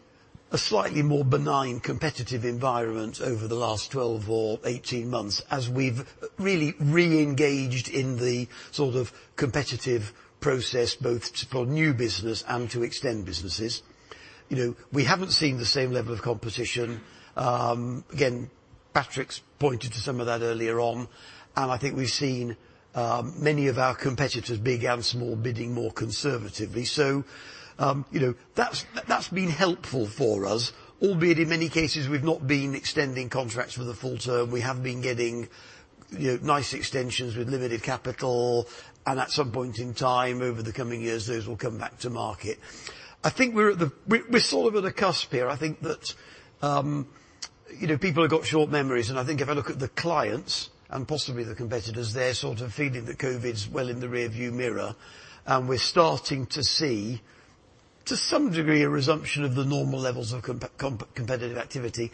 slightly more benign, competitive environment over the last 12 or 18 months, as we've really re-engaged in the sort of competitive process, both to pull new business and to extend businesses. You know, we haven't seen the same level of competition. Again, Patrick's pointed to some of that earlier on, and I think we've seen many of our competitors, big and small, bidding more conservatively. You know, that's been helpful for us, albeit in many cases, we've not been extending contracts for the full term. We have been getting, you know, nice extensions with limited capital, and at some point in time, over the coming years, those will come back to market. I think we're at the... We're sort of at a cusp here. I think that, you know, people have got short memories, and I think if I look at the clients and possibly the competitors, they're sort of feeling that COVID's well in the rearview mirror, and we're starting to see, to some degree, a resumption of the normal levels of competitive activity.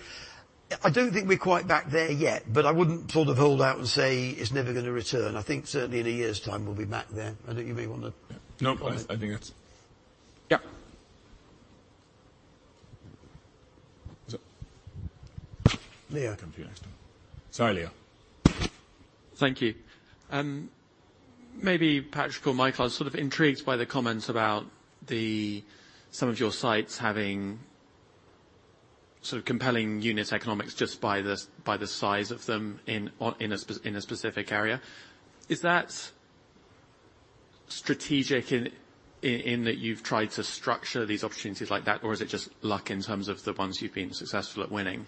I don't think we're quite back there yet, but I wouldn't sort of hold out and say it's never gonna return. I think certainly in a year's time we'll be back there. I think you may wanna- No, I think that's. Yeah. Leo, come to you next. Sorry, Leo. Thank you. Maybe Patrick or Michael, I'm sort of intrigued by the comments about some of your sites having sort of compelling unit economics just by the size of them in a specific area. Is that strategic in that you've tried to structure these opportunities like that, or is it just luck in terms of the ones you've been successful at winning?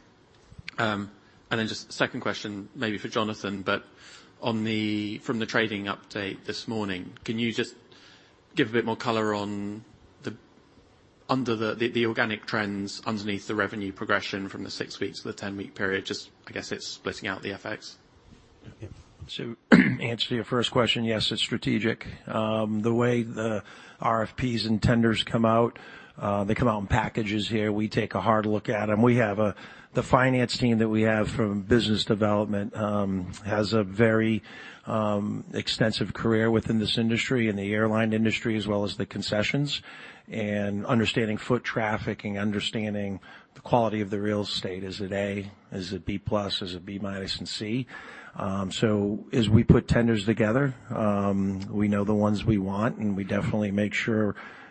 Then just 2nd question, maybe for Jonathan, from the trading update this morning, can you just give a bit more color under the organic trends underneath the revenue progression from the 6-week to the 10-week period? Just, I guess it's splitting out the effects. To answer your first question, yes, it's strategic. Again, somewhat unknowable, I think what we've definitely benefited from is a slightly more benign competitive environment over the last 12 or 18 months, as we've really re-engaged in the sort of competitive process,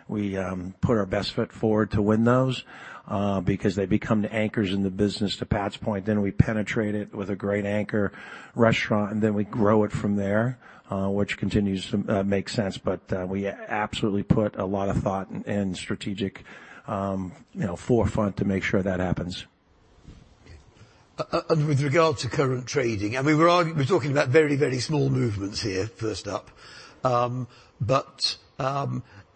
both to pull new business and to extend businesses. You know, we haven't seen the same level of competition. Again, Patrick's pointed to some of that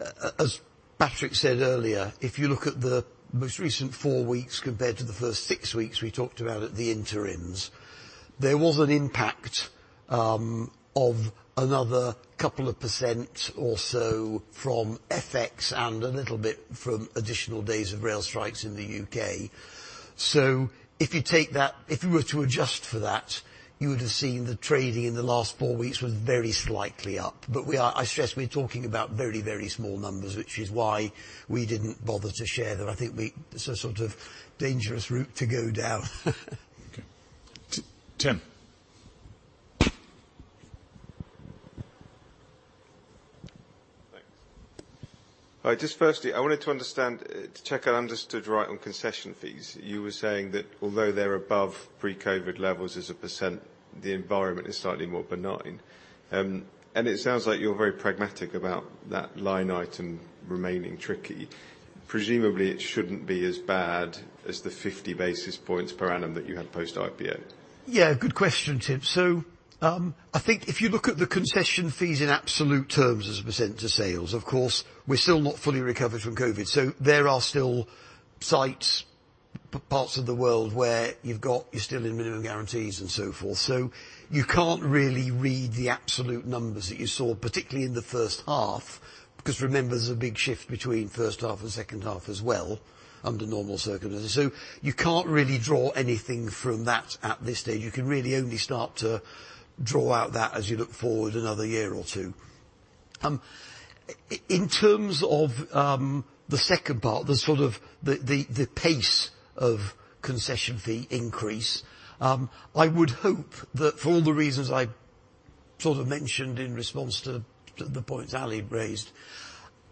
earlier on, I think we've seen many of our competitors, big and small, bidding more conservatively. You know, that's been helpful for us, albeit in many cases, we've not been extending contracts for the full term. We have been getting, you know, nice extensions with limited capital, at some point in time, over the coming years, those will come back to market. I think we're at the... We're sort of at a cusp here. I think that, you know, people have got short memories, and I think if I look at the clients and possibly the Thanks. All right, just firstly, I wanted to understand, to check I understood right on concession fees. You were saying that although they're above pre-COVID levels as a percentage, the environment is slightly more benign. It sounds like you're very pragmatic about that line item remaining tricky. Presumably, it shouldn't be as bad as the 50 basis points per annum that you had post-IPO. Yeah, good question, Tim. I think if you look at the concession fees in absolute terms as a percentage of sales, of course, we're still not fully recovered from COVID, there are still sites, parts of the world where you've got, you're still in minimum guarantees and so forth. You can't really read the absolute numbers that you saw, particularly in the first half, because remember, there's a big shift between first half and second half as well under normal circumstances. You can't really draw anything from that at this stage. You can really only start to draw out that as you look forward another year or two. In terms of the second part, the pace of concession fee increase, I would hope that for all the reasons I mentioned in response to the points Ali raised,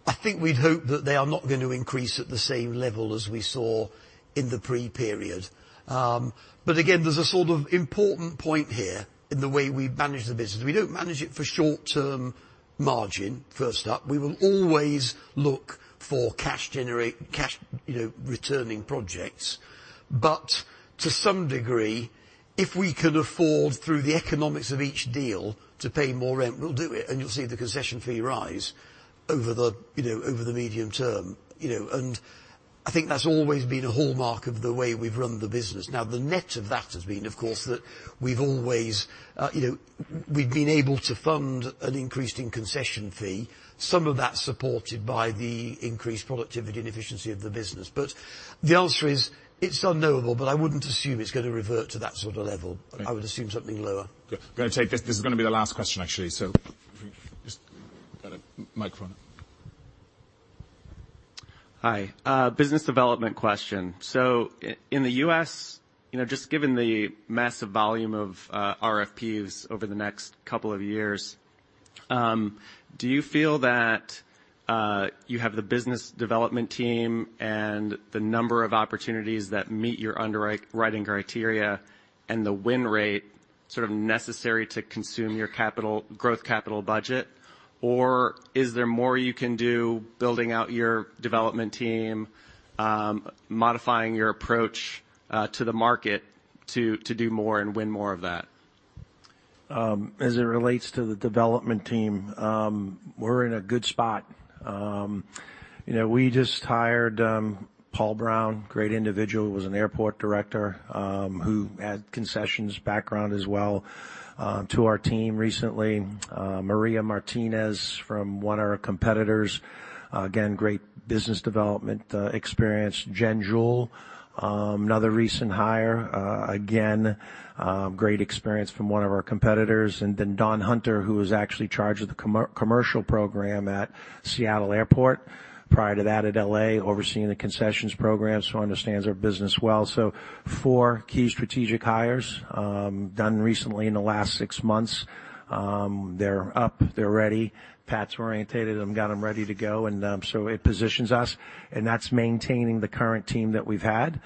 I think we'd hope that they are not going to increase at the same level as we saw in the pre-period. Again, there's an important point here in the way we manage the business. We don't manage it for short-term margin, first up. We will always look for cash, you know, returning projects. To some degree, if we can afford, through the economics of each deal, to pay more rent, we'll do it, and you'll see the concession fee rise over the, you know, over the medium term. You know, I think that's always been a hallmark of the way we've run the business. The net of that has been, of course, that we've always, you know, we've been able to fund an increase in concession fee, some of that supported by the increased productivity and efficiency of the business. The answer is, it's unknowable, but I wouldn't assume it's going to revert to that sort of level. I would assume something lower. Good. I'm going to take this is going to be the last question, actually, so just got a microphone. Hi, business development question. In the U.S., you know, just given the massive volume of RFPs over the next couple of years, do you feel that you have the business development team and the number of opportunities that meet your underwriting criteria and the win rate sort of necessary to consume your capital, growth capital budget? Or is there more you can do building out your development team, modifying your approach to the market to do more and win more of that? As it relates to the development team, we're in a good spot. You know, we just hired Paul Brown, great individual, was an airport director, who had concessions background as well, to our team recently. Maria Martinez from one of our competitors. Again, great business development experience. Jen Jewell, another recent hire, again, great experience from one of our competitors. Dawn Hunter, who was actually charged with the commercial program at Seattle Airport, prior to that at L.A., overseeing the concessions program, so understands our business well. Four key strategic hires, done recently in the last six months. They're up, they're ready. Pat's orientated them, got them ready to go, and so it positions us, and that's maintaining the current team that we've had,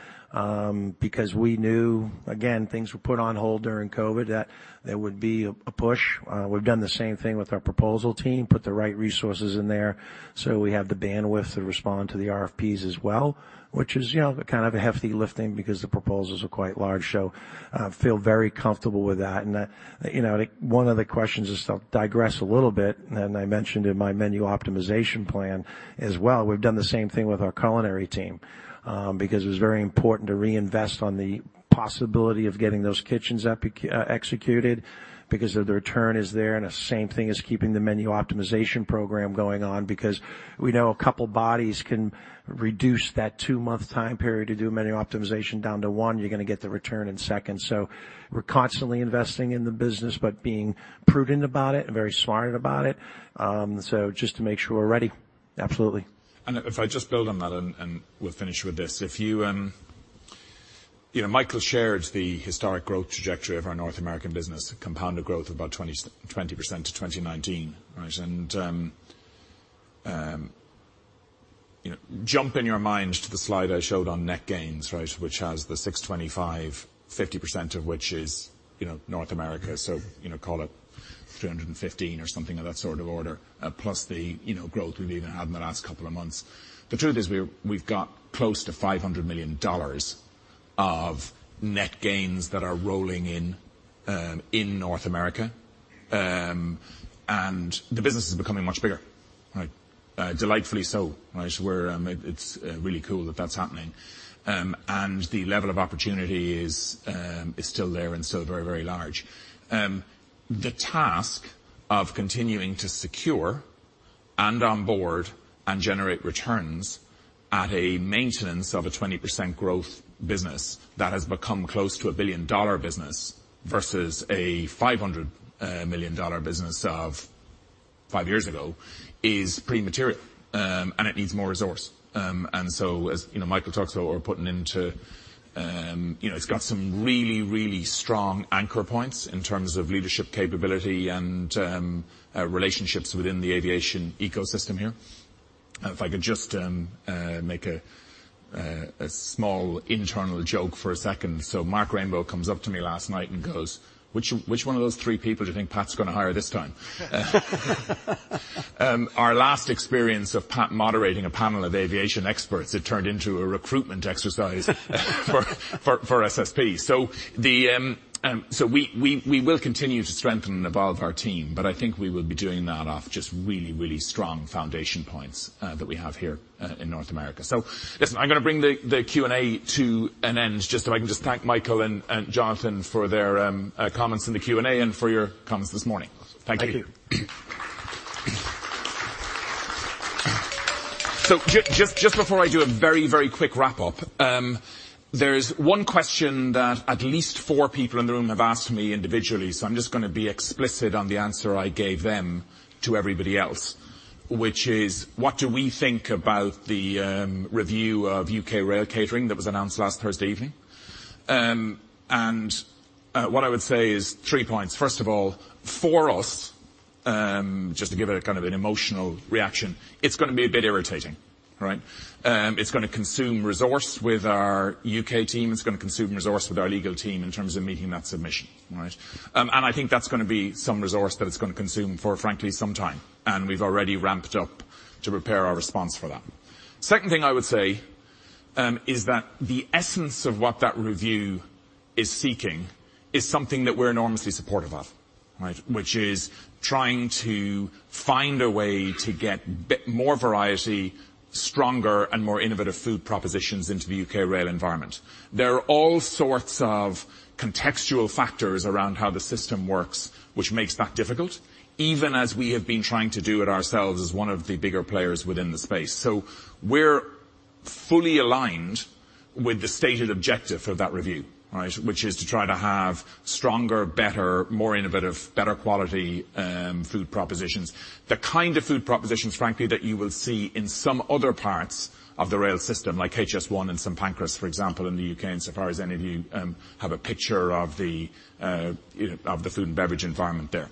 because we knew, again, things were put on hold during COVID, that there would be a push. We've done the same thing with our proposal team, put the right resources in there, so we have the bandwidth to respond to the RFPs as well, which is, you know, kind of a hefty lifting because the proposals are quite large. Feel very comfortable with that. You know, one of the questions is, I'll digress a little bit, and I mentioned in my menu optimization plan as well, we've done the same thing with our culinary team, because it was very important to reinvest on the possibility of getting those kitchens up, executed because of the return is there. The same thing as keeping the menu optimization program going on, because we know a couple bodies can reduce that 2-month time period to do menu optimization down to 1, you're going to get the return in seconds. We're constantly investing in the business, but being prudent about it and very smart about it. Just to make sure we're ready. Absolutely. If I just build on that, we'll finish with this. If you know, Michael shared the historic growth trajectory of our North American business, compounded growth of about 20% to 2019, right? You know, jump in your mind to the slide I showed on net gains, right, which has the $625 million, 50% of which is, you know, North America, so, you know, call it $315 million or something of that sort of order, plus the, you know, growth we've even had in the last couple of months. The truth is, we've got close to $500 million of net gains that are rolling in in North America, and the business is becoming much bigger, right? Delightfully so, right? We're, it's really cool that that's happening. The level of opportunity is still there and still very, very large. The task of continuing to secure and onboard and generate returns at a maintenance of a 20% growth business that has become close to a billion-dollar business versus a five hundred million dollar business of five years ago, is pretty material, and it needs more resource. As you know, Michael talks about, we're putting into, you know, it's got some really, really strong anchor points in terms of leadership capability and relationships within the aviation ecosystem here. If I could just make a small internal joke for a second. Mark Rainbow comes up to me last night and goes, "Which one of those three people do you think Pat's going to hire this time?" Our last experience of Pat moderating a panel of aviation experts, it turned into a recruitment exercise for SSP. We will continue to strengthen and evolve our team, but I think we will be doing that off just really, really strong foundation points that we have here in North America. Listen, I'm going to bring the Q&A to an end, just so I can just thank Michael and Jonathan for their comments in the Q&A and for your comments this morning. Thank you. Thank you. Just before I do a very, very quick wrap up, there's one question that at least four people in the room have asked me individually, so I'm just gonna be explicit on the answer I gave them to everybody else, which is: What do we think about the review of U.K. Rail Catering that was announced last Thursday evening? What I would say is three points. First of all, for us, just to give it a kind of an emotional reaction, it's gonna be a bit irritating, right? It's gonna consume resource with our U.K. team, it's gonna consume resource with our legal team in terms of making that submission, all right? I think that's gonna be some resource that it's gonna consume for, frankly, some time, and we've already ramped up to prepare our response for that. Second thing I would say, is that the essence of what that review is seeking is something that we're enormously supportive of, right? Which is trying to find a way to get more variety, stronger, and more innovative food propositions into the U.K. rail environment. There are all sorts of contextual factors around how the system works, which makes that difficult, even as we have been trying to do it ourselves as one of the bigger players within the space. We're fully aligned with the stated objective of that review, right? Which is to try to have stronger, better, more innovative, better quality, food propositions. The kind of food propositions, frankly, that you will see in some other parts of the rail system, like HS1 and St. Pancras, for example, in the U.K., insofar as any of you, have a picture of the, you know, of the food and beverage environment there.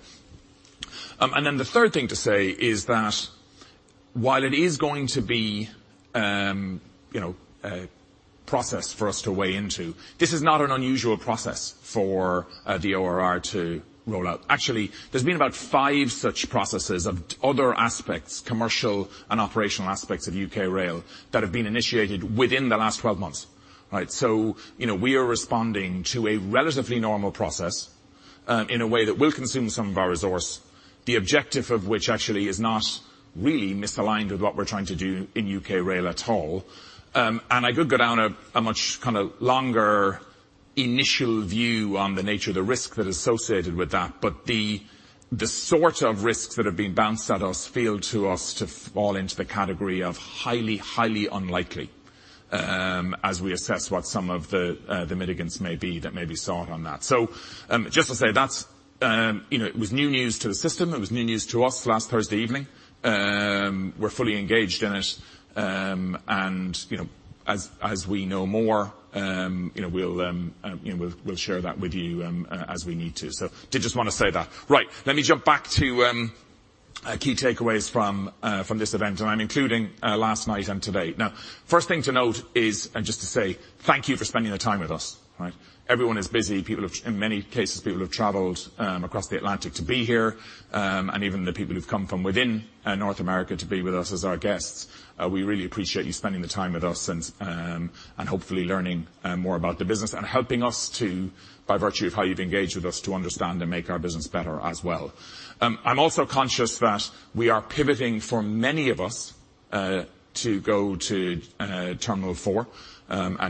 Then the third thing to say is that while it is going to be, you know, a process for us to weigh into, this is not an unusual process for the ORR to roll out. Actually, there's been about five such processes of other aspects, commercial and operational aspects of U.K. Rail, that have been initiated within the last 12 months, right? You know, we are responding to a relatively normal process, in a way that will consume some of our resource, the objective of which actually is not really misaligned with what we're trying to do in U.K. Rail at all. I could go down a much kind of longer initial view on the nature of the risk that is associated with that, but the sort of risks that have been bounced at us feel to us to fall into the category of highly unlikely, as we assess what some of the mitigants may be that may be sought on that. Just to say, that's. You know, it was new news to the system, it was new news to us last Thursday evening. We're fully engaged in it, and, you know, as we know more, you know, we'll share that with you, as we need to. Did just want to say that. Right. Let me jump back to key takeaways from this event, and I'm including last night and today. First thing to note is, and just to say, thank you for spending the time with us, right? Everyone is busy. People have... In many cases, people have traveled across the Atlantic to be here. Even the people who've come from within North America to be with us as our guests, we really appreciate you spending the time with us and hopefully learning more about the business and helping us to, by virtue of how you've engaged with us, to understand and make our business better as well. I'm also conscious that we are pivoting for many of us to go to Terminal 4.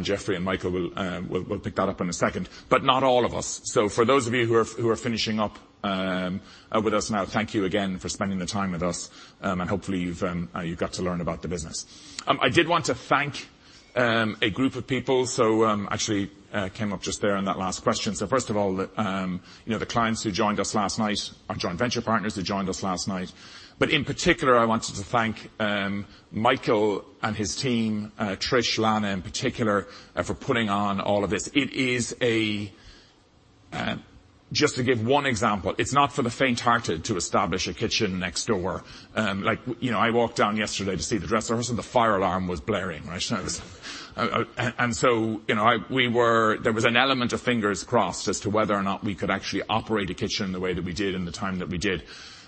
Jeffrey and Michael will pick that up in a second, but not all of us. For those of you who are finishing up with us now, thank you again for spending the time with us. Hopefully you've got to learn about the business. I did want to thank a group of people. Actually, came up just there in that last question. First of all, you know, the clients who joined us last night, our joint venture partners who joined us last night, but in particular, I wanted to thank Michael and his team, Lana Cramer in particular, for putting on all of this. Just to give one example, it's not for the faint-hearted to establish a kitchen next door. Like, you know, I walked down yesterday to see the dress rehearsal, the fire alarm was blaring, right? You know, there was an element of fingers crossed as to whether or not we could actually operate a kitchen the way that we did in the time that we did.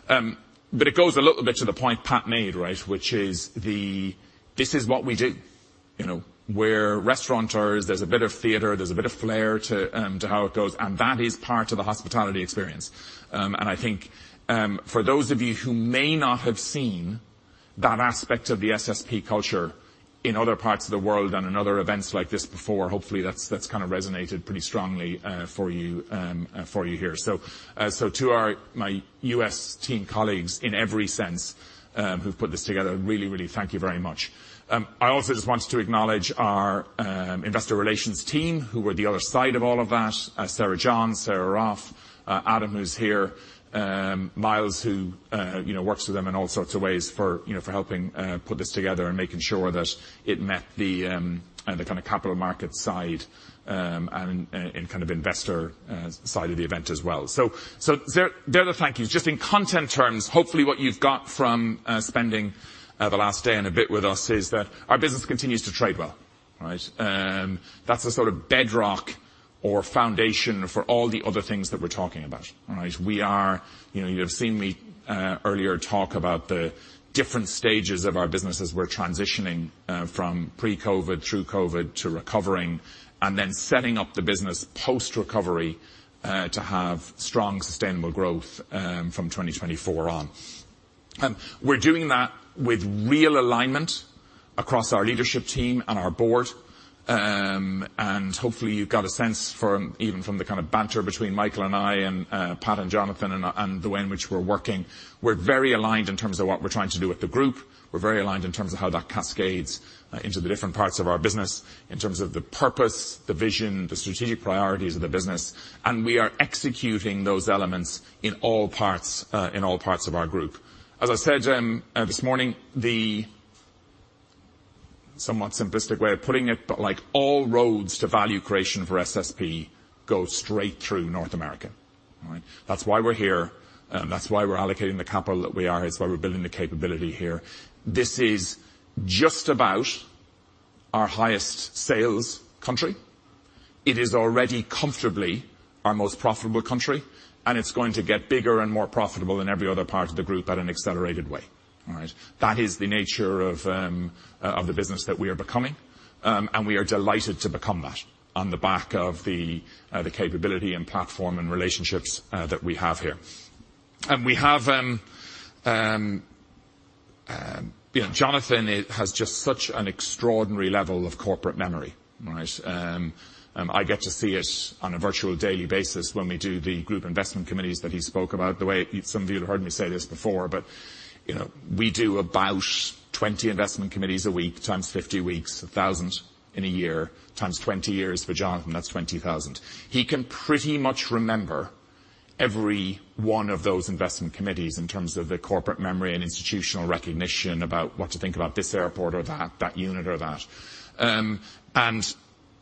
It goes a little bit to the point Pat made, right? Which is the, "This is what we do." You know, we're restaurateurs, there's a bit of theater, there's a bit of flair to how it goes, and that is part of the hospitality experience. I think, for those of you who may not have seen that aspect of the SSP culture in other parts of the world and in other events like this before, hopefully that's kind of resonated pretty strongly for you here. To my U.S. team colleagues, in every sense, who've put this together, really thank you very much. I also just wanted to acknowledge our investor relations team, who were the other side of all of that. Sarah John, Sarah Roff, Adam, who's here, Miles, who, you know, works with them in all sorts of ways for, you know, for helping, put this together and making sure that it met the kind of capital market side and kind of investor side of the event as well. There are the thank yous. Just in content terms, hopefully what you've got from spending the last day and a bit with us is that our business continues to trade well, right? That's the sort of bedrock or foundation for all the other things that we're talking about, right? We are... You know, you have seen me earlier talk about the different stages of our business as we're transitioning from pre-COVID, through COVID, to recovering, and then setting up the business post-recovery to have strong, sustainable growth from 2024 on. We're doing that with real alignment across our leadership team and our board. Hopefully you've got a sense from, even from the kind of banter between Michael and I, and Pat and Jonathan, and the way in which we're working. We're very aligned in terms of what we're trying to do with the Group. We're very aligned in terms of how that cascades into the different parts of our business, in terms of the purpose, the vision, the strategic priorities of the business, and we are executing those elements in all parts of our Group. As I said this morning, the somewhat simplistic way of putting it, all roads to value creation for SSP go straight through North America, all right? That's why we're here, that's why we're allocating the capital that we are. It's why we're building the capability here. This is just about our highest sales country. It is already comfortably our most profitable country, it's going to get bigger and more profitable than every other part of the group at an accelerated way, all right? That is the nature of the business that we are becoming, we are delighted to become that on the back of the capability and platform and relationships that we have here. We have, you know, Jonathan has just such an extraordinary level of corporate memory, all right? I get to see it on a virtual daily basis when we do the group investment committees that he spoke about. Some of you have heard me say this before, you know, we do about 20 investment committees a week, times 50 weeks, 1,000 in a year, times 20 years for Jonathan, that's 20,000. He can pretty much remember every one of those investment committees in terms of the corporate memory and institutional recognition about what to think about this airport or that unit or that.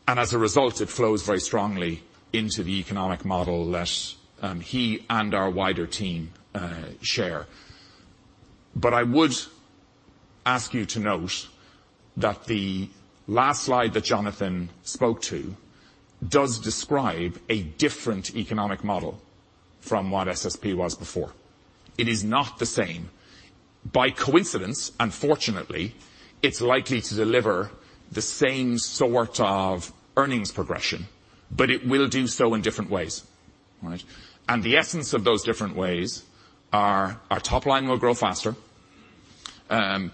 As a result, it flows very strongly into the economic model that he and our wider team share. I would ask you to note that the last slide that Jonathan spoke to does describe a different economic model from what SSP was before. It is not the same. By coincidence, fortunately, it's likely to deliver the same sort of earnings progression, but it will do so in different ways, all right? The essence of those different ways are, our top line will grow faster, and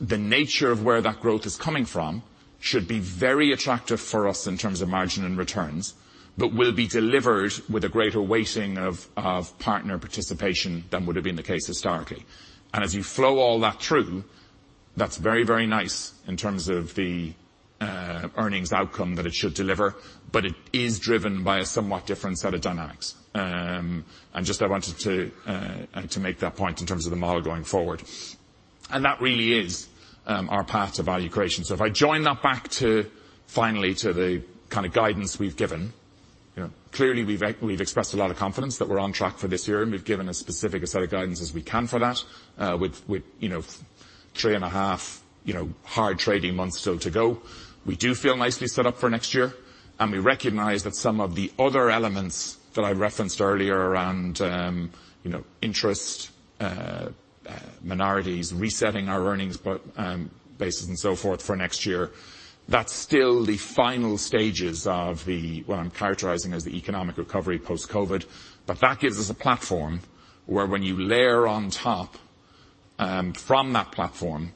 the nature of where that growth is coming from should be very attractive for us in terms of margin and returns, but will be delivered with a greater weighting of partner participation than would have been the case historically. As you flow all that through, that's very, very nice in terms of the earnings outcome that it should deliver, but it is driven by a somewhat different set of dynamics. Just I wanted to make that point in terms of the model going forward. That really is our path to value creation. If I join that back to finally, to the kind of guidance we've given, you know, clearly, we've expressed a lot of confidence that we're on track for this year, and we've given as specific a set of guidance as we can for that, with, you know, three and a half, you know, hard trading months still to go. We do feel nicely set up for next year, and we recognize that some of the other elements that I referenced earlier around, you know, interest, minorities, resetting our earnings, but, bases and so forth for next year, that's still the final stages of the, what I'm characterizing as the economic recovery post-COVID. That gives us a platform where when you layer on top, from that platform,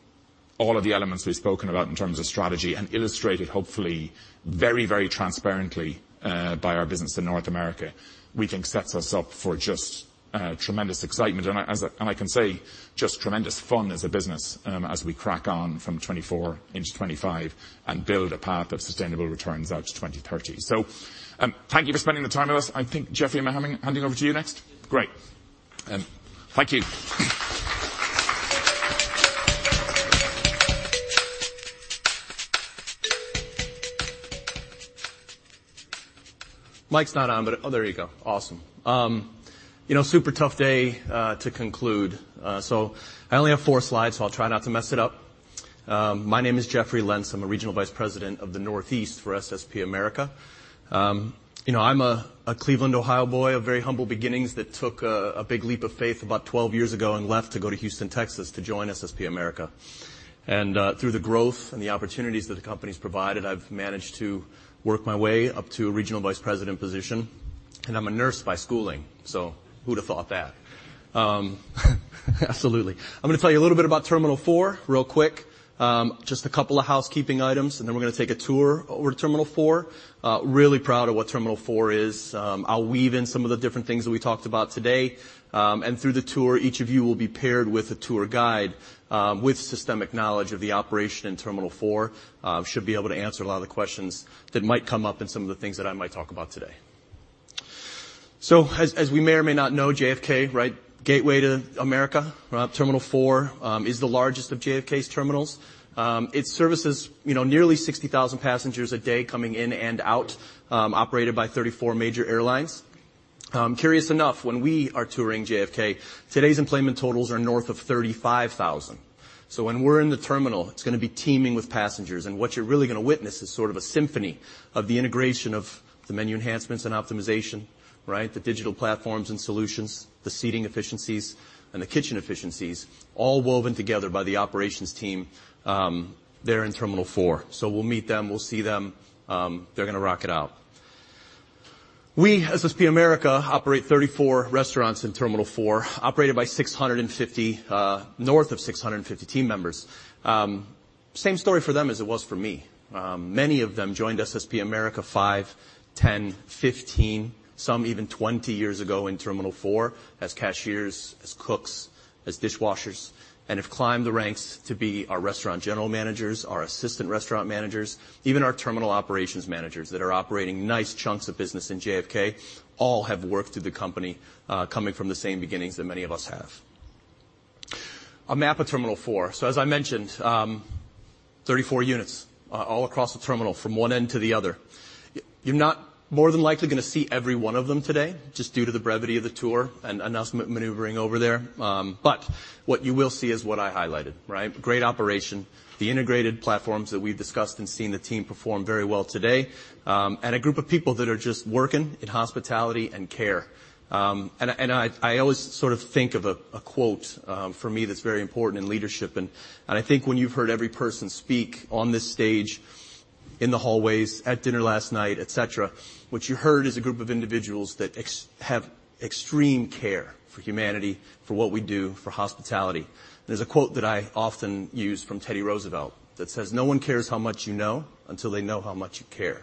all of the elements we've spoken about in terms of strategy and illustrate it, hopefully, very, very transparently, by our business in North America, we think sets us up for just tremendous excitement. I can say just tremendous fun as a business, as we crack on from 2024 into 2025 and build a path of sustainable returns out to 2030. Thank you for spending the time with us. I think, Geoffrey, am I handing over to you next? Great. Thank you. Mic's not on, but... Oh, there you go. Awesome. You know, super tough day to conclude. I only have 4 slides, so I'll try not to mess it up. My name is Geoffrey Lentz. I'm a Regional Vice President of the Northeast for SSP America. You know, I'm a Cleveland, Ohio boy, of very humble beginnings that took a big leap of faith about 12 years ago and left to go to Houston, Texas, to join SSP America. Through the growth and the opportunities that the company's provided, I've managed to work my way up to a Regional Vice President position. I'm a nurse by schooling, who'd have thought that? Absolutely. I'm gonna tell you a little bit about Terminal 4 real quick. Just a couple of housekeeping items, and then we're gonna take a tour over to Terminal 4. Really proud of what Terminal 4 is. I'll weave in some of the different things that we talked about today, and through the tour, each of you will be paired with a tour guide, with systemic knowledge of the operation in Terminal 4. Should be able to answer a lot of the questions that might come up in some of the things that I might talk about today. As we may or may not know, JFK, right, gateway to America, Terminal 4, is the largest of JFK's terminals. It services, you know, nearly 60,000 passengers a day coming in and out, operated by 34 major airlines. Curious enough, when we are touring JFK, today's enplanement totals are north of 35,000. When we're in the terminal, it's gonna be teeming with passengers, and what you're really gonna witness is sort of a symphony of the integration of the menu enhancements and optimization, right? The digital platforms and solutions, the seating efficiencies, and the kitchen efficiencies, all woven together by the operations team there in Terminal 4. We'll meet them, we'll see them, they're gonna rock it out. We, SSP America, operate 34 restaurants in Terminal 4, operated by 650, north of 650 team members. Same story for them as it was for me. Many of them joined SSP America 5, 10, 15, some even 20 years ago in Terminal 4 as cashiers, as cooks, as dishwashers, and have climbed the ranks to be our restaurant general managers, our assistant restaurant managers, even our terminal operations managers that are operating nice chunks of business in JFK, all have worked through the company, coming from the same beginnings that many of us have. A map of Terminal 4. As I mentioned, 34 units, all across the terminal from one end to the other. You're not more than likely gonna see every one of them today, just due to the brevity of the tour and announcement maneuvering over there. What you will see is what I highlighted, right? Great operation, the integrated platforms that we've discussed and seen the team perform very well today, and a group of people that are just working in hospitality and care. I, and I always sort of think of a quote, for me, that's very important in leadership, and I think when you've heard every person speak on this stage, in the hallways, at dinner last night, et cetera, what you heard is a group of individuals that have extreme care for humanity, for what we do, for hospitality. There's a quote that I often use from Teddy Roosevelt that says: "No one cares how much you know, until they know how much you care."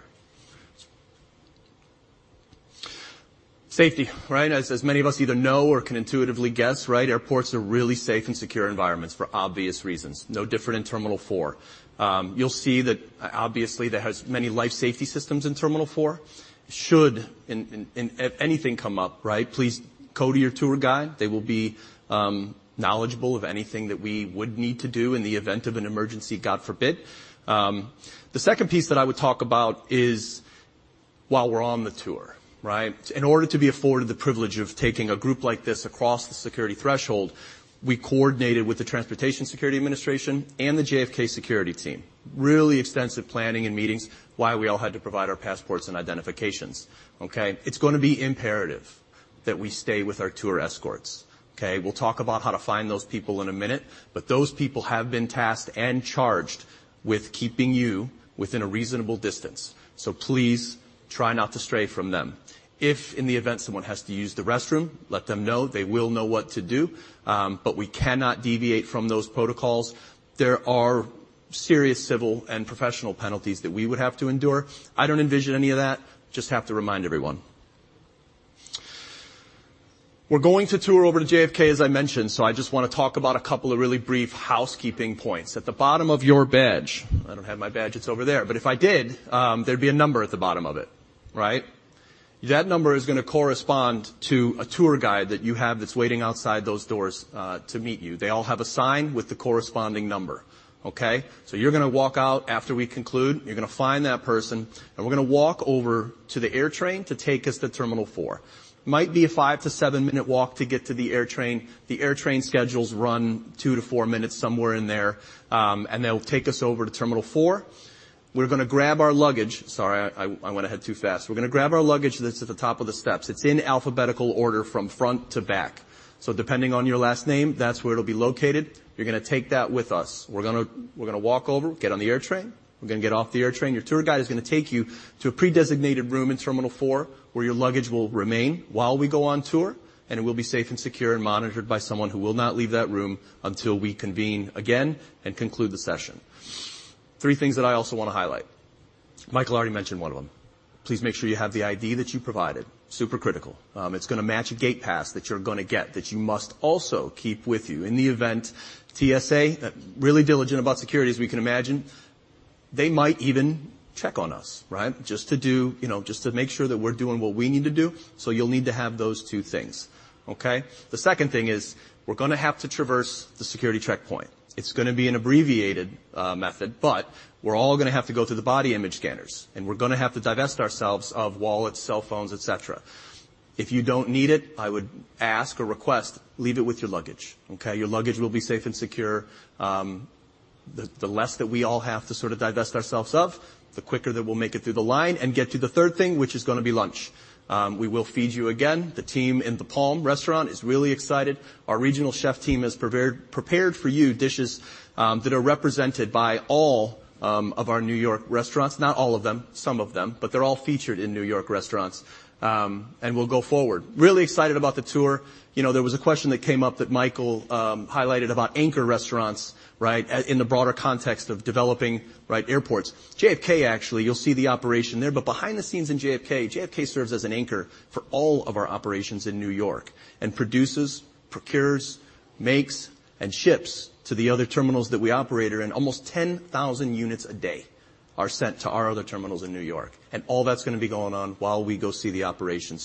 Safety, right? As many of us either know or can intuitively guess, right, airports are really safe and secure environments for obvious reasons. No different in Terminal 4. You'll see that obviously, there has many life safety systems in Terminal 4. Should and if anything come up, right, please go to your tour guide. They will be knowledgeable of anything that we would need to do in the event of an emergency, God forbid. The second piece that I would talk about is while we're on the tour, right? In order to be afforded the privilege of taking a group like this across the security threshold, we coordinated with the Transportation Security Administration and the JFK security team. Really extensive planning and meetings, why we all had to provide our passports and identifications, okay? It's gonna be imperative that we stay with our tour escorts, okay? We'll talk about how to find those people in a minute, but those people have been tasked and charged with keeping you within a reasonable distance. Please try not to stray from them. If in the event someone has to use the restroom, let them know. They will know what to do. We cannot deviate from those protocols. There are serious civil and professional penalties that we would have to endure. I don't envision any of that, just have to remind everyone. We're going to tour over to JFK, as I mentioned. I just wanna talk about a couple of really brief housekeeping points. At the bottom of your badge. I don't have my badge, it's over there, but if I did, there'd be a number at the bottom of it, right? That number is gonna correspond to a tour guide that you have that's waiting outside those doors to meet you. They all have a sign with the corresponding number, okay? You're gonna walk out after we conclude, you're gonna find that person, and we're gonna walk over to the AirTrain to take us to Terminal 4. Might be a 5-7-minute walk to get to the AirTrain. The AirTrain schedules run 2-4 minutes, somewhere in there, and they'll take us over to Terminal 4. We're gonna grab our luggage. Sorry, I went ahead too fast. We're gonna grab our luggage that's at the top of the steps. It's in alphabetical order from front to back. Depending on your last name, that's where it'll be located. You're gonna take that with us. We're gonna walk over, get on the AirTrain. We're gonna get off the AirTrain. Your tour guide is gonna take you to a predesignated room in Terminal 4, where your luggage will remain while we go on tour. It will be safe and secure and monitored by someone who will not leave that room until we convene again and conclude the session. Three things that I also wanna highlight. Michael already mentioned one of them. Please make sure you have the I.D. that you provided. Super critical. It's gonna match a gate pass that you're gonna get, that you must also keep with you. In the event, TSA, really diligent about security, as we can imagine, they might even check on us, right? You know, just to make sure that we're doing what we need to do, so you'll need to have those two things, okay? The second thing is, we're gonna have to traverse the security checkpoint. It's gonna be an abbreviated method. We're all gonna have to go through the body image scanners, and we're gonna have to divest ourselves of wallets, cell phones, et cetera. If you don't need it, I would ask or request, leave it with your luggage, okay? Your luggage will be safe and secure. The less that we all have to sort of divest ourselves of, the quicker that we'll make it through the line and get to the third thing, which is gonna be lunch. We will feed you again. The team in the Palm Restaurant is really excited. Our regional chef team has prepared for you dishes that are represented by all of our New York restaurants. Not all of them, some of them, but they're all featured in New York restaurants. We'll go forward. Really excited about the tour. You know, there was a question that came up that Michael highlighted about anchor restaurants, right, in the broader context of developing, right, airports. JFK, actually, you'll see the operation there, but behind the scenes in JFK serves as an anchor for all of our operations in New York and produces, procures, makes, and ships to the other terminals that we operate in. Almost 10,000 units a day are sent to our other terminals in New York. All that's gonna be going on while we go see the operation.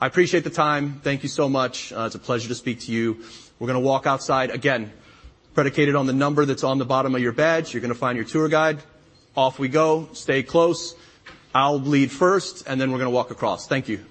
I appreciate the time. Thank you so much. It's a pleasure to speak to you. We're gonna walk outside. Again, predicated on the number that's on the bottom of your badge, you're gonna find your tour guide. Off we go. Stay close. I'll lead first, and then we're gonna walk across. Thank you.